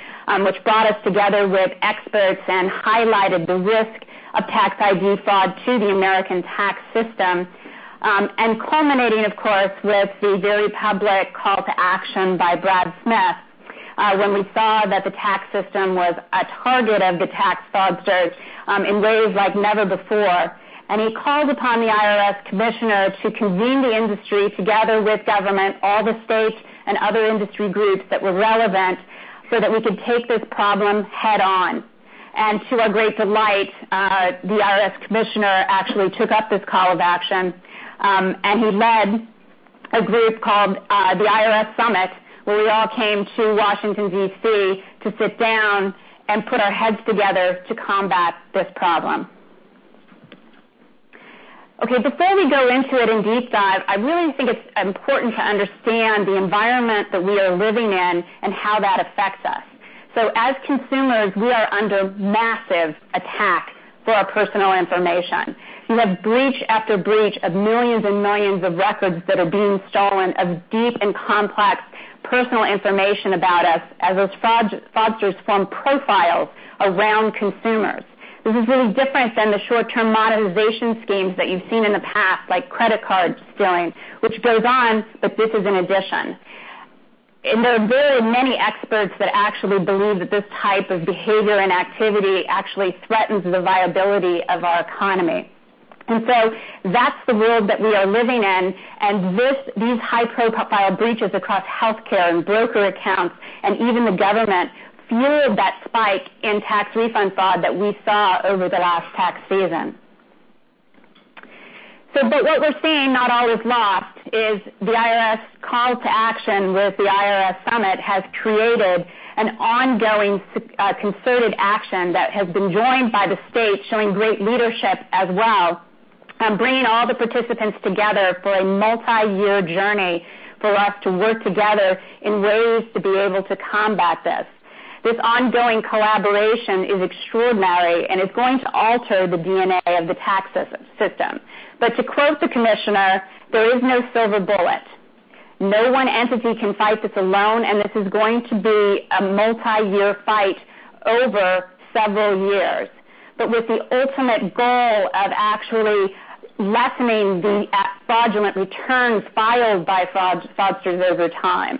which brought us together with experts and highlighted the risk of tax ID fraud to the American tax system. Culminating, of course, with the very public call to action by Brad Smith, when we saw that the tax system was a target of the tax fraudsters in ways like never before. He called upon the IRS commissioner to convene the industry together with government, all the states, and other industry groups that were relevant so that we could take this problem head-on. To our great delight, the IRS commissioner actually took up this call of action, and he led a group called the IRS Summit, where we all came to Washington, D.C., to sit down and put our heads together to combat this problem. Okay, before we go into it in deep dive, I really think it's important to understand the environment that we are living in and how that affects us. As consumers, we are under massive attack for our personal information. You have breach after breach of millions and millions of records that are being stolen of deep and complex personal information about us as those fraudsters form profiles around consumers. This is really different than the short-term monetization schemes that you've seen in the past, like credit card stealing, which goes on, but this is an addition. There are very many experts that actually believe that this type of behavior and activity actually threatens the viability of our economy. That's the world that we are living in. These high-profile breaches across healthcare and broker accounts and even the government fueled that spike in tax refund fraud that we saw over the last tax season. What we're seeing, not all is lost, is the IRS call to action with the IRS Summit has created an ongoing, concerted action that has been joined by the state, showing great leadership as well, bringing all the participants together for a multi-year journey for us to work together in ways to be able to combat this. This ongoing collaboration is extraordinary, and it's going to alter the DNA of the tax system. To quote the commissioner, "There is no silver bullet." No one entity can fight this alone, and this is going to be a multi-year fight over several years. With the ultimate goal of actually lessening the fraudulent returns filed by fraudsters over time.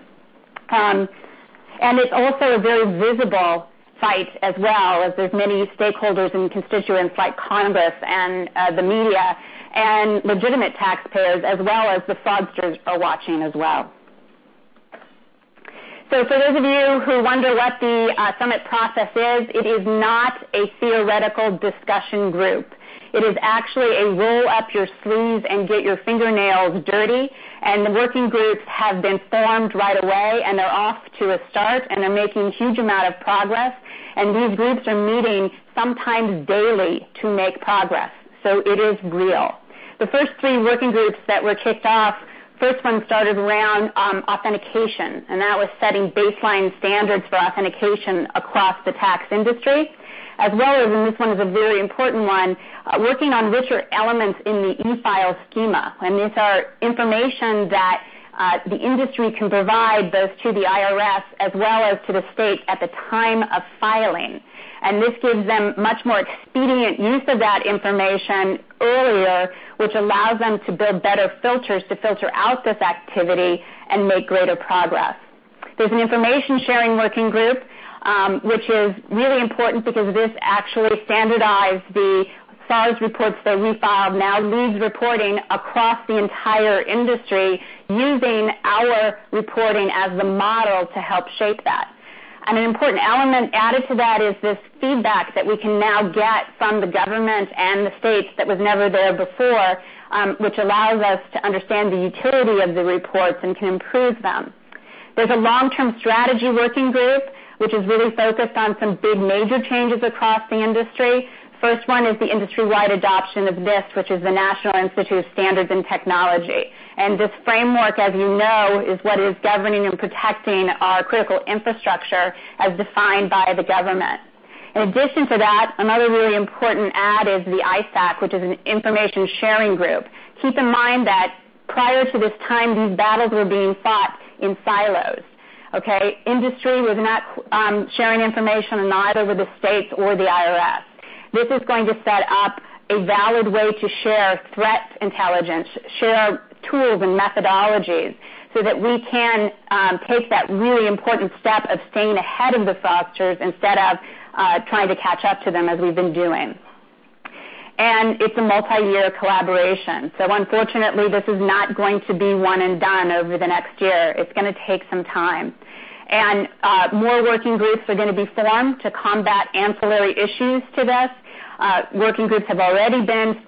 It's also a very visible fight as well, as there's many stakeholders and constituents like Congress and the media and legitimate taxpayers, as well as the fraudsters are watching as well. For those of you who wonder what the summit process is, it is not a theoretical discussion group. It is actually a roll up your sleeves and get your fingernails dirty. The working groups have been formed right away, and they're off to a start, and they're making huge amount of progress. These groups are meeting sometimes daily to make progress. It is real. The first three working groups that were kicked off, first one started around authentication, and that was setting baseline standards for authentication across the tax industry, as well as, and this one is a very important one, working on richer elements in the e-file schema. These are information that the industry can provide, both to the IRS as well as to the state at the time of filing. This gives them much more expedient use of that information earlier, which allows them to build better filters to filter out this activity and make greater progress. There's an information sharing working group, which is really important because this actually standardized the SARs reports that we file now leads reporting across the entire industry using our reporting as the model to help shape that. An important element added to that is this feedback that we can now get from the government and the states that was never there before, which allows us to understand the utility of the reports and can improve them. There's a long-term strategy working group, which is really focused on some big major changes across the industry. First one is the industry-wide adoption of NIST, which is the National Institute of Standards and Technology. This framework, as you know, is what is governing and protecting our critical infrastructure as defined by the government. In addition to that, another really important add is the ISAC, which is an information sharing group. Keep in mind that prior to this time, these battles were being fought in silos, okay? Industry was not sharing information and neither were the states or the IRS. This is going to set up a valid way to share threat intelligence, share tools and methodologies so that we can take that really important step of staying ahead of the fraudsters instead of trying to catch up to them as we've been doing. It's a multi-year collaboration. Unfortunately, this is not going to be one and done over the next year. It's going to take some time. More working groups are going to be formed to combat ancillary issues to this. Working groups have already been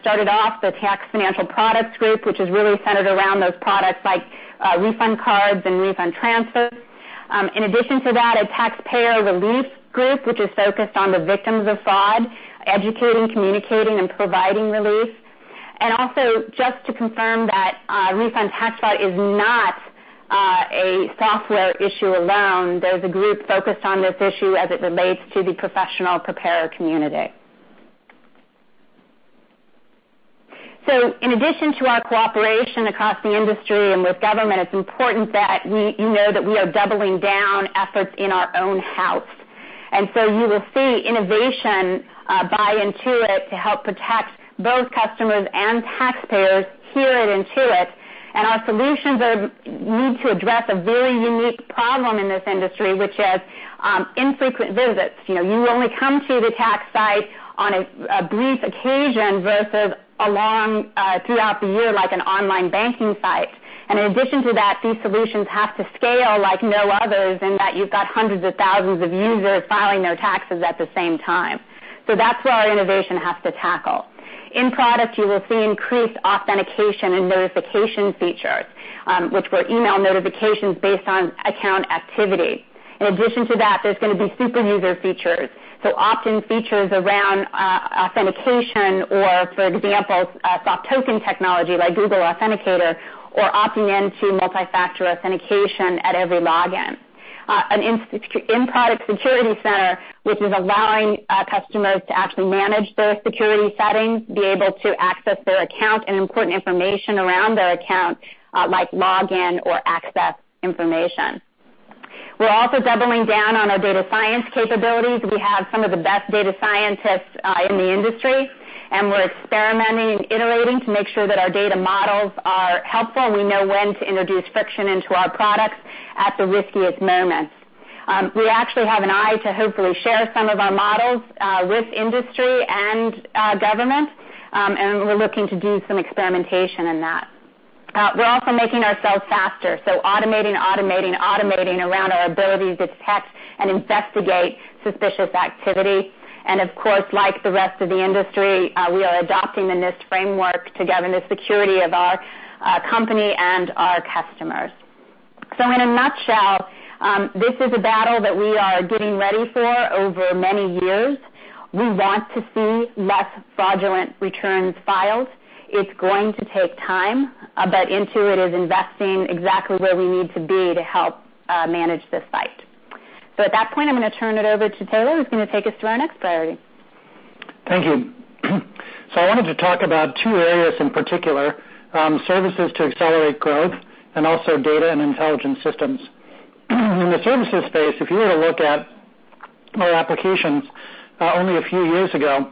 started off, the tax financial products group, which is really centered around those products like refund cards and refund transfers. In addition to that, a taxpayer relief group, which is focused on the victims of fraud, educating, communicating, and providing relief. Also, just to confirm that Refund Tax Fraud is not a software issue alone. There's a group focused on this issue as it relates to the professional preparer community. In addition to our cooperation across the industry and with government, it's important that you know that we are doubling down efforts in our own house. You will see innovation by Intuit to help protect both customers and taxpayers here at Intuit. Our solutions need to address a very unique problem in this industry, which is infrequent visits. You only come to the tax site on a brief occasion versus a long throughout the year, like an online banking site. In addition to that, these solutions have to scale like no others in that you've got hundreds of thousands of users filing their taxes at the same time. That's what our innovation has to tackle. In product, you will see increased authentication and notification features, which were email notifications based on account activity. In addition to that, there's going to be super user features, so opt-in features around authentication or, for example, soft token technology like Google Authenticator, or opting into multi-factor authentication at every login. An in-product security center, which is allowing customers to actually manage their security settings, be able to access their account and important information around their account, like login or access information. We're also doubling down on our data science capabilities. We have some of the best data scientists in the industry, we're experimenting and iterating to make sure that our data models are helpful, and we know when to introduce friction into our products at the riskiest moments. We actually have an eye to hopefully share some of our models with industry and government, we're looking to do some experimentation in that. We're also making ourselves faster, so automating around our ability to detect and investigate suspicious activity. Of course, like the rest of the industry, we are adopting the NIST framework to govern the security of our company and our customers. In a nutshell, this is a battle that we are getting ready for over many years. We want to see less fraudulent returns filed. It's going to take time, Intuit is investing exactly where we need to be to help manage this fight. At that point, I'm going to turn it over to Tayloe, who's going to take us through our next priority. Thank you. I wanted to talk about two areas in particular, services to accelerate growth and also data and intelligence systems. In the services space, if you were to look at our applications only a few years ago,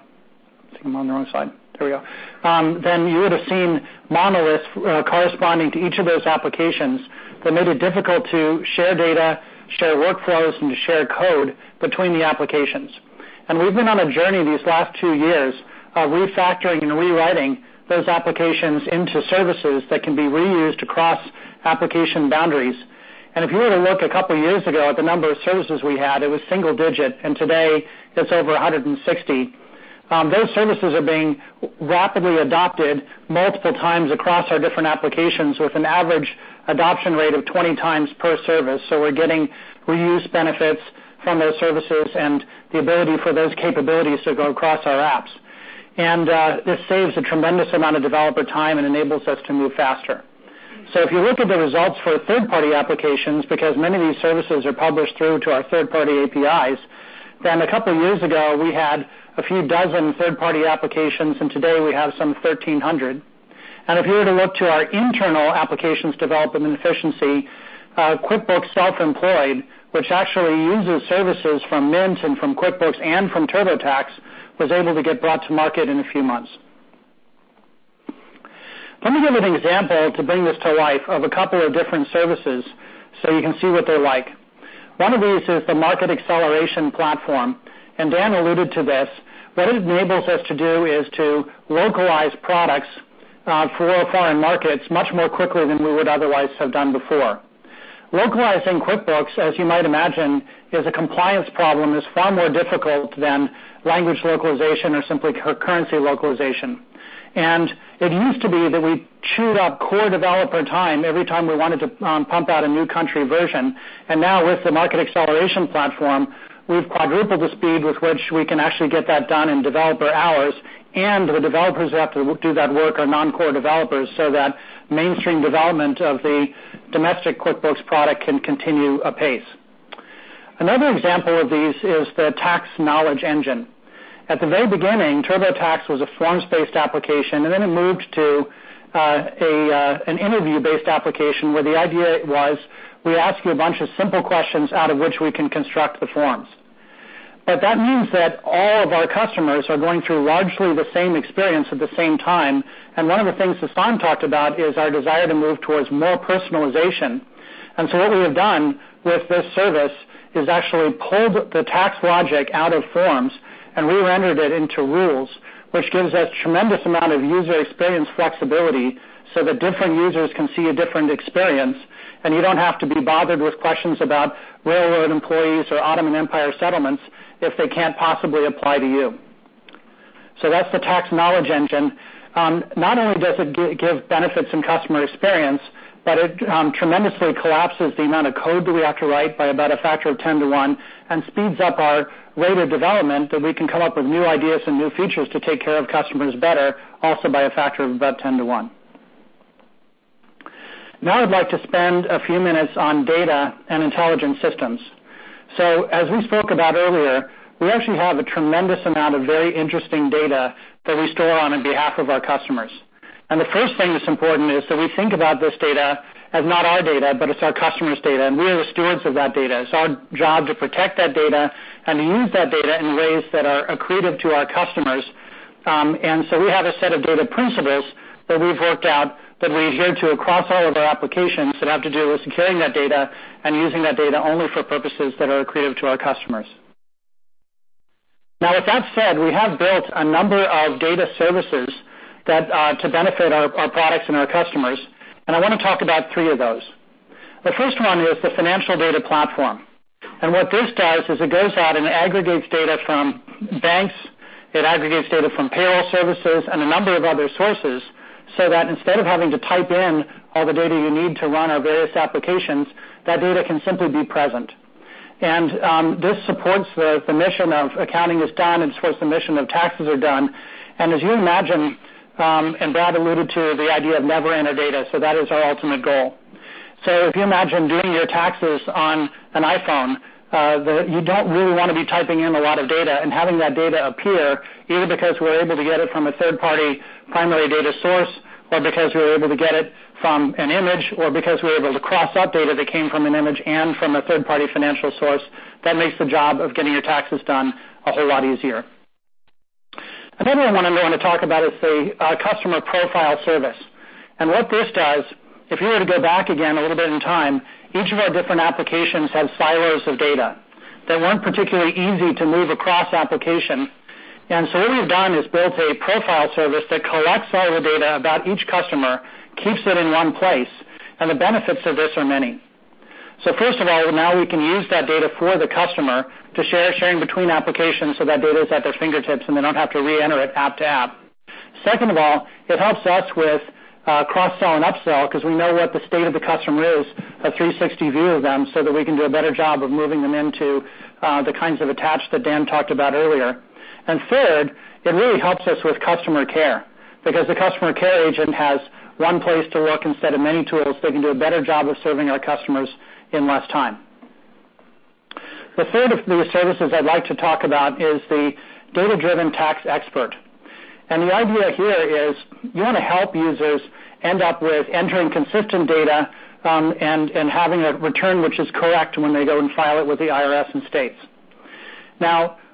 I think I'm on the wrong slide. There we go. You would have seen monoliths corresponding to each of those applications that made it difficult to share data, share workflows, to share code between the applications. We've been on a journey these last two years of refactoring and rewriting those applications into services that can be reused across application boundaries. If you were to look a couple of years ago at the number of services we had, it was single digit, and today it's over 160. Those services are being rapidly adopted multiple times across our different applications with an average adoption rate of 20 times per service. We're getting reuse benefits from those services and the ability for those capabilities to go across our apps. This saves a tremendous amount of developer time and enables us to move faster. If you look at the results for third-party applications, because many of these services are published through to our third-party APIs, a couple of years ago, we had a few dozen third-party applications, and today we have some 1,300. If you were to look to our internal applications development efficiency, QuickBooks Self-Employed, which actually uses services from Mint and from QuickBooks and from TurboTax, was able to get brought to market in a few months. Let me give an example to bring this to life of a couple of different services so you can see what they're like. One of these is the Market Acceleration Platform, and Dan alluded to this. What it enables us to do is to localize products for foreign markets much more quickly than we would otherwise have done before. Localizing QuickBooks, as you might imagine, is a compliance problem, is far more difficult than language localization or simply currency localization. It used to be that we chewed up core developer time every time we wanted to pump out a new country version. Now, with the Market Acceleration Platform, we've quadrupled the speed with which we can actually get that done in developer hours, and the developers who have to do that work are non-core developers, so that mainstream development of the domestic QuickBooks product can continue apace. Another example of these is the Tax Knowledge Engine. At the very beginning, TurboTax was a forms-based application, and then it moved to an interview-based application, where the idea was, we ask you a bunch of simple questions out of which we can construct the forms. That means that all of our customers are going through largely the same experience at the same time, and one of the things Sasan talked about is our desire to move towards more personalization. What we have done with this service is actually pulled the tax logic out of forms and re-rendered it into rules, which gives us tremendous amount of user experience flexibility, so that different users can see a different experience, and you don't have to be bothered with questions about railroad employees or Ottoman Empire settlements if they can't possibly apply to you. That's the Tax Knowledge Engine. Not only does it give benefits in customer experience, but it tremendously collapses the amount of code that we have to write by about a factor of 10 to one, and speeds up our rate of development, that we can come up with new ideas and new features to take care of customers better, also by a factor of about 10 to one. I'd like to spend a few minutes on data and intelligent systems. As we spoke about earlier, we actually have a tremendous amount of very interesting data that we store on behalf of our customers. The first thing that's important is that we think about this data as not our data, but it's our customers' data, and we are the stewards of that data. It's our job to protect that data and use that data in ways that are accretive to our customers. We have a set of data principles that we've worked out that we adhere to across all of our applications that have to do with securing that data and using that data only for purposes that are accretive to our customers. With that said, we have built a number of data services to benefit our products and our customers, I want to talk about 3 of those. The first one is the Financial Data Platform. What this does is it goes out and aggregates data from banks, it aggregates data from payroll services, and a number of other sources, so that instead of having to type in all the data you need to run our various applications, that data can simply be present. This supports the mission of accounting is done and supports the mission of taxes are done. As you imagine, Brad alluded to, the idea of never enter data, that is our ultimate goal. If you imagine doing your taxes on an iPhone, you don't really want to be typing in a lot of data, and having that data appear, either because we're able to get it from a third-party primary data source, or because we're able to get it from an image, or because we're able to cross-update it, that came from an image and from a third-party financial source, that makes the job of getting your taxes done a whole lot easier. Another one I'm going to talk about is the Customer Profile Service. What this does, if you were to go back again a little bit in time, each of our different applications had silos of data that weren't particularly easy to move across application. What we've done is built a profile service that collects all the data about each customer, keeps it in one place, and the benefits of this are many. First of all, now we can use that data for the customer to share, sharing between applications so that data is at their fingertips, and they don't have to re-enter it app to app. Second of all, it helps us with cross-sell and upsell, because we know what the state of the customer is, a 360 view of them, that we can do a better job of moving them into the kinds of attached that Dan talked about earlier. Third, it really helps us with customer care, because the customer care agent has one place to look instead of many tools. They can do a better job of serving our customers in less time. The third of the services I'd like to talk about is the Data-driven Tax Expert. The idea here is you want to help users end up with entering consistent data, and having a return which is correct when they go and file it with the IRS and states.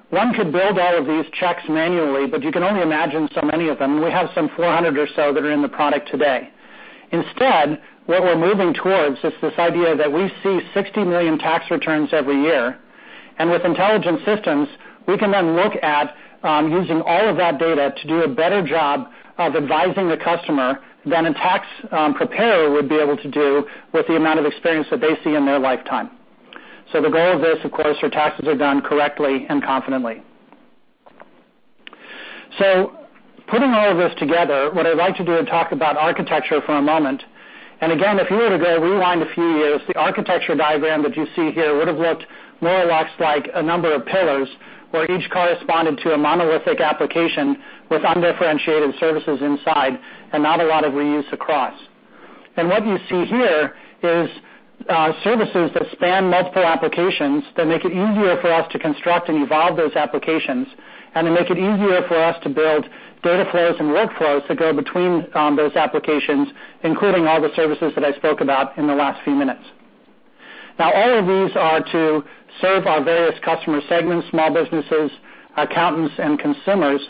One could build all of these checks manually, but you can only imagine so many of them. We have some 400 or so that are in the product today. Instead, what we're moving towards is this idea that we see 60 million tax returns every year, and with intelligent systems, we can then look at using all of that data to do a better job of advising the customer than a tax preparer would be able to do with the amount of experience that they see in their lifetime. The goal of this, of course, your taxes are done correctly and confidently. Putting all of this together, what I'd like to do and talk about architecture for a moment. Again, if you were to go rewind a few years, the architecture diagram that you see here would have looked more or less like a number of pillars, where each corresponded to a monolithic application with undifferentiated services inside and not a lot of reuse across. What you see here is services that span multiple applications that make it easier for us to construct and evolve those applications and then make it easier for us to build data flows and workflows that go between those applications, including all the services that I spoke about in the last few minutes. Now, all of these are to serve our various customer segments, small businesses, accountants, and consumers.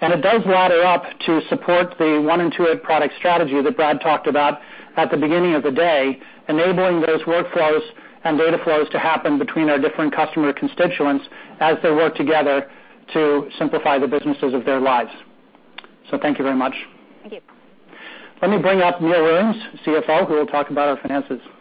It does ladder up to support the One Intuit product strategy that Brad talked about at the beginning of the day, enabling those workflows and data flows to happen between our different customer constituents as they work together to simplify the businesses of their lives. Thank you very much. Thank you. Let me bring up Neil Williams, CFO, who will talk about our finances. Thank you,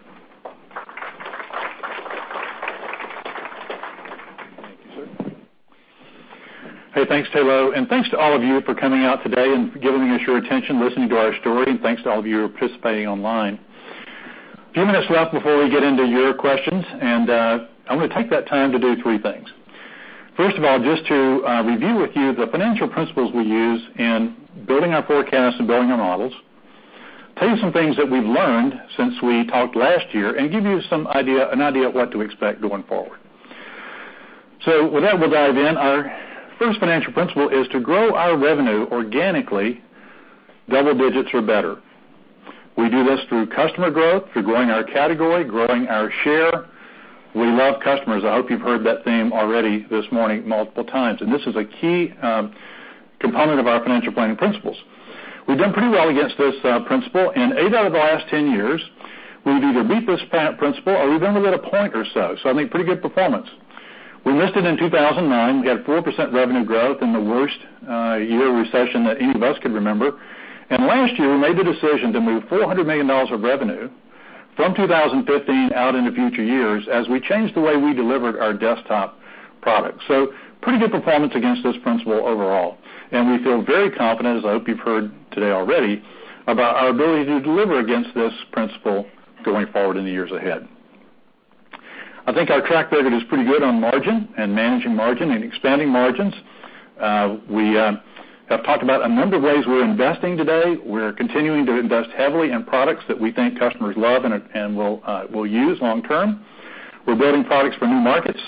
sir. Hey, thanks, Tayloe, and thanks to all of you for coming out today and giving us your attention, listening to our story, and thanks to all of you who are participating online. A few minutes left before we get into your questions, and I'm going to take that time to do three things. First of all, just to review with you the financial principles we use in building our forecasts and building our models, tell you some things that we've learned since we talked last year, and give you an idea of what to expect going forward. With that, we'll dive in. Our first financial principle is to grow our revenue organically, double digits or better. We do this through customer growth, through growing our category, growing our share. We love customers. I hope you've heard that theme already this morning multiple times, and this is a key component of our financial planning principles. We've done pretty well against this principle. In eight out of the last 10 years, we've either beat this principle or we've been within a point or so. I think pretty good performance. We missed it in 2009. We had 4% revenue growth in the worst year of recession that any of us can remember. Last year, we made the decision to move $400 million of revenue from 2015 out into future years as we changed the way we delivered our desktop products. Pretty good performance against this principle overall. We feel very confident, as I hope you've heard today already, about our ability to deliver against this principle going forward in the years ahead. I think our track record is pretty good on margin and managing margin and expanding margins. We have talked about a number of ways we're investing today. We're continuing to invest heavily in products that we think customers love and will use long term. We're building products for new markets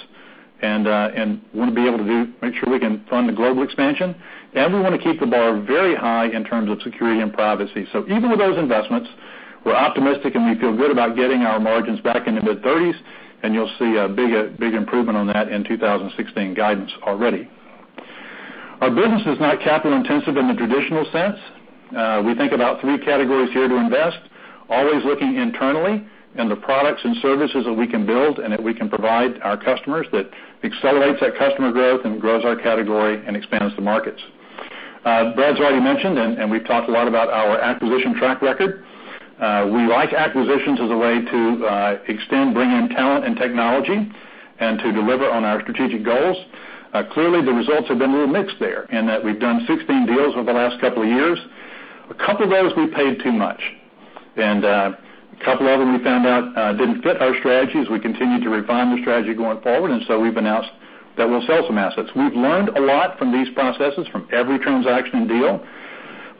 and want to be able to make sure we can fund the global expansion. We want to keep the bar very high in terms of security and privacy. Even with those investments, we're optimistic, and we feel good about getting our margins back into mid-30s, and you'll see a big improvement on that in 2016 guidance already. Our business is not capital-intensive in the traditional sense. We think about three categories here to invest, always looking internally and the products and services that we can build and that we can provide our customers, that accelerates that customer growth and grows our category and expands the markets. Brad's already mentioned, and we've talked a lot about our acquisition track record. We like acquisitions as a way to extend, bring in talent and technology, and to deliver on our strategic goals. Clearly, the results have been a little mixed there, in that we've done 16 deals over the last couple of years. A couple of those, we paid too much, and a couple of them we found out didn't fit our strategy as we continued to refine the strategy going forward. We've announced that we'll sell some assets. We've learned a lot from these processes, from every transaction and deal,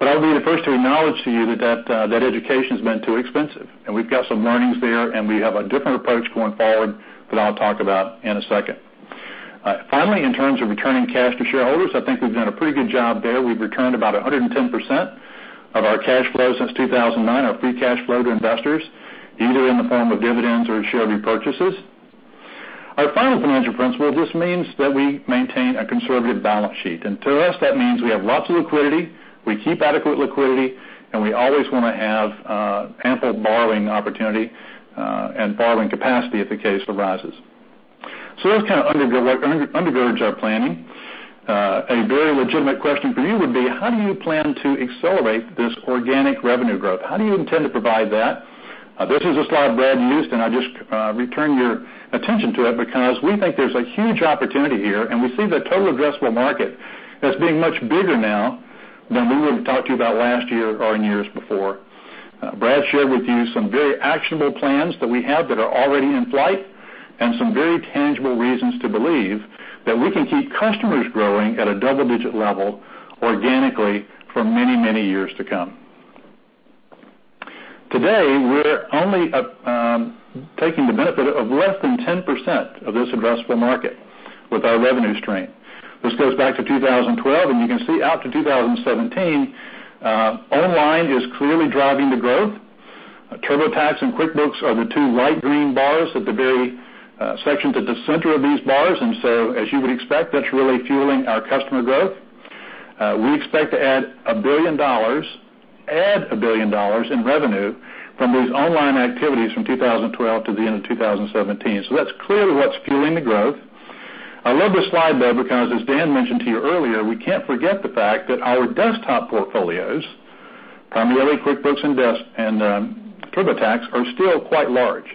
I'll be the first to acknowledge to you that that education's been too expensive. We've got some learnings there, and we have a different approach going forward that I'll talk about in a second. Finally, in terms of returning cash to shareholders, I think we've done a pretty good job there. We've returned about 110% of our cash flow since 2009, our free cash flow to investors, either in the form of dividends or share repurchases. Our final financial principle just means that we maintain a conservative balance sheet. To us, that means we have lots of liquidity, we keep adequate liquidity, and we always want to have ample borrowing opportunity and borrowing capacity if the case arises. Those kind of undergirds our planning. A very legitimate question for you would be, how do you plan to accelerate this organic revenue growth? How do you intend to provide that? This is a slide Brad used, I'll just return your attention to it because we think there's a huge opportunity here, and we see the total addressable market as being much bigger now than we would've talked to you about last year or in years before. Brad shared with you some very actionable plans that we have that are already in flight and some very tangible reasons to believe that we can keep customers growing at a double-digit level organically for many, many years to come. Today, we're only taking the benefit of less than 10% of this addressable market with our revenue stream. This goes back to 2012, you can see out to 2017, online is clearly driving the growth. TurboTax and QuickBooks are the two light green bars at the very section to the center of these bars. As you would expect, that's really fueling our customer growth. We expect to add $1 billion in revenue from these online activities from 2012 to the end of 2017. That's clearly what's fueling the growth. I love this slide, though, because as Dan mentioned to you earlier, we can't forget the fact that our desktop portfolios, primarily QuickBooks and TurboTax, are still quite large,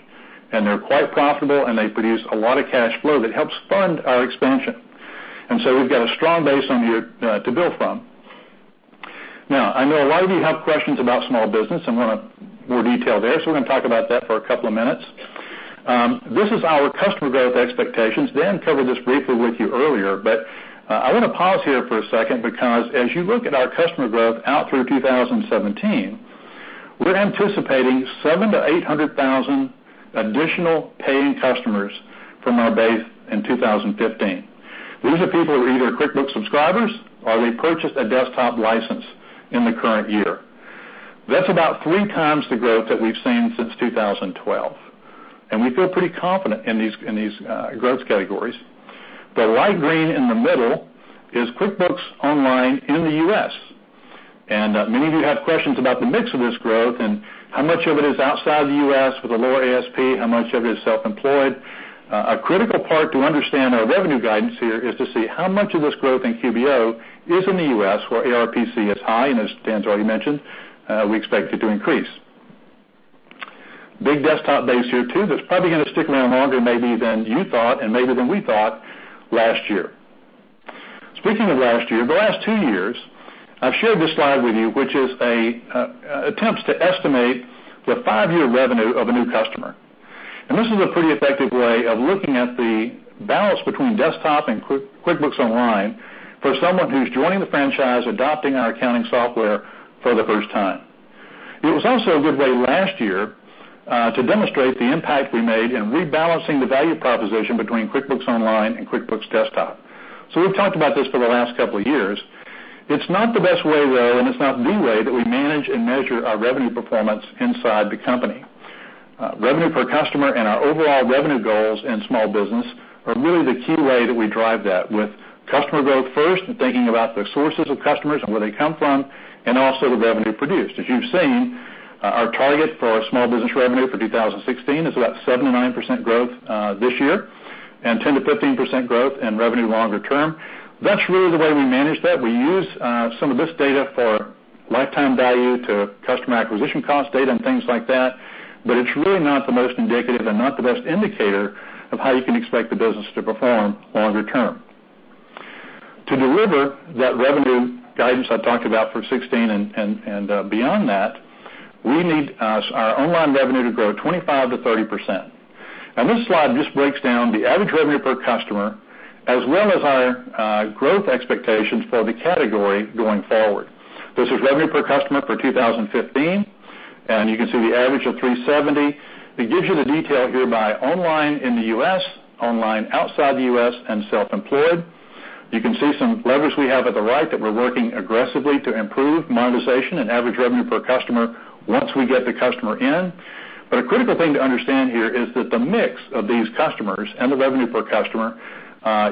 and they're quite profitable, and they produce a lot of cash flow that helps fund our expansion. We've got a strong base to build from. I know a lot of you have questions about small business and want more detail there, we're going to talk about that for a couple of minutes. This is our customer growth expectations. Dan covered this briefly with you earlier, I want to pause here for a second because as you look at our customer growth out through 2017, we're anticipating 7 to 800,000 additional paying customers from our base in 2015. These are people who are either QuickBooks subscribers or they purchased a desktop license in the current year. That's about three times the growth that we've seen since 2012, we feel pretty confident in these growth categories. The light green in the middle is QuickBooks Online in the U.S., many of you have questions about the mix of this growth and how much of it is outside the U.S. with a lower ASP, how much of it is self-employed. A critical part to understand our revenue guidance here is to see how much of this growth in QBO is in the U.S., where ARPC is high, and as Dan's already mentioned, we expect it to increase. Big desktop base here, too, that's probably going to stick around longer maybe than you thought and maybe than we thought last year. Speaking of last year, the last two years, I've shared this slide with you, which attempts to estimate the five-year revenue of a new customer. This is a pretty effective way of looking at the balance between desktop and QuickBooks Online for someone who's joining the franchise, adopting our accounting software for the first time. It was also a good way last year to demonstrate the impact we made in rebalancing the value proposition between QuickBooks Online and QuickBooks Desktop. We've talked about this for the last couple of years. It's not the best way, though, and it's not the way that we manage and measure our revenue performance inside the company. Revenue per customer and our overall revenue goals in small business are really the key way that we drive that, with customer growth first and thinking about the sources of customers and where they come from, and also the revenue produced. As you've seen, our target for our small business revenue for 2016 is about 7%-9% growth this year and 10%-15% growth in revenue longer term. That's really the way we manage that. We use some of this data for lifetime value to customer acquisition cost data and things like that, but it's really not the most indicative and not the best indicator of how you can expect the business to perform longer term. To deliver that revenue guidance I talked about for 2016 and beyond that, we need our online revenue to grow 25%-30%. This slide just breaks down the average revenue per customer as well as our growth expectations for the category going forward. This is revenue per customer for 2015, and you can see the average of $370. It gives you the detail here by online in the U.S., online outside the U.S., and QuickBooks Self-Employed. You can see some levers we have at the right that we're working aggressively to improve monetization and average revenue per customer once we get the customer in. A critical thing to understand here is that the mix of these customers and the revenue per customer,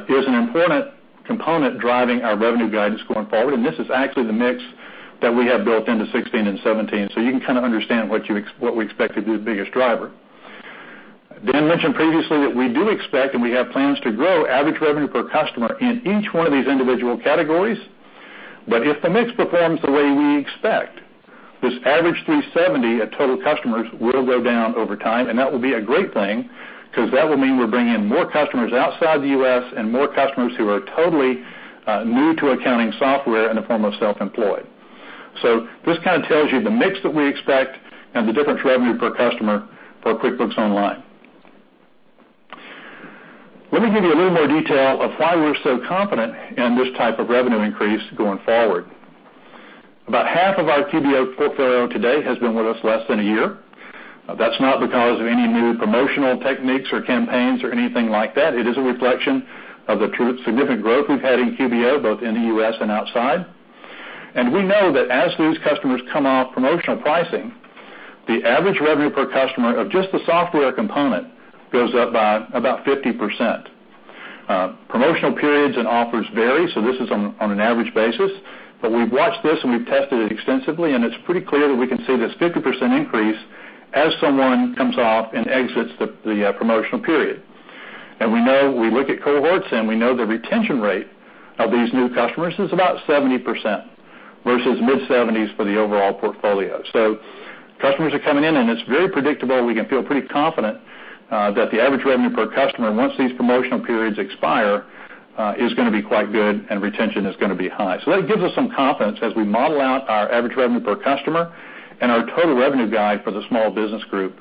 is an important component driving our revenue guidance going forward. This is actually the mix that we have built into 2016 and 2017, so you can kind of understand what we expect to be the biggest driver. Dan mentioned previously that we do expect, and we have plans to grow average revenue per customer in each one of these individual categories. If the mix performs the way we expect, this average $370 of total customers will go down over time, and that will be a great thing because that will mean we're bringing in more customers outside the U.S. and more customers who are totally new to accounting software in the form of QuickBooks Self-Employed. This kind of tells you the mix that we expect and the difference revenue per customer for QuickBooks Online. Let me give you a little more detail of why we're so confident in this type of revenue increase going forward. About half of our QBO portfolio today has been with us less than a year. That's not because of any new promotional techniques or campaigns or anything like that. It is a reflection of the significant growth we've had in QBO, both in the U.S. and outside. We know that as these customers come off promotional pricing, the average revenue per customer of just the software component goes up by about 50%. Promotional periods and offers vary, so this is on an average basis, but we've watched this and we've tested it extensively, and it's pretty clear that we can see this 50% increase as someone comes off and exits the promotional period. We know, we look at cohorts, and we know the retention rate of these new customers is about 70%, versus mid-70s for the overall portfolio. Customers are coming in, and it's very predictable, we can feel pretty confident, that the average revenue per customer, once these promotional periods expire, is gonna be quite good and retention is gonna be high. That gives us some confidence as we model out our average revenue per customer and our total revenue guide for the Small Business Group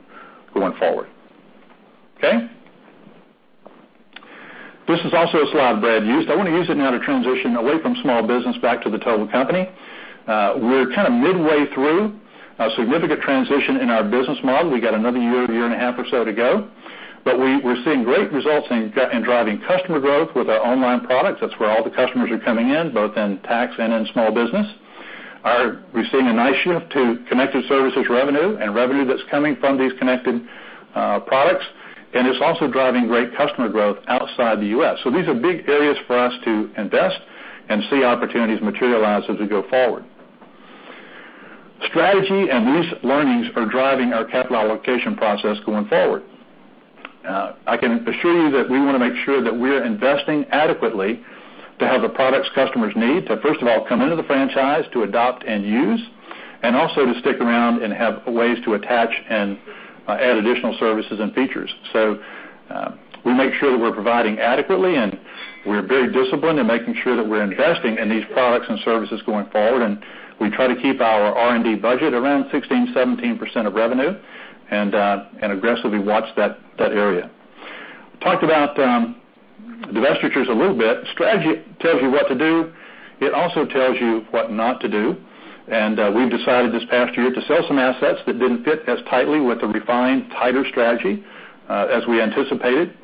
going forward. Okay? This is also a slide Brad used. I want to use it now to transition away from small business back to the total company. We're kind of midway through a significant transition in our business model. We got another year and a half or so to go. We're seeing great results in driving customer growth with our online products. That's where all the customers are coming in, both in tax and in small business. We're seeing a nice shift to connected services revenue and revenue that's coming from these connected products. It's also driving great customer growth outside the U.S. These are big areas for us to invest and see opportunities materialize as we go forward. Strategy and these learnings are driving our capital allocation process going forward. I can assure you that we want to make sure that we're investing adequately to have the products customers need to, first of all, come into the franchise to adopt and use, and also to stick around and have ways to attach and add additional services and features. We make sure that we're providing adequately, and we're very disciplined in making sure that we're investing in these products and services going forward, and we try to keep our R&D budget around 16%, 17% of revenue and aggressively watch that area. Talked about divestitures a little bit. Strategy tells you what to do. It also tells you what not to do. We've decided this past year to sell some assets that didn't fit as tightly with the refined, tighter strategy as we anticipated.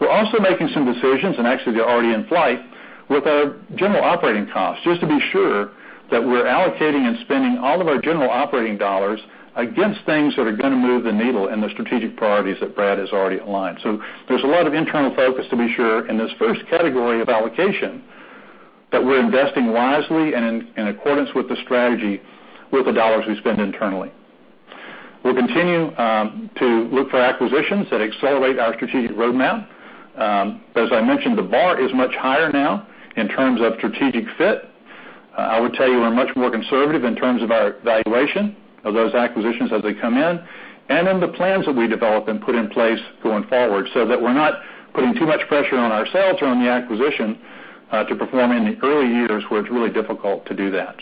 We're also making some decisions, and actually they're already in flight, with our general operating costs, just to be sure that we're allocating and spending all of our general operating dollars against things that are going to move the needle in the strategic priorities that Brad has already aligned. There's a lot of internal focus, to be sure, in this first category of allocation, that we're investing wisely and in accordance with the strategy with the dollars we spend internally. We'll continue to look for acquisitions that accelerate our strategic roadmap. As I mentioned, the bar is much higher now in terms of strategic fit. I would tell you we're much more conservative in terms of our valuation of those acquisitions as they come in, and in the plans that we develop and put in place going forward, so that we're not putting too much pressure on ourselves or on the acquisition, to perform in the early years where it's really difficult to do that.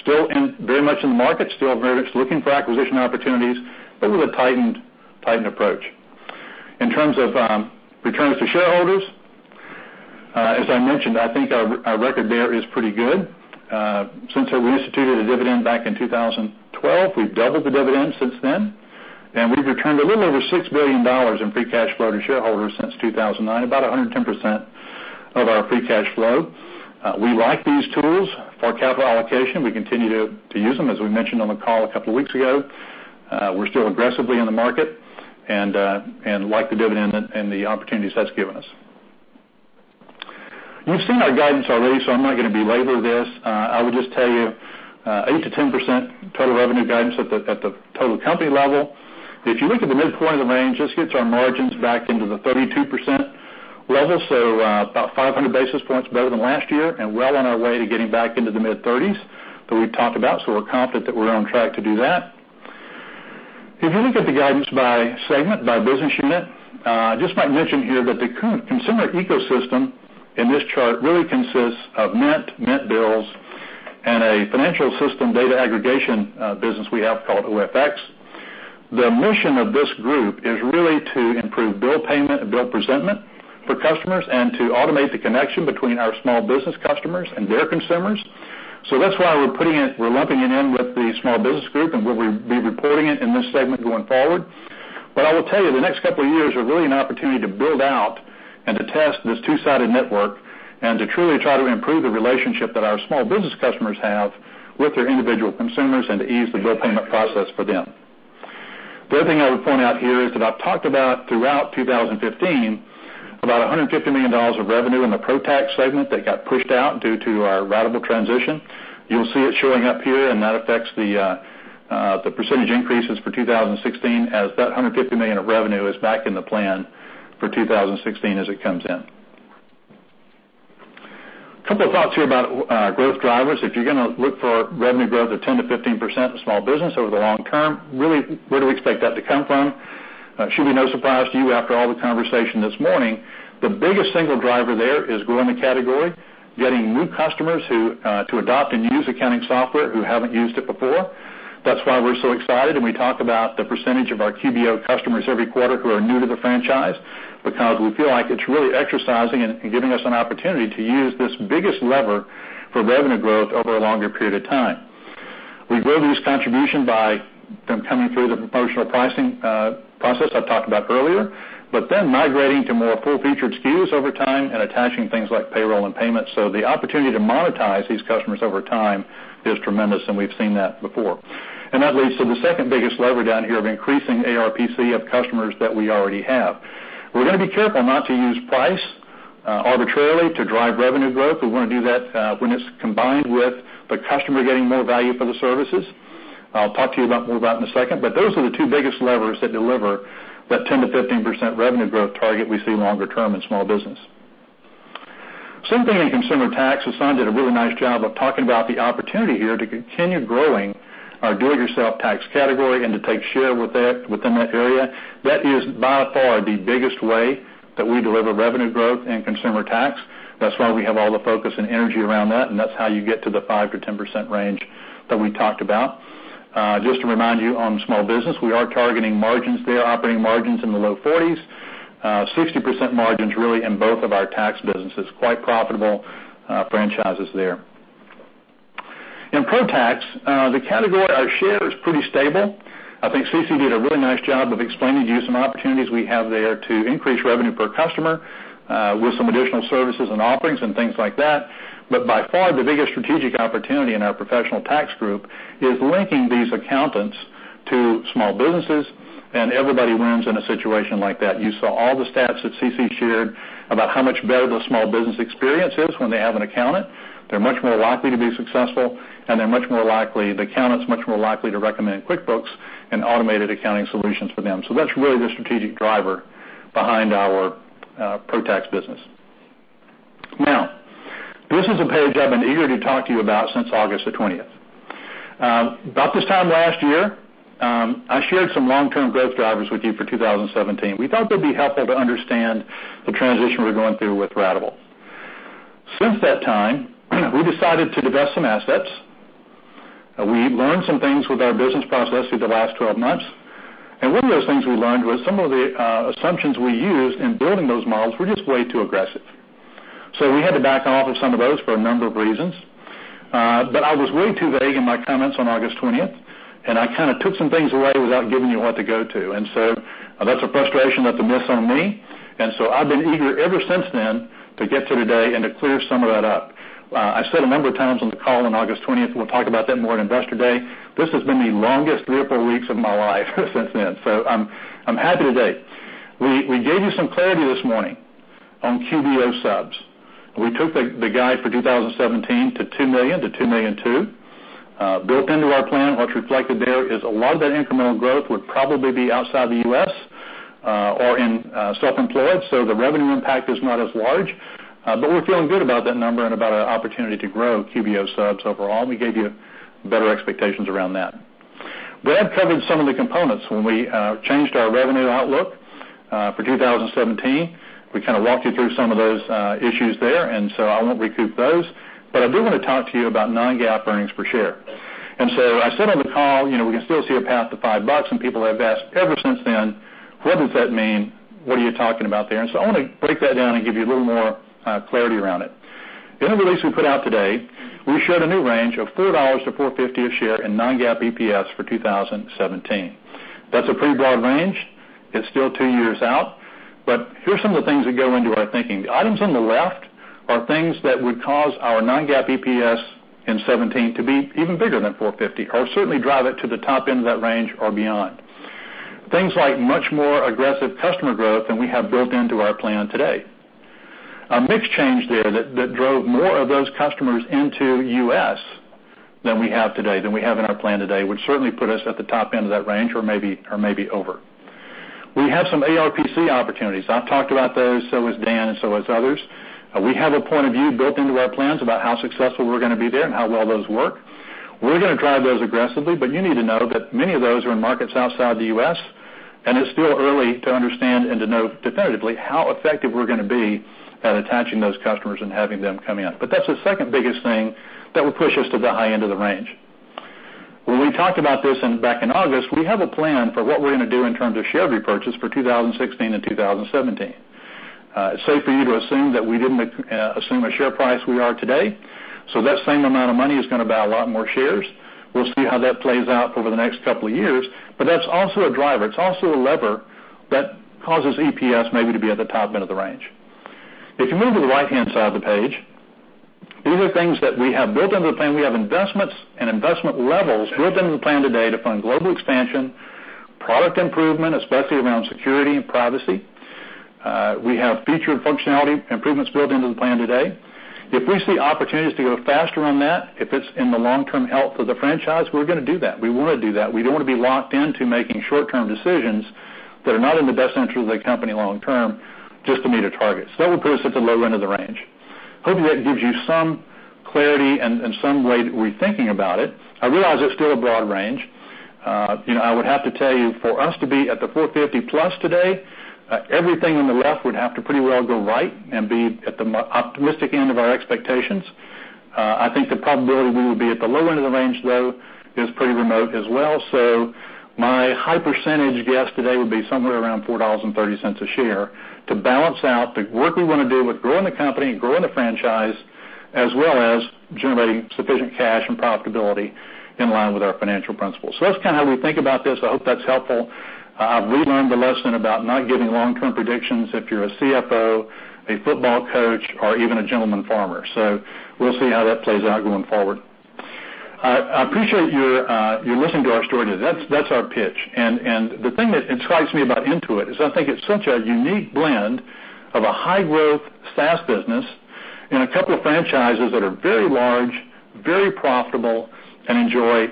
Still very much in the market, still very much looking for acquisition opportunities, but with a tightened approach. In terms of returns to shareholders, as I mentioned, I think our record there is pretty good. Since we instituted a dividend back in 2012, we've doubled the dividend since then, and we've returned a little over $6 billion in free cash flow to shareholders since 2009, about 110% of our free cash flow. We like these tools for capital allocation. We continue to use them. As we mentioned on the call a couple of weeks ago, we're still aggressively in the market and like the dividend and the opportunities that's given us. You've seen our guidance already, so I'm not going to belabor this. I would just tell you, 8%-10% total revenue guidance at the total company level. If you look at the midpoint of the range, this gets our margins back into the 32% level, so about 500 basis points better than last year, and well on our way to getting back into the mid-30s that we've talked about. We're confident that we're on track to do that. If you look at the guidance by segment, by business unit, I just might mention here that the consumer ecosystem in this chart really consists of Mint Bills, and a financial system data aggregation business we have called OFX. The mission of this group is really to improve bill payment and bill presentment for customers and to automate the connection between our small business customers and their consumers. That's why we're lumping it in with the small business group and we'll be reporting it in this segment going forward. I will tell you, the next couple of years are really an opportunity to build out and to test this two-sided network and to truly try to improve the relationship that our small business customers have with their individual consumers and to ease the bill payment process for them. The other thing I would point out here is that I've talked about, throughout 2015, about $150 million of revenue in the Pro Tax segment that got pushed out due to our ratable transition. You'll see it showing up here. That affects the percentage increases for 2016, as that $150 million of revenue is back in the plan for 2016 as it comes in. A couple of thoughts here about growth drivers. If you're going to look for revenue growth of 10%-15% in small business over the long term, really, where do we expect that to come from? Should be no surprise to you after all the conversation this morning, the biggest single driver there is growing the category, getting new customers to adopt and use accounting software who haven't used it before. That's why we're so excited. We talk about the percentage of our QBO customers every quarter who are new to the franchise, because we feel like it's really exercising and giving us an opportunity to use this biggest lever for revenue growth over a longer period of time. We grow this contribution by them coming through the promotional pricing process I talked about earlier, then migrating to more full-featured SKUs over time and attaching things like payroll and payments. The opportunity to monetize these customers over time is tremendous, and we've seen that before. That leads to the second-biggest lever down here of increasing ARPC of customers that we already have. We're going to be careful not to use price arbitrarily to drive revenue growth. We want to do that when it's combined with the customer getting more value for the services. I'll talk to you more about it in a second. Those are the two biggest levers that deliver that 10%-15% revenue growth target we see longer term in small business. Same thing in Consumer Tax. Sasan did a really nice job of talking about the opportunity here to continue growing our do-it-yourself tax category and to take share within that area. That is by far the biggest way that we deliver revenue growth in Consumer Tax. That's why we have all the focus and energy around that, and that's how you get to the 5%-10% range that we talked about. Just to remind you, on small business, we are targeting margins there, operating margins in the low 40s. 60% margins, really, in both of our tax businesses. Quite profitable franchises there. In Pro Tax, the category, our share is pretty stable. I think CeCe did a really nice job of explaining to you some opportunities we have there to increase revenue per customer with some additional services and offerings and things like that. By far, the biggest strategic opportunity in our professional tax group is linking these accountants to small businesses. Everybody wins in a situation like that. You saw all the stats that CeCe shared about how much better the small business experience is when they have an accountant. They're much more likely to be successful. The accountant's much more likely to recommend QuickBooks and automated accounting solutions for them. That's really the strategic driver behind our Pro Tax business. This is a page I've been eager to talk to you about since August the 20th. About this time last year, I shared some long-term growth drivers with you for 2017. We thought they'd be helpful to understand the transition we're going through with ratable. Since that time, we decided to divest some assets. We learned some things with our business process through the last 12 months. One of those things we learned was some of the assumptions we used in building those models were just way too aggressive. We had to back off of some of those for a number of reasons. I was way too vague in my comments on August 20th. I took some things away without giving you a lot to go to. That's a frustration that's a miss on me. I've been eager ever since then to get to today and to clear some of that up. I said a number of times on the call on August 20th, we'll talk about that more at Investor Day. This has been the longest three or four weeks of my life since then. I'm happy today. We gave you some clarity this morning on QBO subs. We took the guide for 2017 to $2 million-$2.2 million. Built into our plan, what's reflected there is a lot of that incremental growth would probably be outside the U.S. or in self-employed, so the revenue impact is not as large, but we're feeling good about that number and about our opportunity to grow QBO subs overall, and we gave you better expectations around that. Brad covered some of the components when we changed our revenue outlook for 2017. We walked you through some of those issues there. I won't recoup those, but I do want to talk to you about non-GAAP earnings per share. I said on the call, we can still see a path to $5, and people have asked ever since then, "What does that mean? What are you talking about there?" I want to break that down and give you a little more clarity around it. In the release we put out today, we showed a new range of $4-$4.50 a share in non-GAAP EPS for 2017. That's a pretty broad range. It's still two years out. Here's some of the things that go into our thinking. The items on the left are things that would cause our non-GAAP EPS in 2017 to be even bigger than $4.50, or certainly drive it to the top end of that range or beyond. Things like much more aggressive customer growth than we have built into our plan today. A mix change there that drove more of those customers into U.S. than we have today, than we have in our plan today, would certainly put us at the top end of that range or maybe over. We have some ARPC opportunities. I've talked about those, so has Dan. Others. We have a point of view built into our plans about how successful we're going to be there and how well those work. We're going to drive those aggressively, but you need to know that many of those are in markets outside the U.S., and it's still early to understand and to know definitively how effective we're going to be at attaching those customers and having them come in. That's the second biggest thing that would push us to the high end of the range. When we talked about this back in August, we have a plan for what we're going to do in terms of share repurchase for 2016 and 2017. It's safe for you to assume that we didn't assume a share price we are today, so that same amount of money is going to buy a lot more shares. We'll see how that plays out over the next couple of years. That's also a driver. It's also a lever that causes EPS maybe to be at the top end of the range. If you move to the right-hand side of the page, these are things that we have built into the plan. We have investments and investment levels built into the plan today to fund global expansion, product improvement, especially around security and privacy. We have feature and functionality improvements built into the plan today. If we see opportunities to go faster on that, if it's in the long-term health of the franchise, we're going to do that. We want to do that. We don't want to be locked into making short-term decisions that are not in the best interest of the company long term just to meet a target. That would put us at the low end of the range. Hopefully, that gives you some clarity and some way that we're thinking about it. I realize it's still a broad range. I would have to tell you, for us to be at the $4.50 plus today, everything on the left would have to pretty well go right and be at the optimistic end of our expectations. I think the probability we would be at the low end of the range, though, is pretty remote as well. My high percentage guess today would be somewhere around $4.30 a share to balance out the work we want to do with growing the company and growing the franchise, as well as generating sufficient cash and profitability in line with our financial principles. That's kind of how we think about this. I hope that's helpful. I've relearned the lesson about not giving long-term predictions if you're a CFO, a football coach, or even a gentleman farmer. We'll see how that plays out going forward. I appreciate your listening to our story today. That's our pitch. The thing that excites me about Intuit is I think it's such a unique blend of a high-growth SaaS business and a couple of franchises that are very large, very profitable, and enjoy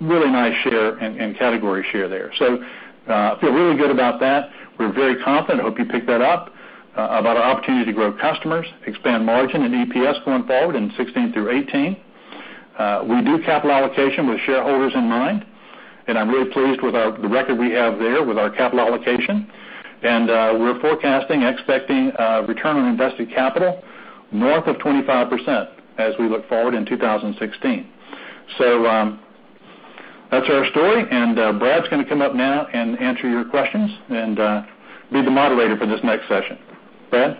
really nice share and category share there. Feel really good about that. We're very confident. I hope you picked that up about our opportunity to grow customers, expand margin and EPS going forward in 2016 through 2018. We do capital allocation with shareholders in mind. I'm really pleased with the record we have there with our capital allocation, and we're forecasting, expecting a return on invested capital north of 25% as we look forward in 2016. That's our story. Brad's going to come up now and answer your questions and be the moderator for this next session. Brad?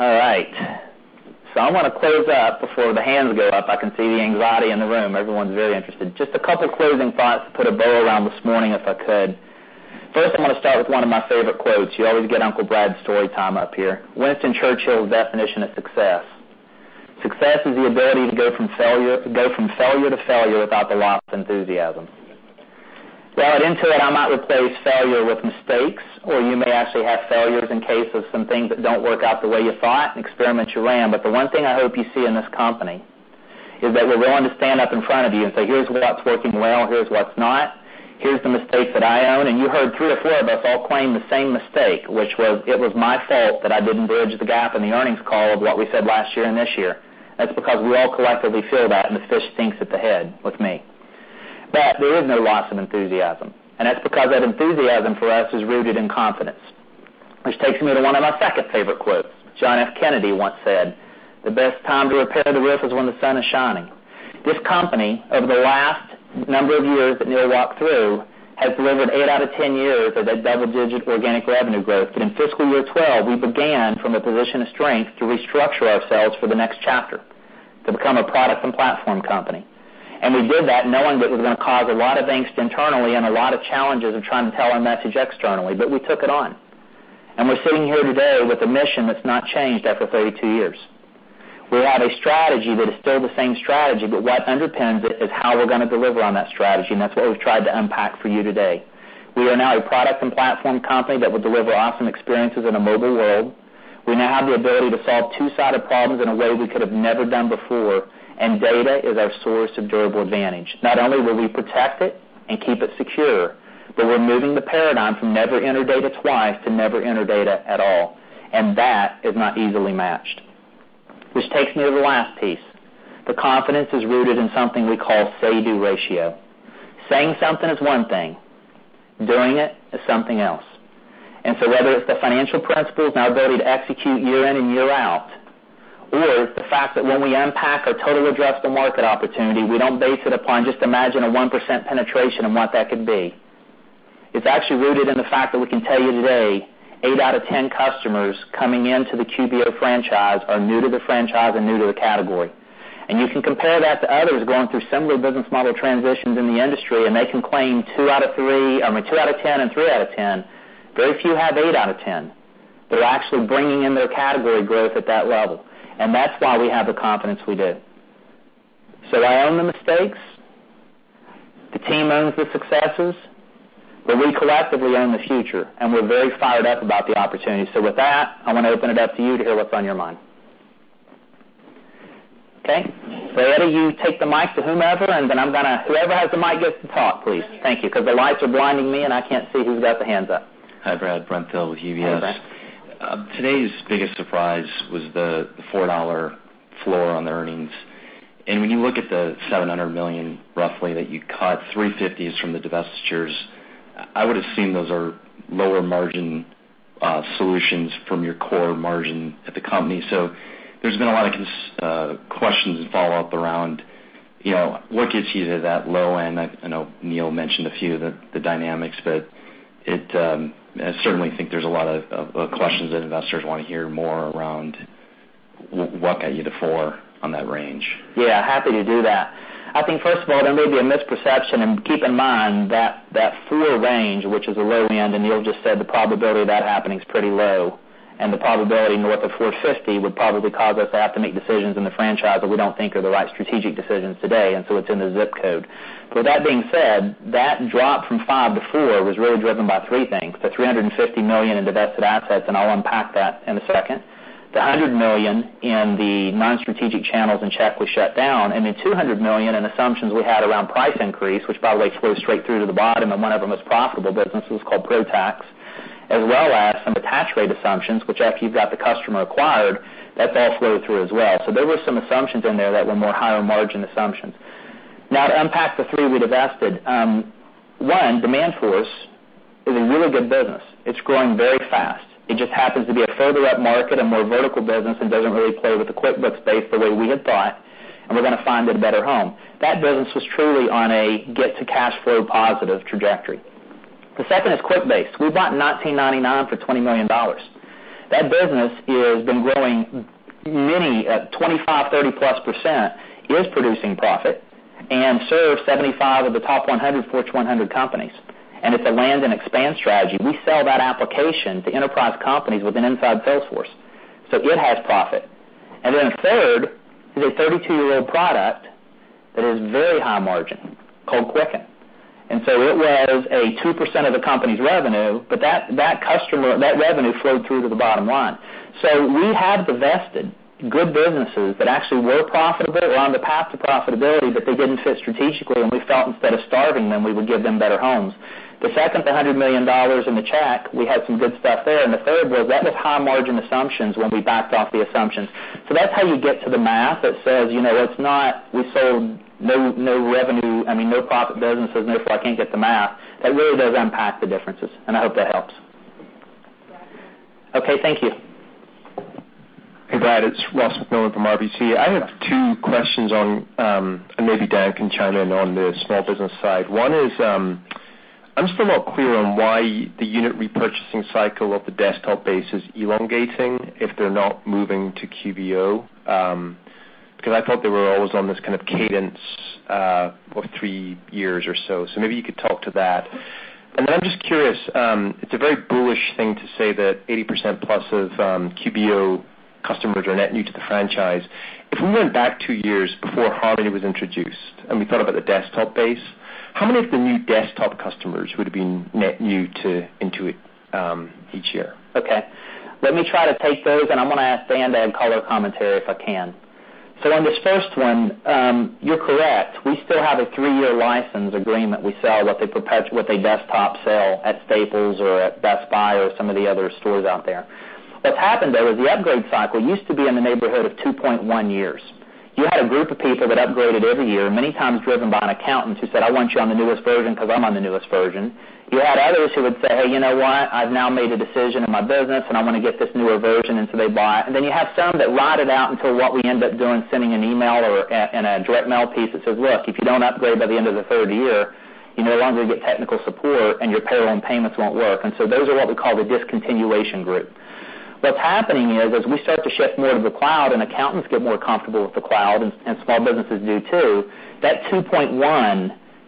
I want to close up before the hands go up. I can see the anxiety in the room. Everyone's very interested. Just a couple closing thoughts to put a bow around this morning, if I could. First, I want to start with one of my favorite quotes. You always get Uncle Brad's storytime up here. Winston Churchill's definition of success. "Success is the ability to go from failure to failure without the loss of enthusiasm." Well, at Intuit, I might replace failure with mistakes, or you may actually have failures in case of some things that don't work out the way you thought and experiments you ran. The one thing I hope you see in this company is that we're willing to stand up in front of you and say, "Here's what's working well, here's what's not. Here's the mistakes that I own." You heard 3 or 4 of us all claim the same mistake, which was, "It was my fault that I didn't bridge the gap in the earnings call of what we said last year and this year." That's because we all collectively feel that, and the fish stinks at the head with me. There is no loss of enthusiasm, and that's because that enthusiasm for us is rooted in confidence. Which takes me to one of my second favorite quotes. John F. Kennedy once said, "The best time to repair the roof is when the sun is shining." This company, over the last number of years that Neil walked through, has delivered 8 out of 10 years of that double-digit organic revenue growth. In fiscal year 2012, we began from a position of strength to restructure ourselves for the next chapter, to become a product and platform company. We did that knowing that it was going to cause a lot of angst internally and a lot of challenges of trying to tell our message externally. We took it on. We're sitting here today with a mission that's not changed after 32 years. We have a strategy that is still the same strategy. What underpins it is how we're going to deliver on that strategy. That's what we've tried to unpack for you today. We are now a product and platform company that will deliver awesome experiences in a mobile world. We now have the ability to solve two-sided problems in a way we could have never done before. Data is our source of durable advantage. Not only will we protect it and keep it secure. We're moving the paradigm from never enter data twice to never enter data at all. That is not easily matched. Which takes me to the last piece. The confidence is rooted in something we call say-do ratio. Saying something is one thing, doing it is something else. Whether it's the financial principles and our ability to execute year in and year out. The fact that when we unpack our total addressable market opportunity, we don't base it upon just imagine a 1% penetration and what that could be. It's actually rooted in the fact that we can tell you today, 8 out of 10 customers coming into the QBO franchise are new to the franchise and new to the category. You can compare that to others going through similar business model transitions in the industry, and they can claim two out of 10 and three out of 10. Very few have 8 out of 10 that are actually bringing in their category growth at that level, and that's why we have the confidence we do. I own the mistakes, the team owns the successes, but we collectively own the future, and we're very fired up about the opportunity. With that, I want to open it up to you to hear what's on your mind. Okay. Eddie, you take the mic to whomever, and then whoever has the mic gets to talk, please. Thank you. Because the lights are blinding me, and I can't see who's got their hands up. Hi, Brad. Brent Thill with UBS. Hey, Brent. Today's biggest surprise was the $4 floor on the earnings. When you look at the $700 million, roughly, that you cut, $350 is from the divestitures. I would have seen those are lower-margin solutions from your core margin at the company. There's been a lot of questions and follow-up around what gets you to that low end. I know Neil mentioned a few of the dynamics, but I certainly think there's a lot of questions that investors want to hear more around what got you to four on that range. Yeah, happy to do that. I think first of all, there may be a misperception. Keep in mind that floor range, which is the low end, Neil Williams just said the probability of that happening is pretty low. The probability north of $450 would probably cause us to have to make decisions in the franchise that we don't think are the right strategic decisions today. It's in the zip code. With that being said, that drop from $5 to $4 was really driven by three things. The $350 million in divested assets. I'll unpack that in a second. The $100 million in the non-strategic channels in Check we shut down. The $200 million in assumptions we had around price increase, which probably flowed straight through to the bottom in one of our most profitable businesses called ProConnect Tax, as well as some detach rate assumptions, which after you've got the customer acquired, that all flowed through as well. So there were some assumptions in there that were more higher-margin assumptions. Now to unpack the three we divested. One, DemandForce is a really good business. It's growing very fast. It just happens to be a further up market, a more vertical business. It doesn't really play with the QuickBooks space the way we had thought. We're going to find it a better home. That business was truly on a get-to-cash-flow-positive trajectory. The second is QuickBase. We bought in 1999 for $20 million. That business has been growing many at 25%-30%+, is producing profit, serves 75 of the top Fortune 100 companies. It's a land and expand strategy. We sell that application to enterprise companies within inside Salesforce. It has profit. Third is a 32-year-old product that is very high margin, called Quicken. It was a 2% of the company's revenue, that revenue flowed through to the bottom line. We have divested good businesses that actually were profitable or on the path to profitability, they didn't fit strategically. We felt instead of starving them, we would give them better homes. The second, the $100 million in the Check, we had some good stuff there. The third was that was high-margin assumptions when we backed off the assumptions. That's how you get to the math that says it's not we sold no profit businesses, therefore I can't get the math. That really does unpack the differences. I hope that helps. Okay, thank you. Hey, Brad. It's Ross MacMillan from RBC. I have two questions on, and maybe Dan can chime in on the small business side. One is, I'm still not clear on why the unit repurchasing cycle of the desktop base is elongating if they're not moving to QBO. I thought they were always on this kind of cadence of 3 years or so. Maybe you could talk to that. I'm just curious, it's a very bullish thing to say that 80%-plus of QBO customers are net new to the franchise. If we went back 2 years before Harmony was introduced, and we thought about the desktop base, how many of the new desktop customers would have been net new to Intuit each year? Okay. Let me try to take those, and I'm going to ask Dan to add color commentary if I can. On this first one, you're correct. We still have a 3-year license agreement we sell with a desktop sale at Staples or at Best Buy or some of the other stores out there. What's happened, though, is the upgrade cycle used to be in the neighborhood of 2.1 years. You had a group of people that upgraded every year, many times driven by an accountant who said, "I want you on the newest version because I'm on the newest version." You had others who would say, "You know what? I've now made a decision in my business, and I want to get this newer version." They buy. You have some that ride it out until what we end up doing, sending an email or a direct mail piece that says, "Look, if you don't upgrade by the end of the third year, you no longer get technical support, and your payroll and payments won't work." Those are what we call the discontinuation group. What's happening is, as we start to shift more to the cloud, and accountants get more comfortable with the cloud, and small businesses do too, that 2.1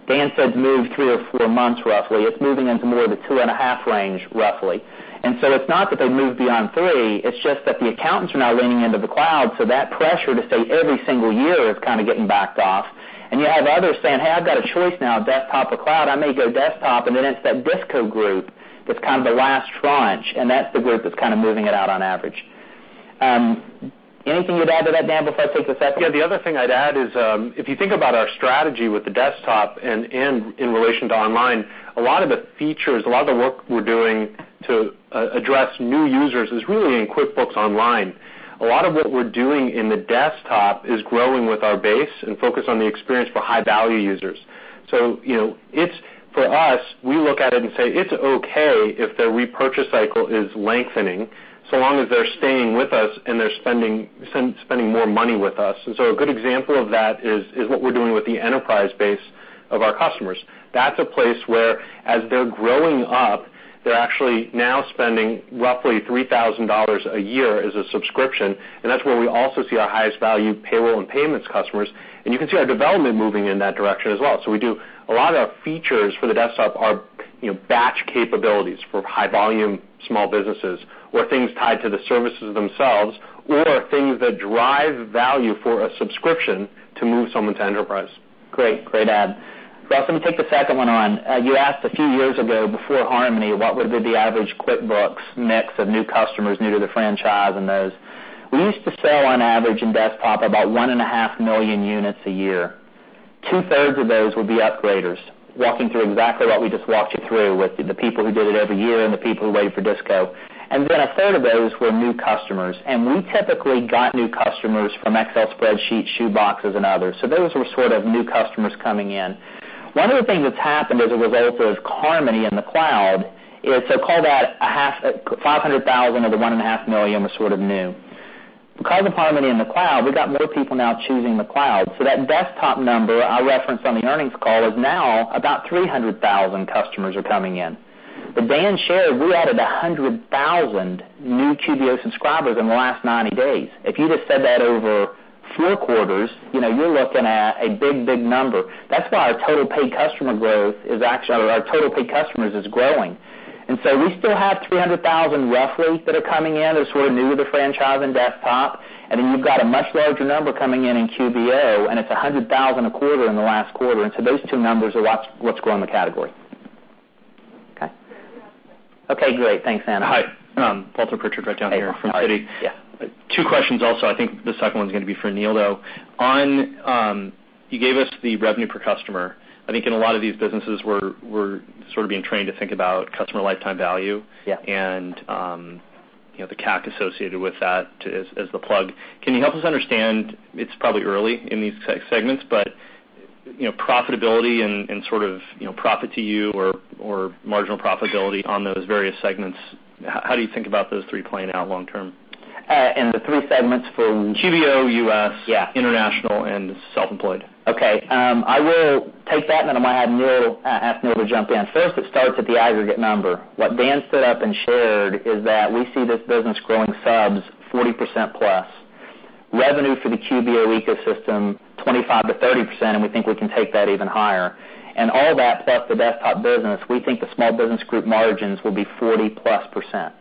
Dan said moved three or four months roughly. It's moving into more of a two and a half range, roughly. It's not that they've moved beyond three, it's just that the accountants are now leaning into the cloud. That pressure to say every single year is kind of getting backed off. You have others saying, "Hey, I've got a choice now, desktop or cloud. I may go desktop." It's that disco group that's kind of the last tranche, and that's the group that's kind of moving it out on average. Anything you'd add to that, Dan, before I take the second? Yeah. The other thing I'd add is, if you think about our strategy with the desktop in relation to online, a lot of the features, a lot of the work we're doing to address new users is really in QuickBooks Online. A lot of what we're doing in the desktop is growing with our base and focus on the experience for high-value users. For us, we look at it and say, it's okay if their repurchase cycle is lengthening, so long as they're staying with us and they're spending more money with us. A good example of that is what we're doing with the enterprise base of our customers. That's a place where, as they're growing up, they're actually now spending roughly $3,000 a year as a subscription, and that's where we also see our highest value payroll and payments customers. You can see our development moving in that direction as well. A lot of our features for the desktop are batch capabilities for high-volume small businesses or things tied to the services themselves or things that drive value for a subscription to move someone to enterprise. Great add. Ross, let me take the second one on. You asked a few years ago, before Harmony, what would be the average QuickBooks mix of new customers, new to the franchise, and those. We used to sell on average in desktop about one and a half million units a year. Two-thirds of those would be upgraders, walking through exactly what we just walked you through, with the people who did it every year and the people who waited for disco. A third of those were new customers. We typically got new customers from Excel spreadsheets, shoeboxes, and others. Those were sort of new customers coming in. One of the things that's happened as a result of Harmony in the cloud is, call that 500,000 of the one and a half million was sort of new. Because of Harmony in the cloud, we've got more people now choosing the cloud. That desktop number I referenced on the earnings call is now about 300,000 customers are coming in. As Dan shared, we added 100,000 new QBO subscribers in the last 90 days. If you just said that over four quarters, you're looking at a big, big number. That's why our total paid customers is growing. We still have 300,000, roughly, that are coming in as sort of new to the franchise in desktop. You've got a much larger number coming in in QBO, and it's 100,000 a quarter in the last quarter. Those two numbers are what's growing the category. Okay. Okay, great. Thanks, Anna. Hi. Walter Pritchard, right down here from Citi. Yeah. Two questions also. I think the second one's going to be for Neil, though. You gave us the revenue per customer. I think in a lot of these businesses, we're sort of being trained to think about customer lifetime value- Yeah The CAC associated with that as the plug. Can you help us understand, it's probably early in these segments, but profitability and sort of profit to you or marginal profitability on those various segments, how do you think about those three playing out long term? In the three segments for? QBO U.S. Yeah International, and self-employed. Okay. I will take that, and then I might have ask Neil to jump in. First, it starts with the aggregate number. What Dan stood up and shared is that we see this business growing subs 40%+. Revenue for the QBO ecosystem, 25%-30%, and we think we can take that even higher. All that plus the desktop business, we think the Small Business Group margins will be 40%+.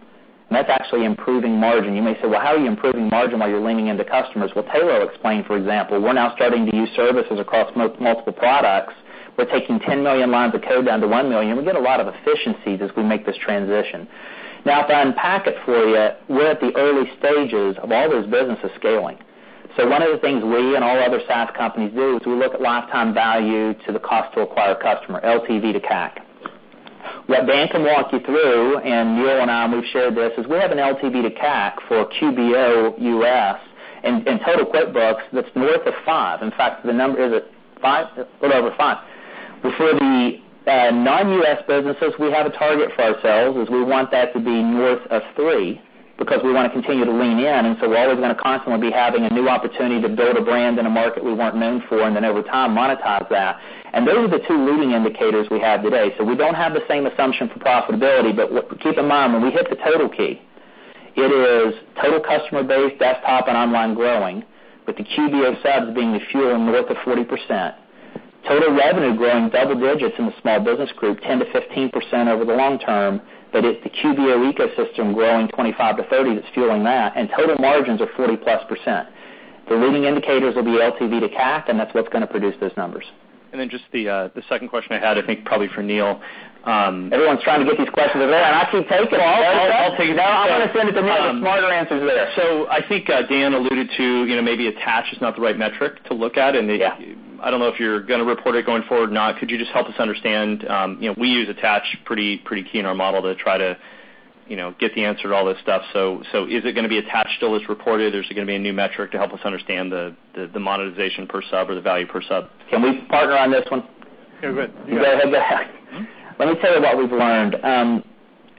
That's actually improving margin. You may say, "Well, how are you improving margin while you're leaning into customers?" Well, payroll explained, for example, we're now starting to use services across multiple products. We're taking 10 million lines of code down to 1 million. We get a lot of efficiencies as we make this transition. If I unpack it for you, we're at the early stages of all those businesses scaling. One of the things we and all other SaaS companies do is we look at lifetime value to the cost to acquire a customer, LTV to CAC. What Dan can walk you through, and Neil and I, we've shared this, is we have an LTV to CAC for QBO U.S. and total QuickBooks that's north of five. In fact, the number, is it five? A little over five. For the non-U.S. businesses, we have a target for ourselves, is we want that to be north of three because we want to continue to lean in. We're always going to constantly be having a new opportunity to build a brand in a market we weren't known for, and then over time, monetize that. Those are the two leading indicators we have today. We don't have the same assumption for profitability, but keep in mind, when we hit the total key, it is total customer base, desktop, and online growing, with the QBO subs being the fuel in the north of 40%. Total revenue growing double digits in the Small Business Group, 10%-15% over the long term, but it's the QBO ecosystem growing 25%-30% that's fueling that. Total margins are 40-plus %. The leading indicators will be LTV to CAC, and that's what's going to produce those numbers. Then just the second question I had, I think probably for Neil. Everyone's trying to get these questions in there, and I can take them. Well, I'll take it. No, I'm going to send it to Neil. The smarter answer's there. I think Dan alluded to maybe attach is not the right metric to look at. Yeah. I don't know if you're going to report it going forward or not. Could you just help us understand? We use attach pretty key in our model. Get the answer to all this stuff. Is it going to be attach still as reported, or is it going to be a new metric to help us understand the monetization per sub or the value per sub? Can we partner on this one? Yeah, go ahead. Go ahead? Let me tell you what we've learned.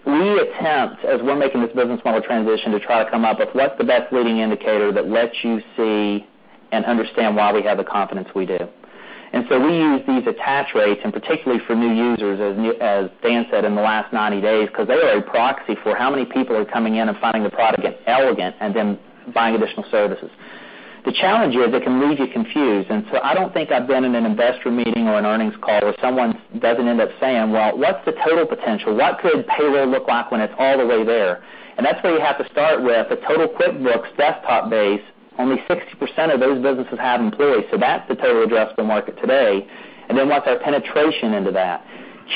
We attempt, as we're making this business model transition, to try to come up with what's the best leading indicator that lets you see and understand why we have the confidence we do. We use these attach rates, and particularly for new users, as Dan said, in the last 90 days, because they are a proxy for how many people are coming in and finding the product elegant and then buying additional services. The challenge is, it can leave you confused. I don't think I've been in an investor meeting or an earnings call where someone doesn't end up saying, "Well, what's the total potential? What could payroll look like when it's all the way there?" That's where you have to start with the total QuickBooks desktop base. Only 60% of those businesses have employees. That's the total addressable market today. What's our penetration into that?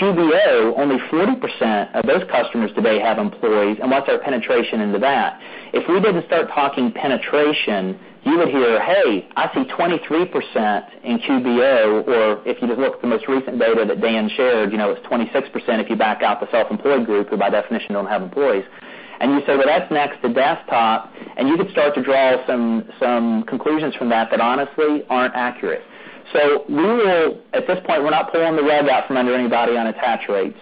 QBO, only 40% of those customers today have employees, and what's our penetration into that? If we were to start talking penetration, you would hear, "Hey, I see 23% in QBO." If you look at the most recent data that Dan shared, it's 26% if you back out the self-employed group, who by definition don't have employees. You say, "Well, that's next to desktop." You could start to draw some conclusions from that honestly aren't accurate. We will, at this point, we're not pulling the rug out from under anybody on attach rates.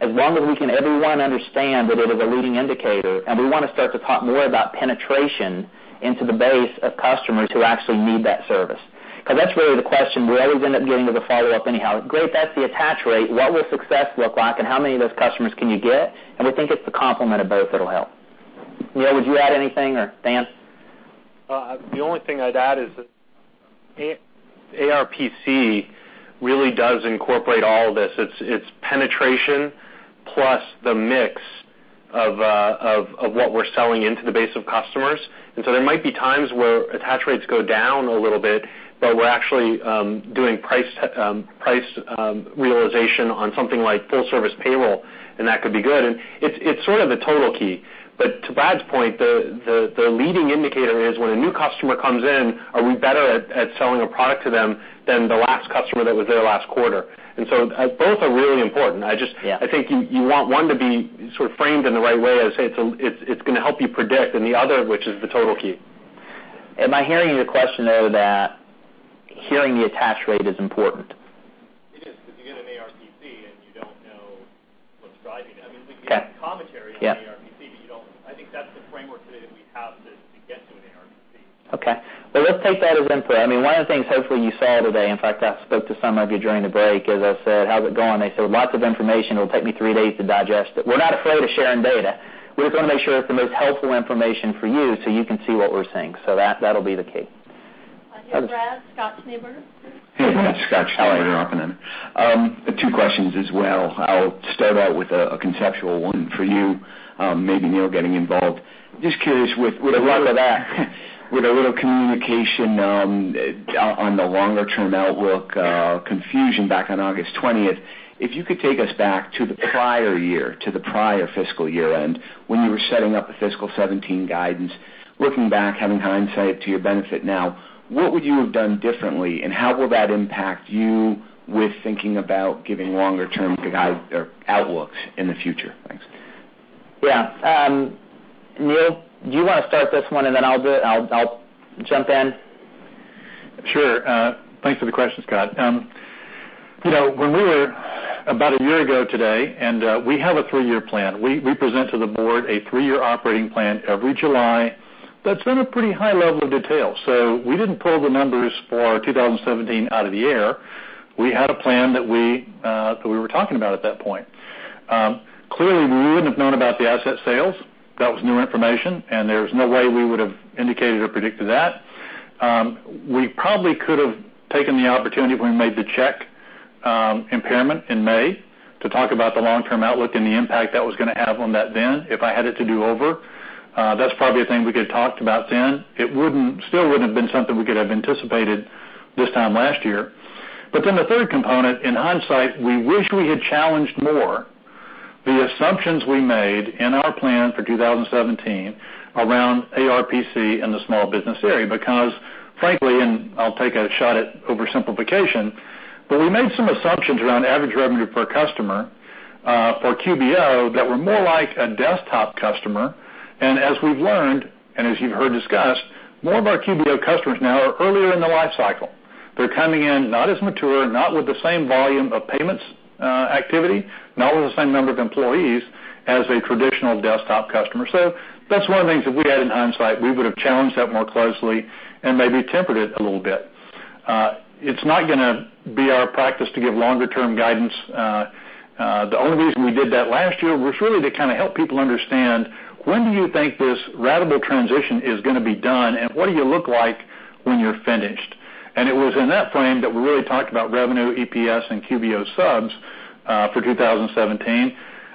As long as we can, everyone understand that it is a leading indicator. We want to start to talk more about penetration into the base of customers who actually need that service. That's really the question we always end up getting with a follow-up anyhow. Great, that's the attach rate. What will success look like, and how many of those customers can you get? We think it's the complement of both that'll help. Neil, would you add anything, or Dan? The only thing I'd add is that ARPC really does incorporate all of this. It's penetration plus the mix of what we're selling into the base of customers. So there might be times where attach rates go down a little bit, but we're actually doing price realization on something like full service payroll, and that could be good. It's sort of a total key. To Brad's point, the leading indicator is when a new customer comes in, are we better at selling a product to them than the last customer that was there last quarter? So both are really important. Yeah. I think you want one to be sort of framed in the right way, as it's going to help you predict, the other of which is the total key. Am I hearing your question, though, that hearing the attach rate is important? It is, because you get an ARPC, you don't know what's driving it. I mean, we can- Okay. -give commentary- Yeah. I think that's the framework today that we have to get to an ARPC. Okay. Well, let's take that as input. One of the things, hopefully, you saw today, in fact, I spoke to some of you during the break, as I said, "How's it going?" They said, "Lots of information. It'll take me three days to digest it." We're not afraid of sharing data. We just want to make sure it's the most helpful information for you, so you can see what we're seeing. That'll be the key. Here, Brad, Scott Schneeberger. Hey, Brad. Scott Schneeberger, Oppenheimer. two questions as well. I'll start out with a conceptual one for you. Maybe Neil getting involved. Just curious with- I love that. With a little communication on the longer-term outlook confusion back on August 20th. If you could take us back to the prior year, to the prior fiscal year-end, when you were setting up the fiscal 2017 guidance. Looking back, having hindsight to your benefit now, what would you have done differently, and how will that impact you with thinking about giving longer-term guidance or outlooks in the future? Thanks. Yeah. Neil, do you want to start this one, and then I'll jump in? Sure. Thanks for the question, Scott. When we were, about a year ago today, and we have a three-year plan. We present to the board a three-year operating plan every July that's in a pretty high level of detail. We didn't pull the numbers for 2017 out of the air. We had a plan that we were talking about at that point. Clearly, we wouldn't have known about the asset sales. That was new information, and there's no way we would've indicated or predicted that. We probably could've taken the opportunity when we made the Check impairment in May to talk about the long-term outlook and the impact that was going to have on that then. If I had it to do over, that's probably a thing we could've talked about then. It still wouldn't have been something we could have anticipated this time last year. The third component, in hindsight, we wish we had challenged more the assumptions we made in our plan for 2017 around ARPC in the small business area. Frankly, and I'll take a shot at oversimplification, but we made some assumptions around average revenue per customer for QBO that were more like a desktop customer. As we've learned, and as you've heard discussed, more of our QBO customers now are earlier in the life cycle. They're coming in not as mature, not with the same volume of payments activity, not with the same number of employees as a traditional desktop customer. That's one of the things that we had in hindsight, we would've challenged that more closely and maybe tempered it a little bit. It's not gonna be our practice to give longer-term guidance. The only reason we did that last year was really to kind of help people understand, when do you think this ratable transition is gonna be done, and what do you look like when you're finished? It was in that frame that we really talked about revenue, EPS, and QBO subs for 2017.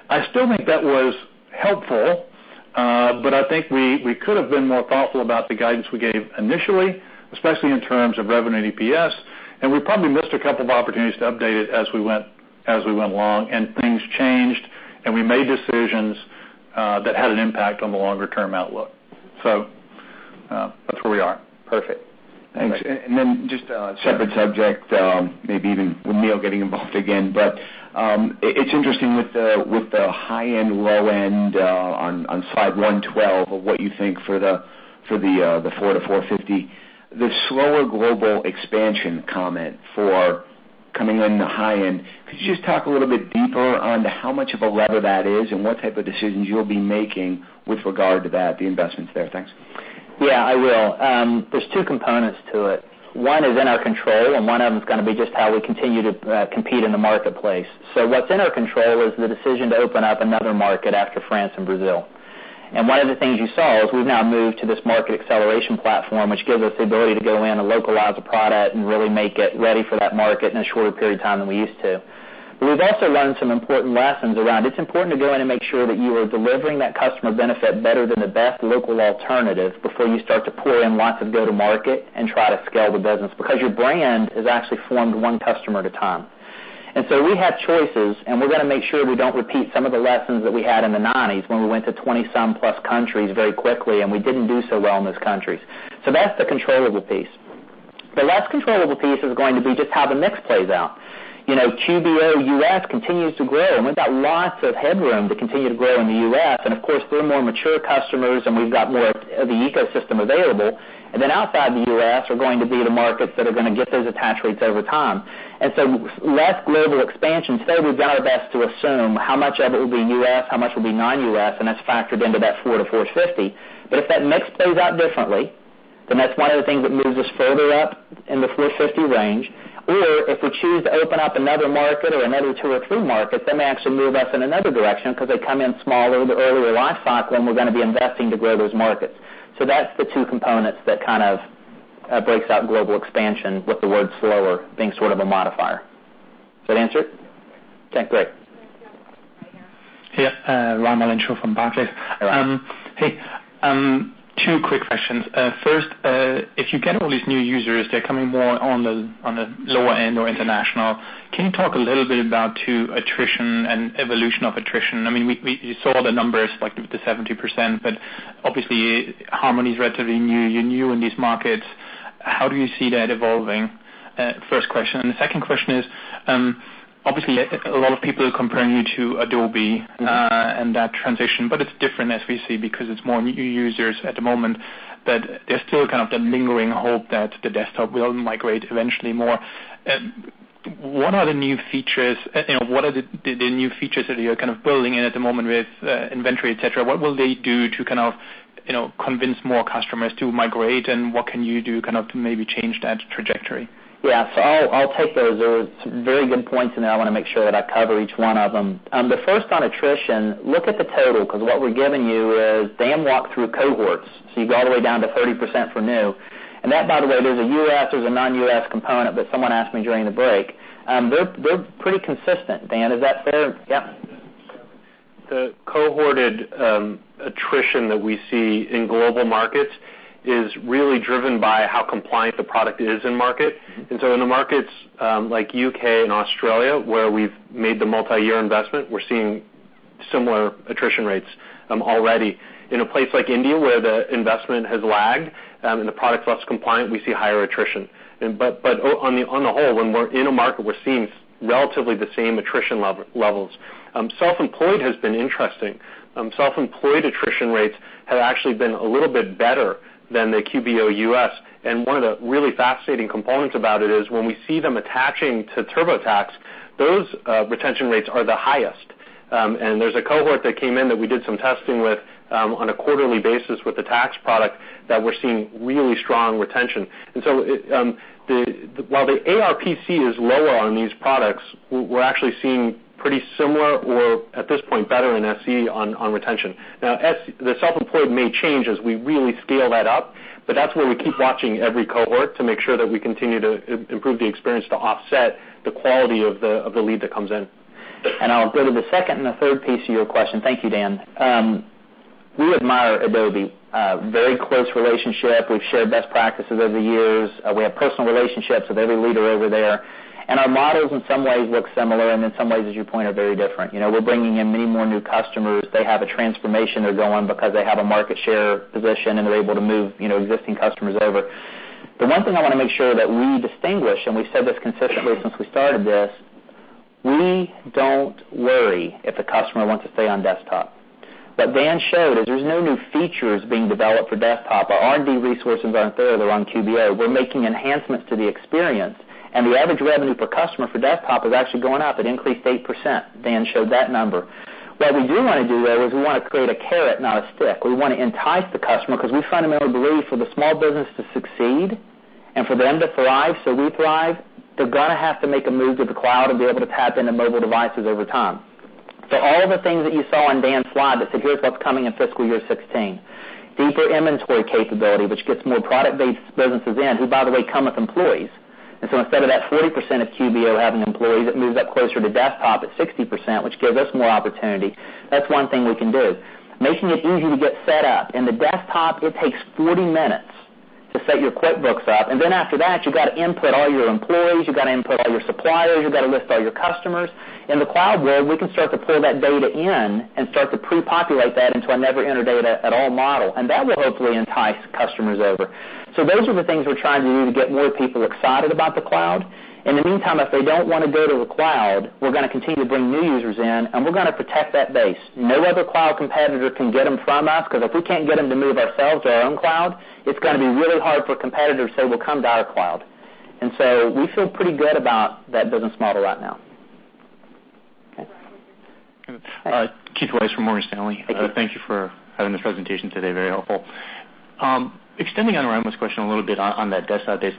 I still think that was helpful, but I think we could've been more thoughtful about the guidance we gave initially, especially in terms of revenue and EPS. We probably missed a couple of opportunities to update it as we went along, and things changed, and we made decisions that had an impact on the longer-term outlook. That's where we are. Perfect. Thanks. Just a separate subject, maybe even with Neil getting involved again, it's interesting with the high end, low end on slide 112 of what you think for the $400-$450, the slower global expansion comment for coming in the high end. Could you just talk a little bit deeper on how much of a lever that is and what type of decisions you'll be making with regard to that, the investments there? Thanks. I will. There's two components to it. One is in our control, one of them is going to be just how we continue to compete in the marketplace. What's in our control is the decision to open up another market after France and Brazil. One of the things you saw is we've now moved to this market acceleration platform, which gives us the ability to go in and localize a product and really make it ready for that market in a shorter period of time than we used to. We've also learned some important lessons around, it's important to go in and make sure that you are delivering that customer benefit better than the best local alternative before you start to pull in lots of go-to-market and try to scale the business, because your brand is actually formed one customer at a time. We have choices, we're going to make sure we don't repeat some of the lessons that we had in the '90s, when we went to 20-some plus countries very quickly, we didn't do so well in those countries. That's the controllable piece. The less controllable piece is going to be just how the mix plays out. QuickBooks Online U.S. continues to grow, we've got lots of headroom to continue to grow in the U.S., of course, they're more mature customers, we've got more of the ecosystem available. Outside the U.S. are going to be the markets that are going to get those attach rates over time. Less global expansion. Today, we've done our best to assume how much of it will be U.S., how much will be non-U.S., that's factored into that $400-$450. If that mix plays out differently, that's one of the things that moves us further up in the $450 range. If we choose to open up another market or another two or three markets, that may actually move us in another direction because they come in smaller with earlier lifecycles, we're going to be investing to grow those markets. That's the two components that kind of breaks out global expansion with the word slower being sort of a modifier. Does that answer it? Yeah. Okay, great. Yeah. Ron from Barclays. Hi, Ron. Hey. Two quick questions. First, if you get all these new users, they're coming more on the lower end or international. Can you talk a little bit about attrition and evolution of attrition? We saw the numbers, like the 70%, obviously, Harmony's relatively new. You're new in these markets. How do you see that evolving? First question, the second question is, obviously a lot of people are comparing you to Adobe and that transition, it's different, as we see, because it's more new users at the moment, there's still kind of the lingering hope that the desktop will migrate eventually more. What are the new features that you're kind of building in at the moment with inventory, et cetera? What will they do to kind of convince more customers to migrate, what can you do to maybe change that trajectory? Yeah. I'll take those. Those are some very good points in there. I want to make sure that I cover each one of them. The first on attrition, look at the total, because what we're giving you is Dan walked through cohorts. You go all the way down to 30% for new, that, by the way, there's a U.S., there's a non-U.S. component, someone asked me during the break. They're pretty consistent. Dan, is that fair? Yeah. The cohorted attrition that we see in global markets is really driven by how compliant the product is in market. In the markets like U.K. and Australia, where we've made the multi-year investment, we're seeing similar attrition rates already. In a place like India, where the investment has lagged, and the product's less compliant, we see higher attrition. On the whole, when we're in a market, we're seeing relatively the same attrition levels. Self-employed has been interesting. Self-employed attrition rates have actually been a little bit better than the QBO U.S., and one of the really fascinating components about it is when we see them attaching to TurboTax, those retention rates are the highest. There's a cohort that came in that we did some testing with on a quarterly basis with the tax product that we're seeing really strong retention. While the ARPC is lower on these products, we're actually seeing pretty similar or, at this point, better than SE on retention. The self-employed may change as we really scale that up, that's where we keep watching every cohort to make sure that we continue to improve the experience to offset the quality of the lead that comes in. I'll go to the second and the third piece of your question. Thank you, Dan. We admire Adobe. Very close relationship. We've shared best practices over the years. We have personal relationships with every leader over there, our models in some ways look similar, in some ways, as you point out, very different. We're bringing in many more new customers. They have a transformation they're going because they have a market share position, they're able to move existing customers over. The one thing I want to make sure that we distinguish, we've said this consistently since we started this, we don't worry if a customer wants to stay on desktop. What Dan showed is there's no new features being developed for desktop. Our R&D resources aren't there. They're on QBO. We're making enhancements to the experience, the average revenue per customer for desktop is actually going up. It increased 8%. Dan showed that number. What we do want to do, though, is we want to create a carrot, not a stick. We want to entice the customer because we fundamentally believe for the small business to succeed for them to thrive, so we thrive, they're going to have to make a move to the cloud and be able to tap into mobile devices over time. All of the things that you saw on Dan's slide that said, "Here's what's coming in FY 2016." Deeper inventory capability, which gets more product-based businesses in, who by the way, come with employees. Instead of that 40% of QBO having employees, it moves up closer to desktop at 60%, which gives us more opportunity. That's one thing we can do. Making it easy to get set up. In the desktop, it takes 40 minutes to set your QuickBooks up. After that, you've got to input all your employees, you've got to input all your suppliers, you've got to list all your customers. In the cloud world, we can start to pull that data in, start to pre-populate that into a never-enter-data-at-all model. That will hopefully entice customers over. Those are the things we're trying to do to get more people excited about the cloud. In the meantime, if they don't want to go to the cloud, we're going to continue to bring new users in. We're going to protect that base. No other cloud competitor can get them from us, because if we can't get them to move ourselves to our own cloud, it's going to be really hard for competitors who say they will come to our cloud. We feel pretty good about that business model right now. Okay. Keith Weiss from Morgan Stanley. Thank you. Thank you for having this presentation today. Very helpful. Extending on Ramya's question a little bit on that desktop base,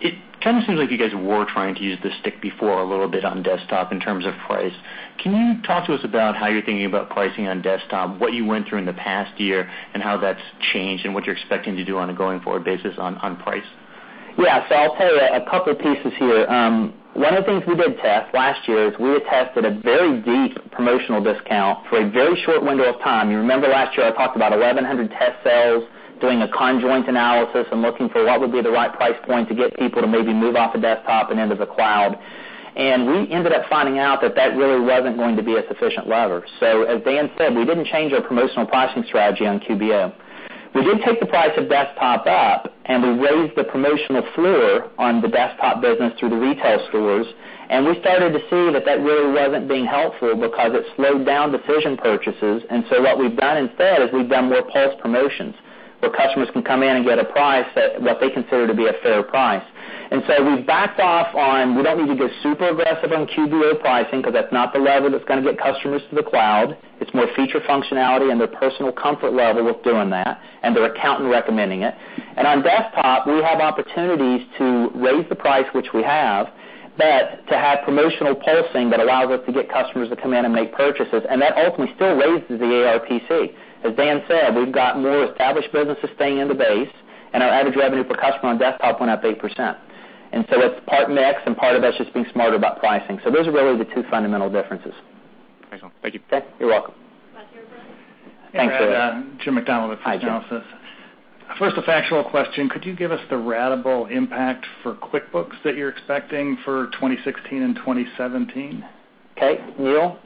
it kind of seems like you guys were trying to use the stick before a little bit on desktop in terms of price. Can you talk to us about how you're thinking about pricing on desktop, what you went through in the past year, and how that's changed, and what you're expecting to do on a going-forward basis on price? Yeah. I'll tell you a couple of pieces here. One of the things we did test last year is we had tested a very deep promotional discount for a very short window of time. You remember last year, I talked about 1,100 test sales, doing a conjoint analysis and looking for what would be the right price point to get people to maybe move off of desktop and into the cloud. We ended up finding out that that really wasn't going to be a sufficient lever. As Dan said, we didn't change our promotional pricing strategy on QuickBooks Online. We did take the price of desktop up, and we raised the promotional floor on the desktop business through the retail stores, and we started to see that that really wasn't being helpful because it slowed down decision purchases. What we've done instead is we've done more pulse promotions, where customers can come in and get a price at what they consider to be a fair price. We backed off on, we don't need to get super aggressive on QuickBooks Online pricing because that's not the lever that's going to get customers to the cloud. It's more feature functionality and their personal comfort level with doing that, and their accountant recommending it. On desktop, we have opportunities to raise the price, which we have, but to have promotional pulsing that allows us to get customers to come in and make purchases. That ultimately still raises the ARPC. As Dan said, we've got more established businesses staying in the base, and our average revenue per customer on desktop went up 8%. It's part mix and part of us just being smarter about pricing. Those are really the two fundamental differences. Excellent. Thank you. Okay. You're welcome. Brad, you're up. Thanks, Julie. Hey, Brad. Jim MacDonald with- Hi, Jim. Genesis. First, a factual question. Could you give us the ratable impact for QuickBooks that you're expecting for 2016 and 2017? Okay. Neil,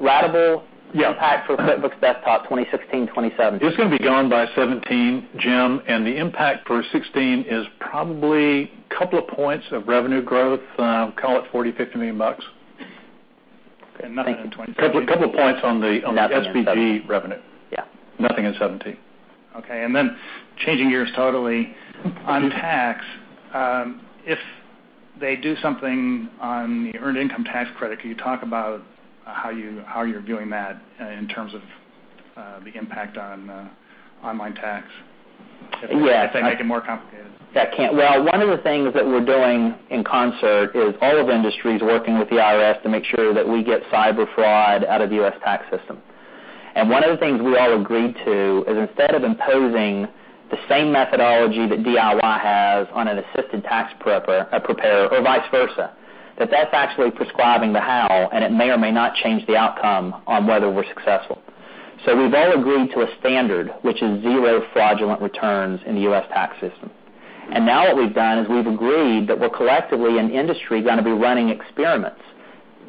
ratable impact for QuickBooks Desktop 2016, 2017. It's going to be gone by 2017, Jim, and the impact for 2016 is probably couple of points of revenue growth. Call it $40 million-$50 million. Okay. Nothing in 2017. Couple of points on the SBG revenue. Nothing in 2017. Okay. Changing gears totally. On tax, if they do something on the Earned Income Tax Credit, can you talk about how you're viewing that in terms of the impact on online tax? If they make it more complicated. One of the things that we're doing in concert is all of industry's working with the IRS to make sure that we get cyber fraud out of the U.S. tax system. One of the things we all agreed to is instead of imposing the same methodology that DIY has on an assisted tax preparer or vice versa, that that's actually prescribing the how, and it may or may not change the outcome on whether we're successful. We've all agreed to a standard, which is zero fraudulent returns in the U.S. tax system. Now what we've done is we've agreed that we're collectively in the industry going to be running experiments,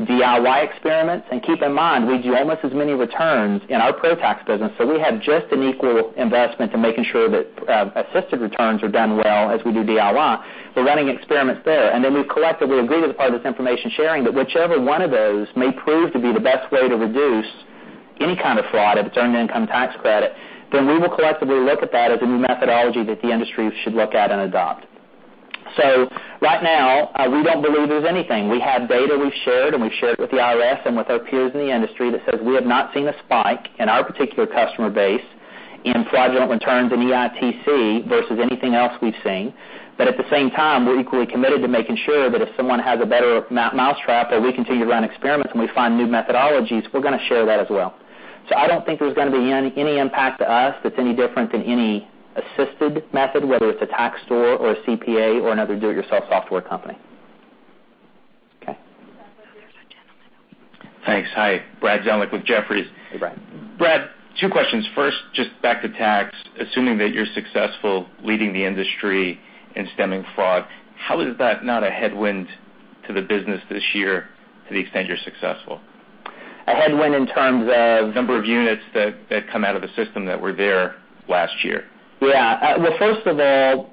DIY experiments. Keep in mind, we do almost as many returns in our ProTax business, so we have just an equal investment to making sure that assisted returns are done well as we do DIY. We're running experiments there. We've collectively agreed as part of this information sharing that whichever one of those may prove to be the best way to reduce any kind of fraud, if it's Earned Income Tax Credit, we will collectively look at that as a new methodology that the industry should look at and adopt. Right now, we don't believe there's anything. We have data we've shared, and we've shared with the IRS and with our peers in the industry that says we have not seen a spike in our particular customer base in fraudulent returns in EITC versus anything else we've seen. At the same time, we're equally committed to making sure that if someone has a better mousetrap or we continue to run experiments and we find new methodologies, we're going to share that as well. I don't think there's going to be any impact to us that's any different than any assisted method, whether it's a tax store or a CPA or another do-it-yourself software company. Okay. Brad, there's a gentleman over here. Thanks. Hi. Brad Zelnick with Jefferies. Hey, Brad. Brad, two questions. First, just back to tax. Assuming that you're successful leading the industry in stemming fraud, how is that not a headwind to the business this year to the extent you're successful? A headwind in terms of? Number of units that come out of the system that were there last year. Yeah. Well, first of all,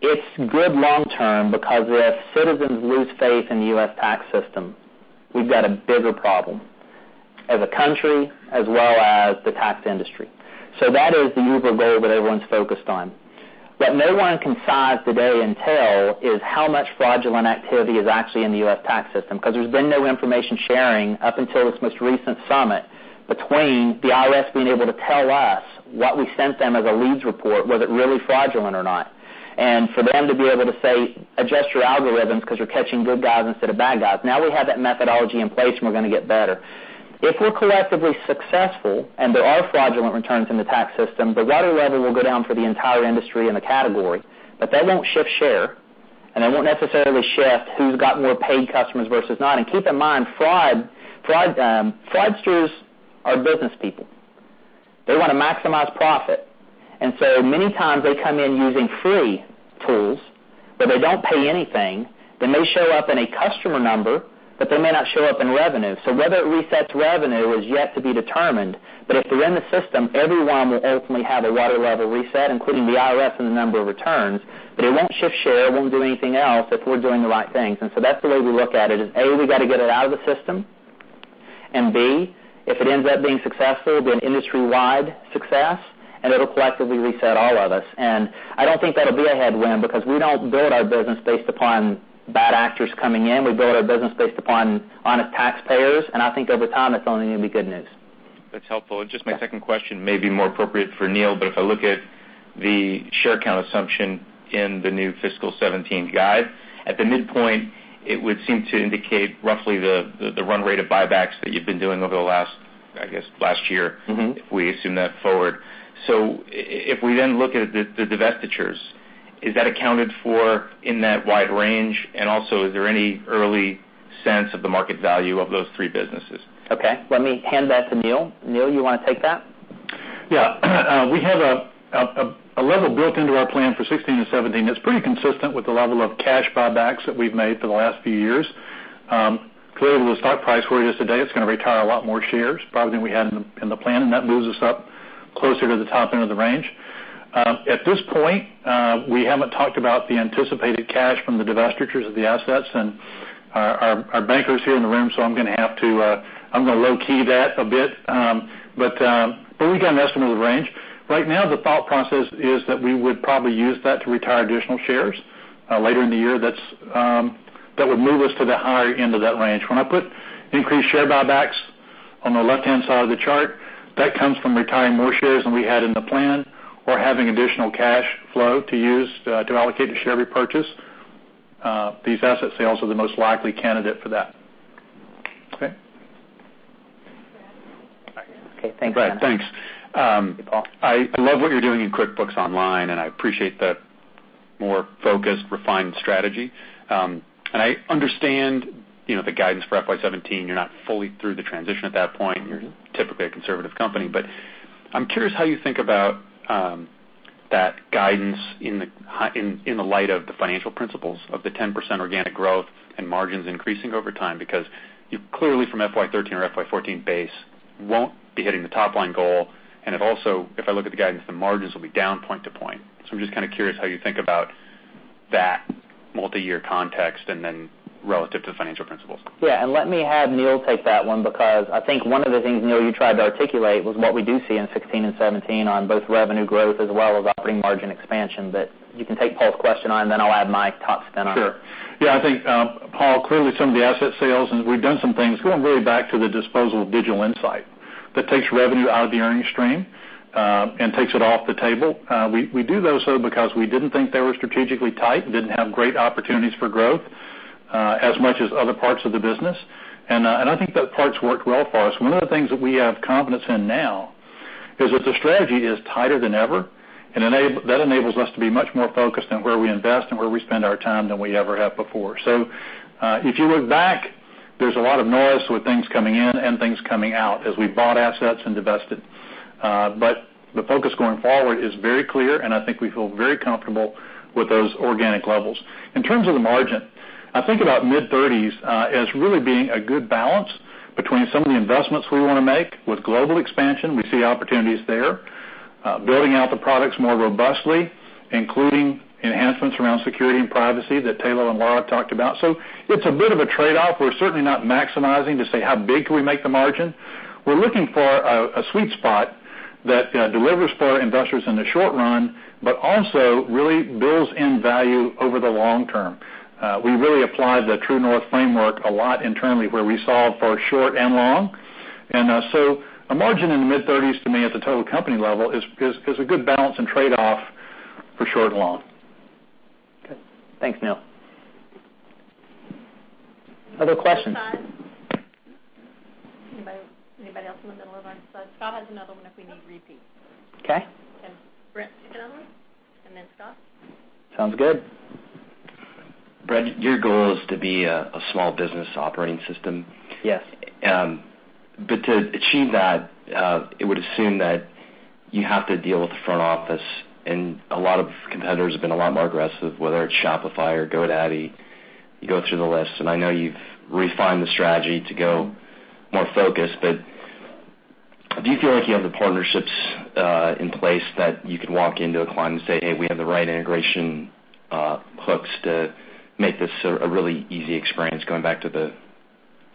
it's good long term because if citizens lose faith in the U.S. tax system, we've got a bigger problem as a country as well as the tax industry. That is the uber goal that everyone's focused on. What no one can size today and tell is how much fraudulent activity is actually in the U.S. tax system, because there's been no information sharing up until this most recent summit between the IRS being able to tell us what we sent them as a leads report, was it really fraudulent or not. For them to be able to say, "Adjust your algorithms because you're catching good guys instead of bad guys." Now we have that methodology in place, and we're going to get better. If we're collectively successful and there are fraudulent returns in the tax system, the water level will go down for the entire industry and the category, but that won't shift share. It won't necessarily shift who's got more paid customers versus not. Keep in mind, fraudsters are business people. They want to maximize profit. Many times they come in using free tools where they don't pay anything, they may show up in a customer number, but they may not show up in revenue. Whether it resets revenue is yet to be determined. If they're in the system, everyone will ultimately have a water level reset, including the IRS and the number of returns. It won't shift share, it won't do anything else if we're doing the right things. That's the way we look at it, is A, we got to get it out of the system, and B, if it ends up being successful, it'll be an industry-wide success, and it'll collectively reset all of us. I don't think that'll be a headwind because we don't build our business based upon bad actors coming in. We build our business based upon honest taxpayers, and I think over time, it's only going to be good news. That's helpful. Just my second question may be more appropriate for Neil, if I look at the share count assumption in the new fiscal 2017 guide, at the midpoint, it would seem to indicate roughly the run rate of buybacks that you've been doing over, I guess, last year- If we assume that forward. If we then look at the divestitures, is that accounted for in that wide range? Also, is there any early sense of the market value of those three businesses? Okay, let me hand that to Neil. Neil, you want to take that? Yeah. We have a level built into our plan for 2016 and 2017 that's pretty consistent with the level of cash buybacks that we've made for the last few years. Clearly, with the stock price where it is today, it's going to retire a lot more shares, probably than we had in the plan, and that moves us up closer to the top end of the range. At this point, we haven't talked about the anticipated cash from the divestitures of the assets, and our banker's here in the room, I'm going to low-key that a bit. We've got an estimate of the range. Right now, the thought process is that we would probably use that to retire additional shares, later in the year, that would move us to the higher end of that range. When I put increased share buybacks on the left-hand side of the chart, that comes from retiring more shares than we had in the plan or having additional cash flow to use to allocate the share repurchase. These asset sales are the most likely candidate for that. Okay. Okay. Thanks, Neil. Brad, thanks. Paul. I love what you're doing in QuickBooks Online, and I appreciate the more focused, refined strategy. I understand the guidance for FY 2017. You're not fully through the transition at that point. You're typically a conservative company, but I'm curious how you think about that guidance in the light of the financial principles of the 10% organic growth and margins increasing over time, because you clearly, from FY 2013 or FY 2014 base, won't be hitting the top-line goal, and it also, if I look at the guidance, the margins will be down point to point. I'm just kind of curious how you think about that multi-year context, and then relative to financial principles. Let me have Neil take that one because I think one of the things, Neil, you tried to articulate was what we do see in 2016 and 2017 on both revenue growth as well as operating margin expansion. You can take Paul's question on, and then I'll add my top spin on it. Sure. I think, Paul, clearly some of the asset sales, and we've done some things going really back to the disposal of Digital Insight. That takes revenue out of the earning stream, and takes it off the table. We do those though, because we didn't think they were strategically tight and didn't have great opportunities for growth, as much as other parts of the business. I think that part's worked well for us. One of the things that we have confidence in now is that the strategy is tighter than ever, and that enables us to be much more focused on where we invest and where we spend our time than we ever have before. If you look back, there's a lot of noise with things coming in and things coming out as we bought assets and divested. The focus going forward is very clear, and I think we feel very comfortable with those organic levels. In terms of the margin, I think about mid-30s as really being a good balance between some of the investments we want to make. With global expansion, we see opportunities there. Building out the products more robustly, including enhancements around security and privacy that Tayloe and Laura talked about. It's a bit of a trade-off. We're certainly not maximizing to say how big can we make the margin. We're looking for a sweet spot that delivers for our investors in the short run, but also really builds in value over the long term. We really applied the True North framework a lot internally, where we solve for short and long. A margin in the mid-30s to me at the total company level is a good balance and trade-off for short and long. Okay. Thanks, Neil. Other questions? Anybody else in the middle of line? Scott has another one if we need repeat. Okay. Brent, take another one, and then Scott. Sounds good. Brad, your goal is to be a small business operating system. Yes. To achieve that, it would assume that you have to deal with the front office, and a lot of competitors have been a lot more aggressive, whether it's Shopify or GoDaddy. You go through the list, and I know you've refined the strategy to go more focused, but do you feel like you have the partnerships in place that you could walk into a client and say, "Hey, we have the right integration hooks to make this a really easy experience," going back to the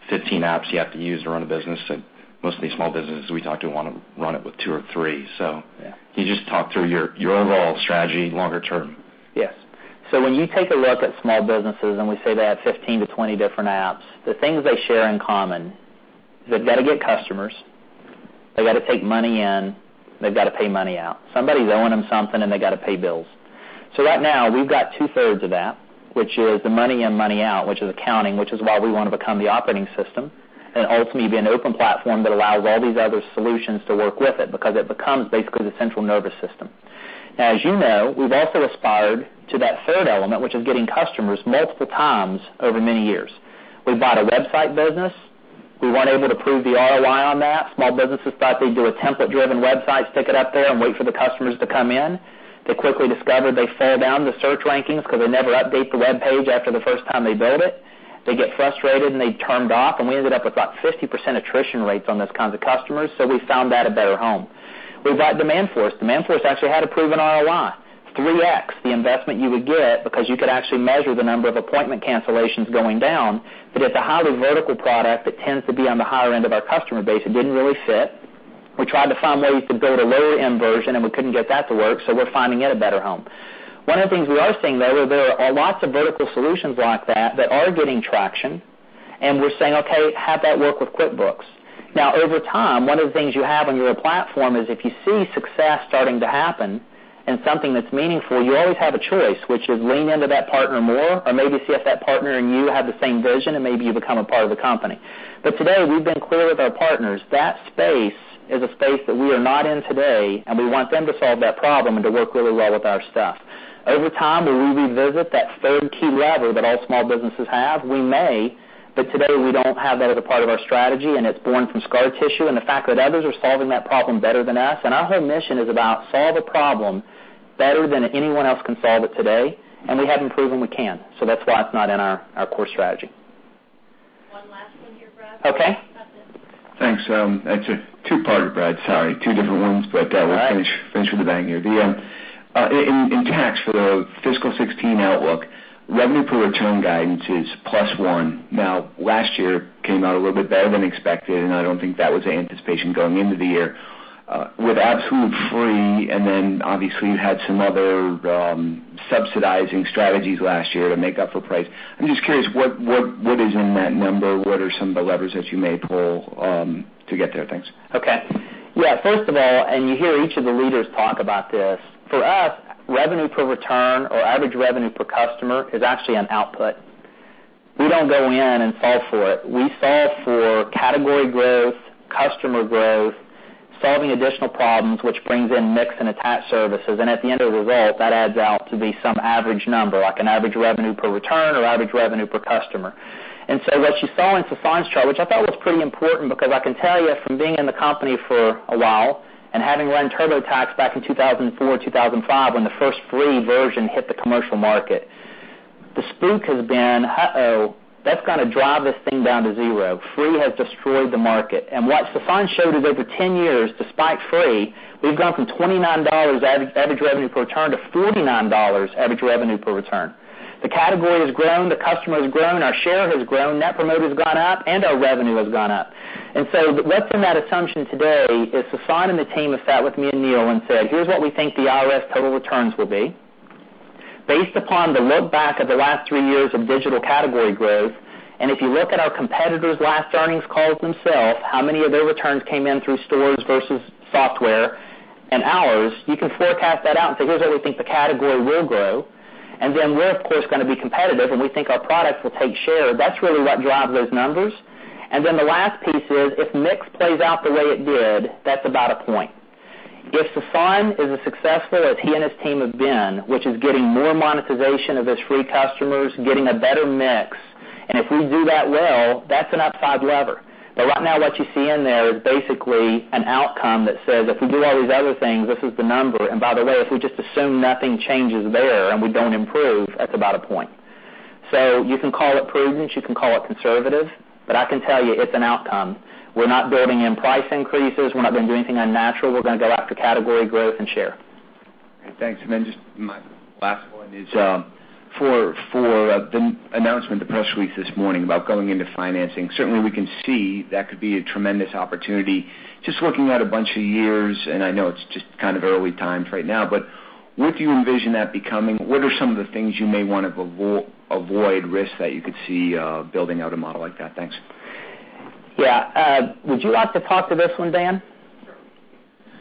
15 apps you have to use to run a business? Most of these small businesses we talk to want to run it with two or three. Yeah Can you just talk through your overall strategy longer term? Yes. When you take a look at small businesses, and we say they have 15 to 20 different apps, the things they share in common, they've got to get customers, they got to take money in, they've got to pay money out. Somebody's owing them something, and they got to pay bills. Right now, we've got two-thirds of that, which is the money in, money out, which is accounting, which is why we want to become the operating system. Ultimately, be an open platform that allows all these other solutions to work with it because it becomes basically the central nervous system. As you know, we've also aspired to that third element, which is getting customers multiple times over many years. We bought a website business. We weren't able to prove the ROI on that. Small businesses thought they'd do a template-driven website, stick it up there, and wait for the customers to come in. They quickly discovered they fell down the search rankings because they never update the webpage after the first time they build it. They get frustrated, they turned off, we ended up with about 50% attrition rates on those kinds of customers, so we found that a better home. We bought Demandforce. Demandforce actually had a proven ROI, 3X the investment you would get because you could actually measure the number of appointment cancellations going down. It's a highly vertical product that tends to be on the higher end of our customer base. It didn't really fit. We tried to find ways to build a lower-end version, and we couldn't get that to work, so we're finding it a better home. One of the things we are seeing, though, there are lots of vertical solutions like that that are getting traction, we're saying, "Okay, have that work with QuickBooks." Over time, one of the things you have on your platform is if you see success starting to happen and something that's meaningful, you always have a choice, which is lean into that partner more, or maybe see if that partner and you have the same vision, and maybe you become a part of the company. Today, we've been clear with our partners. That space is a space that we are not in today, and we want them to solve that problem and to work really well with our stuff. Over time, will we revisit that third key lever that all small businesses have? We may. Today we don't have that as a part of our strategy, and it's born from scar tissue and the fact that others are solving that problem better than us. Our whole mission is about solve a problem better than anyone else can solve it today, and we haven't proven we can. That's why it's not in our core strategy. One last one here, Brad. Okay. Justin. Thanks. It's a two-parter, Brad, sorry. Two different ones. All right. We'll finish with a bang here. In Tax, for the fiscal 2016 outlook, revenue per return guidance is +1. Last year came out a little bit better than expected, and I don't think that was the anticipation going into the year. With Absolute Zero, obviously you had some other subsidizing strategies last year to make up for price, I'm just curious what is in that number? What are some of the levers that you may pull to get there? Thanks. Okay. Yeah, first of all, you hear each of the leaders talk about this, for us, revenue per return or average revenue per customer is actually an output. We don't go in and solve for it. We solve for category growth, customer growth, solving additional problems, which brings in mix and attach services, and at the end of the day, that adds out to be some average number, like an average revenue per return or average revenue per customer. What you saw in Sasan's chart, which I thought was pretty important because I can tell you from being in the company for a while and having run TurboTax back in 2004, 2005, when the first free version hit the commercial market, the spook has been, uh-oh, that's going to drive this thing down to zero. Free has destroyed the market. What Sasan showed is over 10 years, despite free, we've gone from $29 average revenue per return to $49 average revenue per return. The category has grown, the customer has grown, our share has grown, Net Promoter's gone up, and our revenue has gone up. Less than that assumption today is Sasan and the team have sat with me and Neil and said, "Here's what we think the IRS total returns will be based upon the look back of the last three years of digital category growth, if you look at our competitors' last earnings calls themselves, how many of their returns came in through stores versus software and ours, you can forecast that out and say, 'Here's where we think the category will grow.' Then we're, of course, going to be competitive, and we think our products will take share." That's really what drives those numbers. The last piece is, if mix plays out the way it did, that's about a point. If Sasan is as successful as he and his team have been, which is getting more monetization of his free customers, getting a better mix, and if we do that well, that's an upside lever. Right now, what you see in there is basically an outcome that says, if we do all these other things, this is the number, and by the way, if we just assume nothing changes there and we don't improve, that's about a point. You can call it prudence, you can call it conservative, but I can tell you it's an outcome. We're not building in price increases. We're not going to do anything unnatural. We're going to go after category growth and share. Thanks. Just my last one is for the announcement to press release this morning about going into financing. Certainly, we can see that could be a tremendous opportunity. Just looking out a bunch of years, and I know it's just kind of early times right now, but what do you envision that becoming? What are some of the things you may want to avoid risks that you could see building out a model like that? Thanks. Yeah. Would you like to talk to this one, Dan?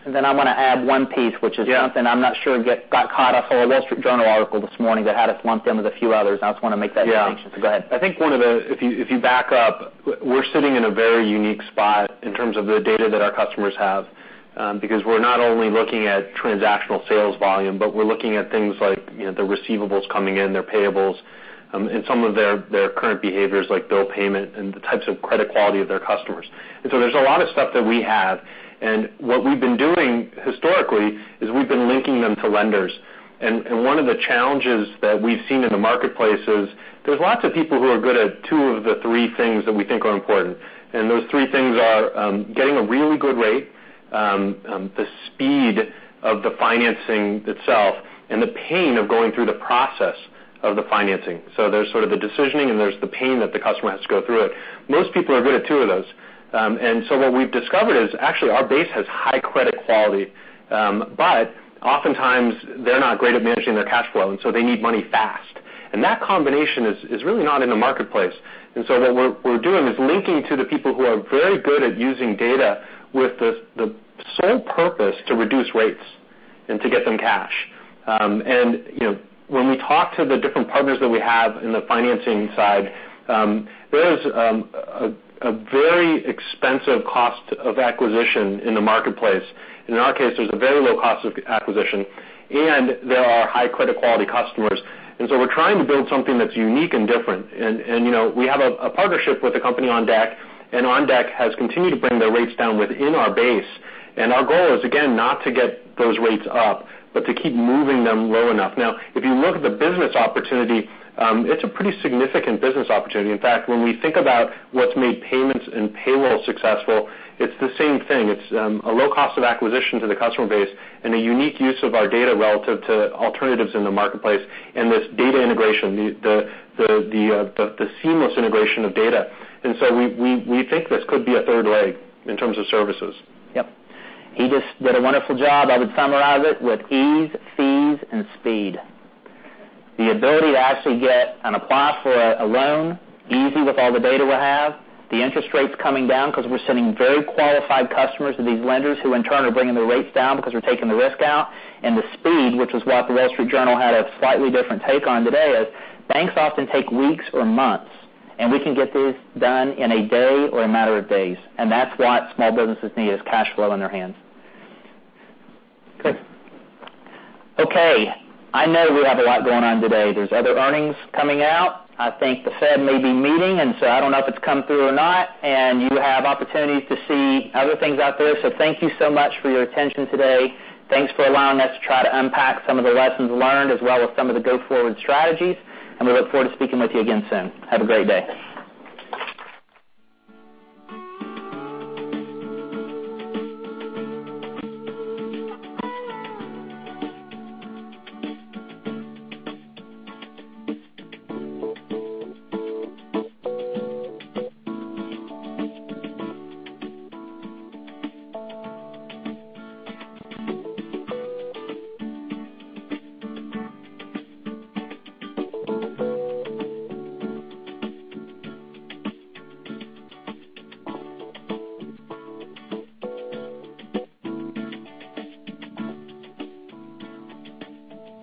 Sure. I'm going to add one piece, which is. Yeah Something I'm not sure got caught. I saw a Wall Street Journal article this morning that had us lumped in with a few others, I just want to make that distinction. Yeah. Go ahead. If you back up, we're sitting in a very unique spot in terms of the data that our customers have, because we're not only looking at transactional sales volume, but we're looking at things like the receivables coming in, their payables, and some of their current behaviors like bill payment and the types of credit quality of their customers. There's a lot of stuff that we have, what we've been doing historically is we've been linking them to lenders. One of the challenges that we've seen in the marketplace is there's lots of people who are good at two of the three things that we think are important. Those three things are getting a really good rate, the speed of the financing itself, and the pain of going through the process of the financing. There's sort of the decisioning, and there's the pain that the customer has to go through it. Most people are good at two of those. What we've discovered is actually our base has high credit quality, but oftentimes they're not great at managing their cash flow, and so they need money fast. That combination is really not in the marketplace. What we're doing is linking to the people who are very good at using data with the sole purpose to reduce rates. To get them cash. When we talk to the different partners that we have in the financing side, there is a very expensive cost of acquisition in the marketplace. In our case, there's a very low cost of acquisition, and there are high credit quality customers. We're trying to build something that's unique and different. We have a partnership with a company, OnDeck, and OnDeck has continued to bring their rates down within our base. Our goal is, again, not to get those rates up, but to keep moving them low enough. If you look at the business opportunity, it's a pretty significant business opportunity. In fact, when we think about what's made payments and payroll successful, it's the same thing. It's a low cost of acquisition to the customer base and a unique use of our data relative to alternatives in the marketplace and this data integration, the seamless integration of data. We think this could be a third leg in terms of services. Yep. He just did a wonderful job. I would summarize it with ease, fees, and speed. The ability to actually get and apply for a loan, easy with all the data we have, the interest rates coming down because we're sending very qualified customers to these lenders who in turn are bringing the rates down because we're taking the risk out, and the speed, which is what The Wall Street Journal had a slightly different take on today, is banks often take weeks or months, and we can get this done in a day or a matter of days, and that's what small businesses need is cash flow in their hands. Good. Okay, I know we have a lot going on today. There's other earnings coming out. I think the Fed may be meeting, and so I don't know if it's come through or not, and you have opportunities to see other things out there. Thank you so much for your attention today. Thanks for allowing us to try to unpack some of the lessons learned, as well as some of the go-forward strategies, and we look forward to speaking with you again soon. Have a great day.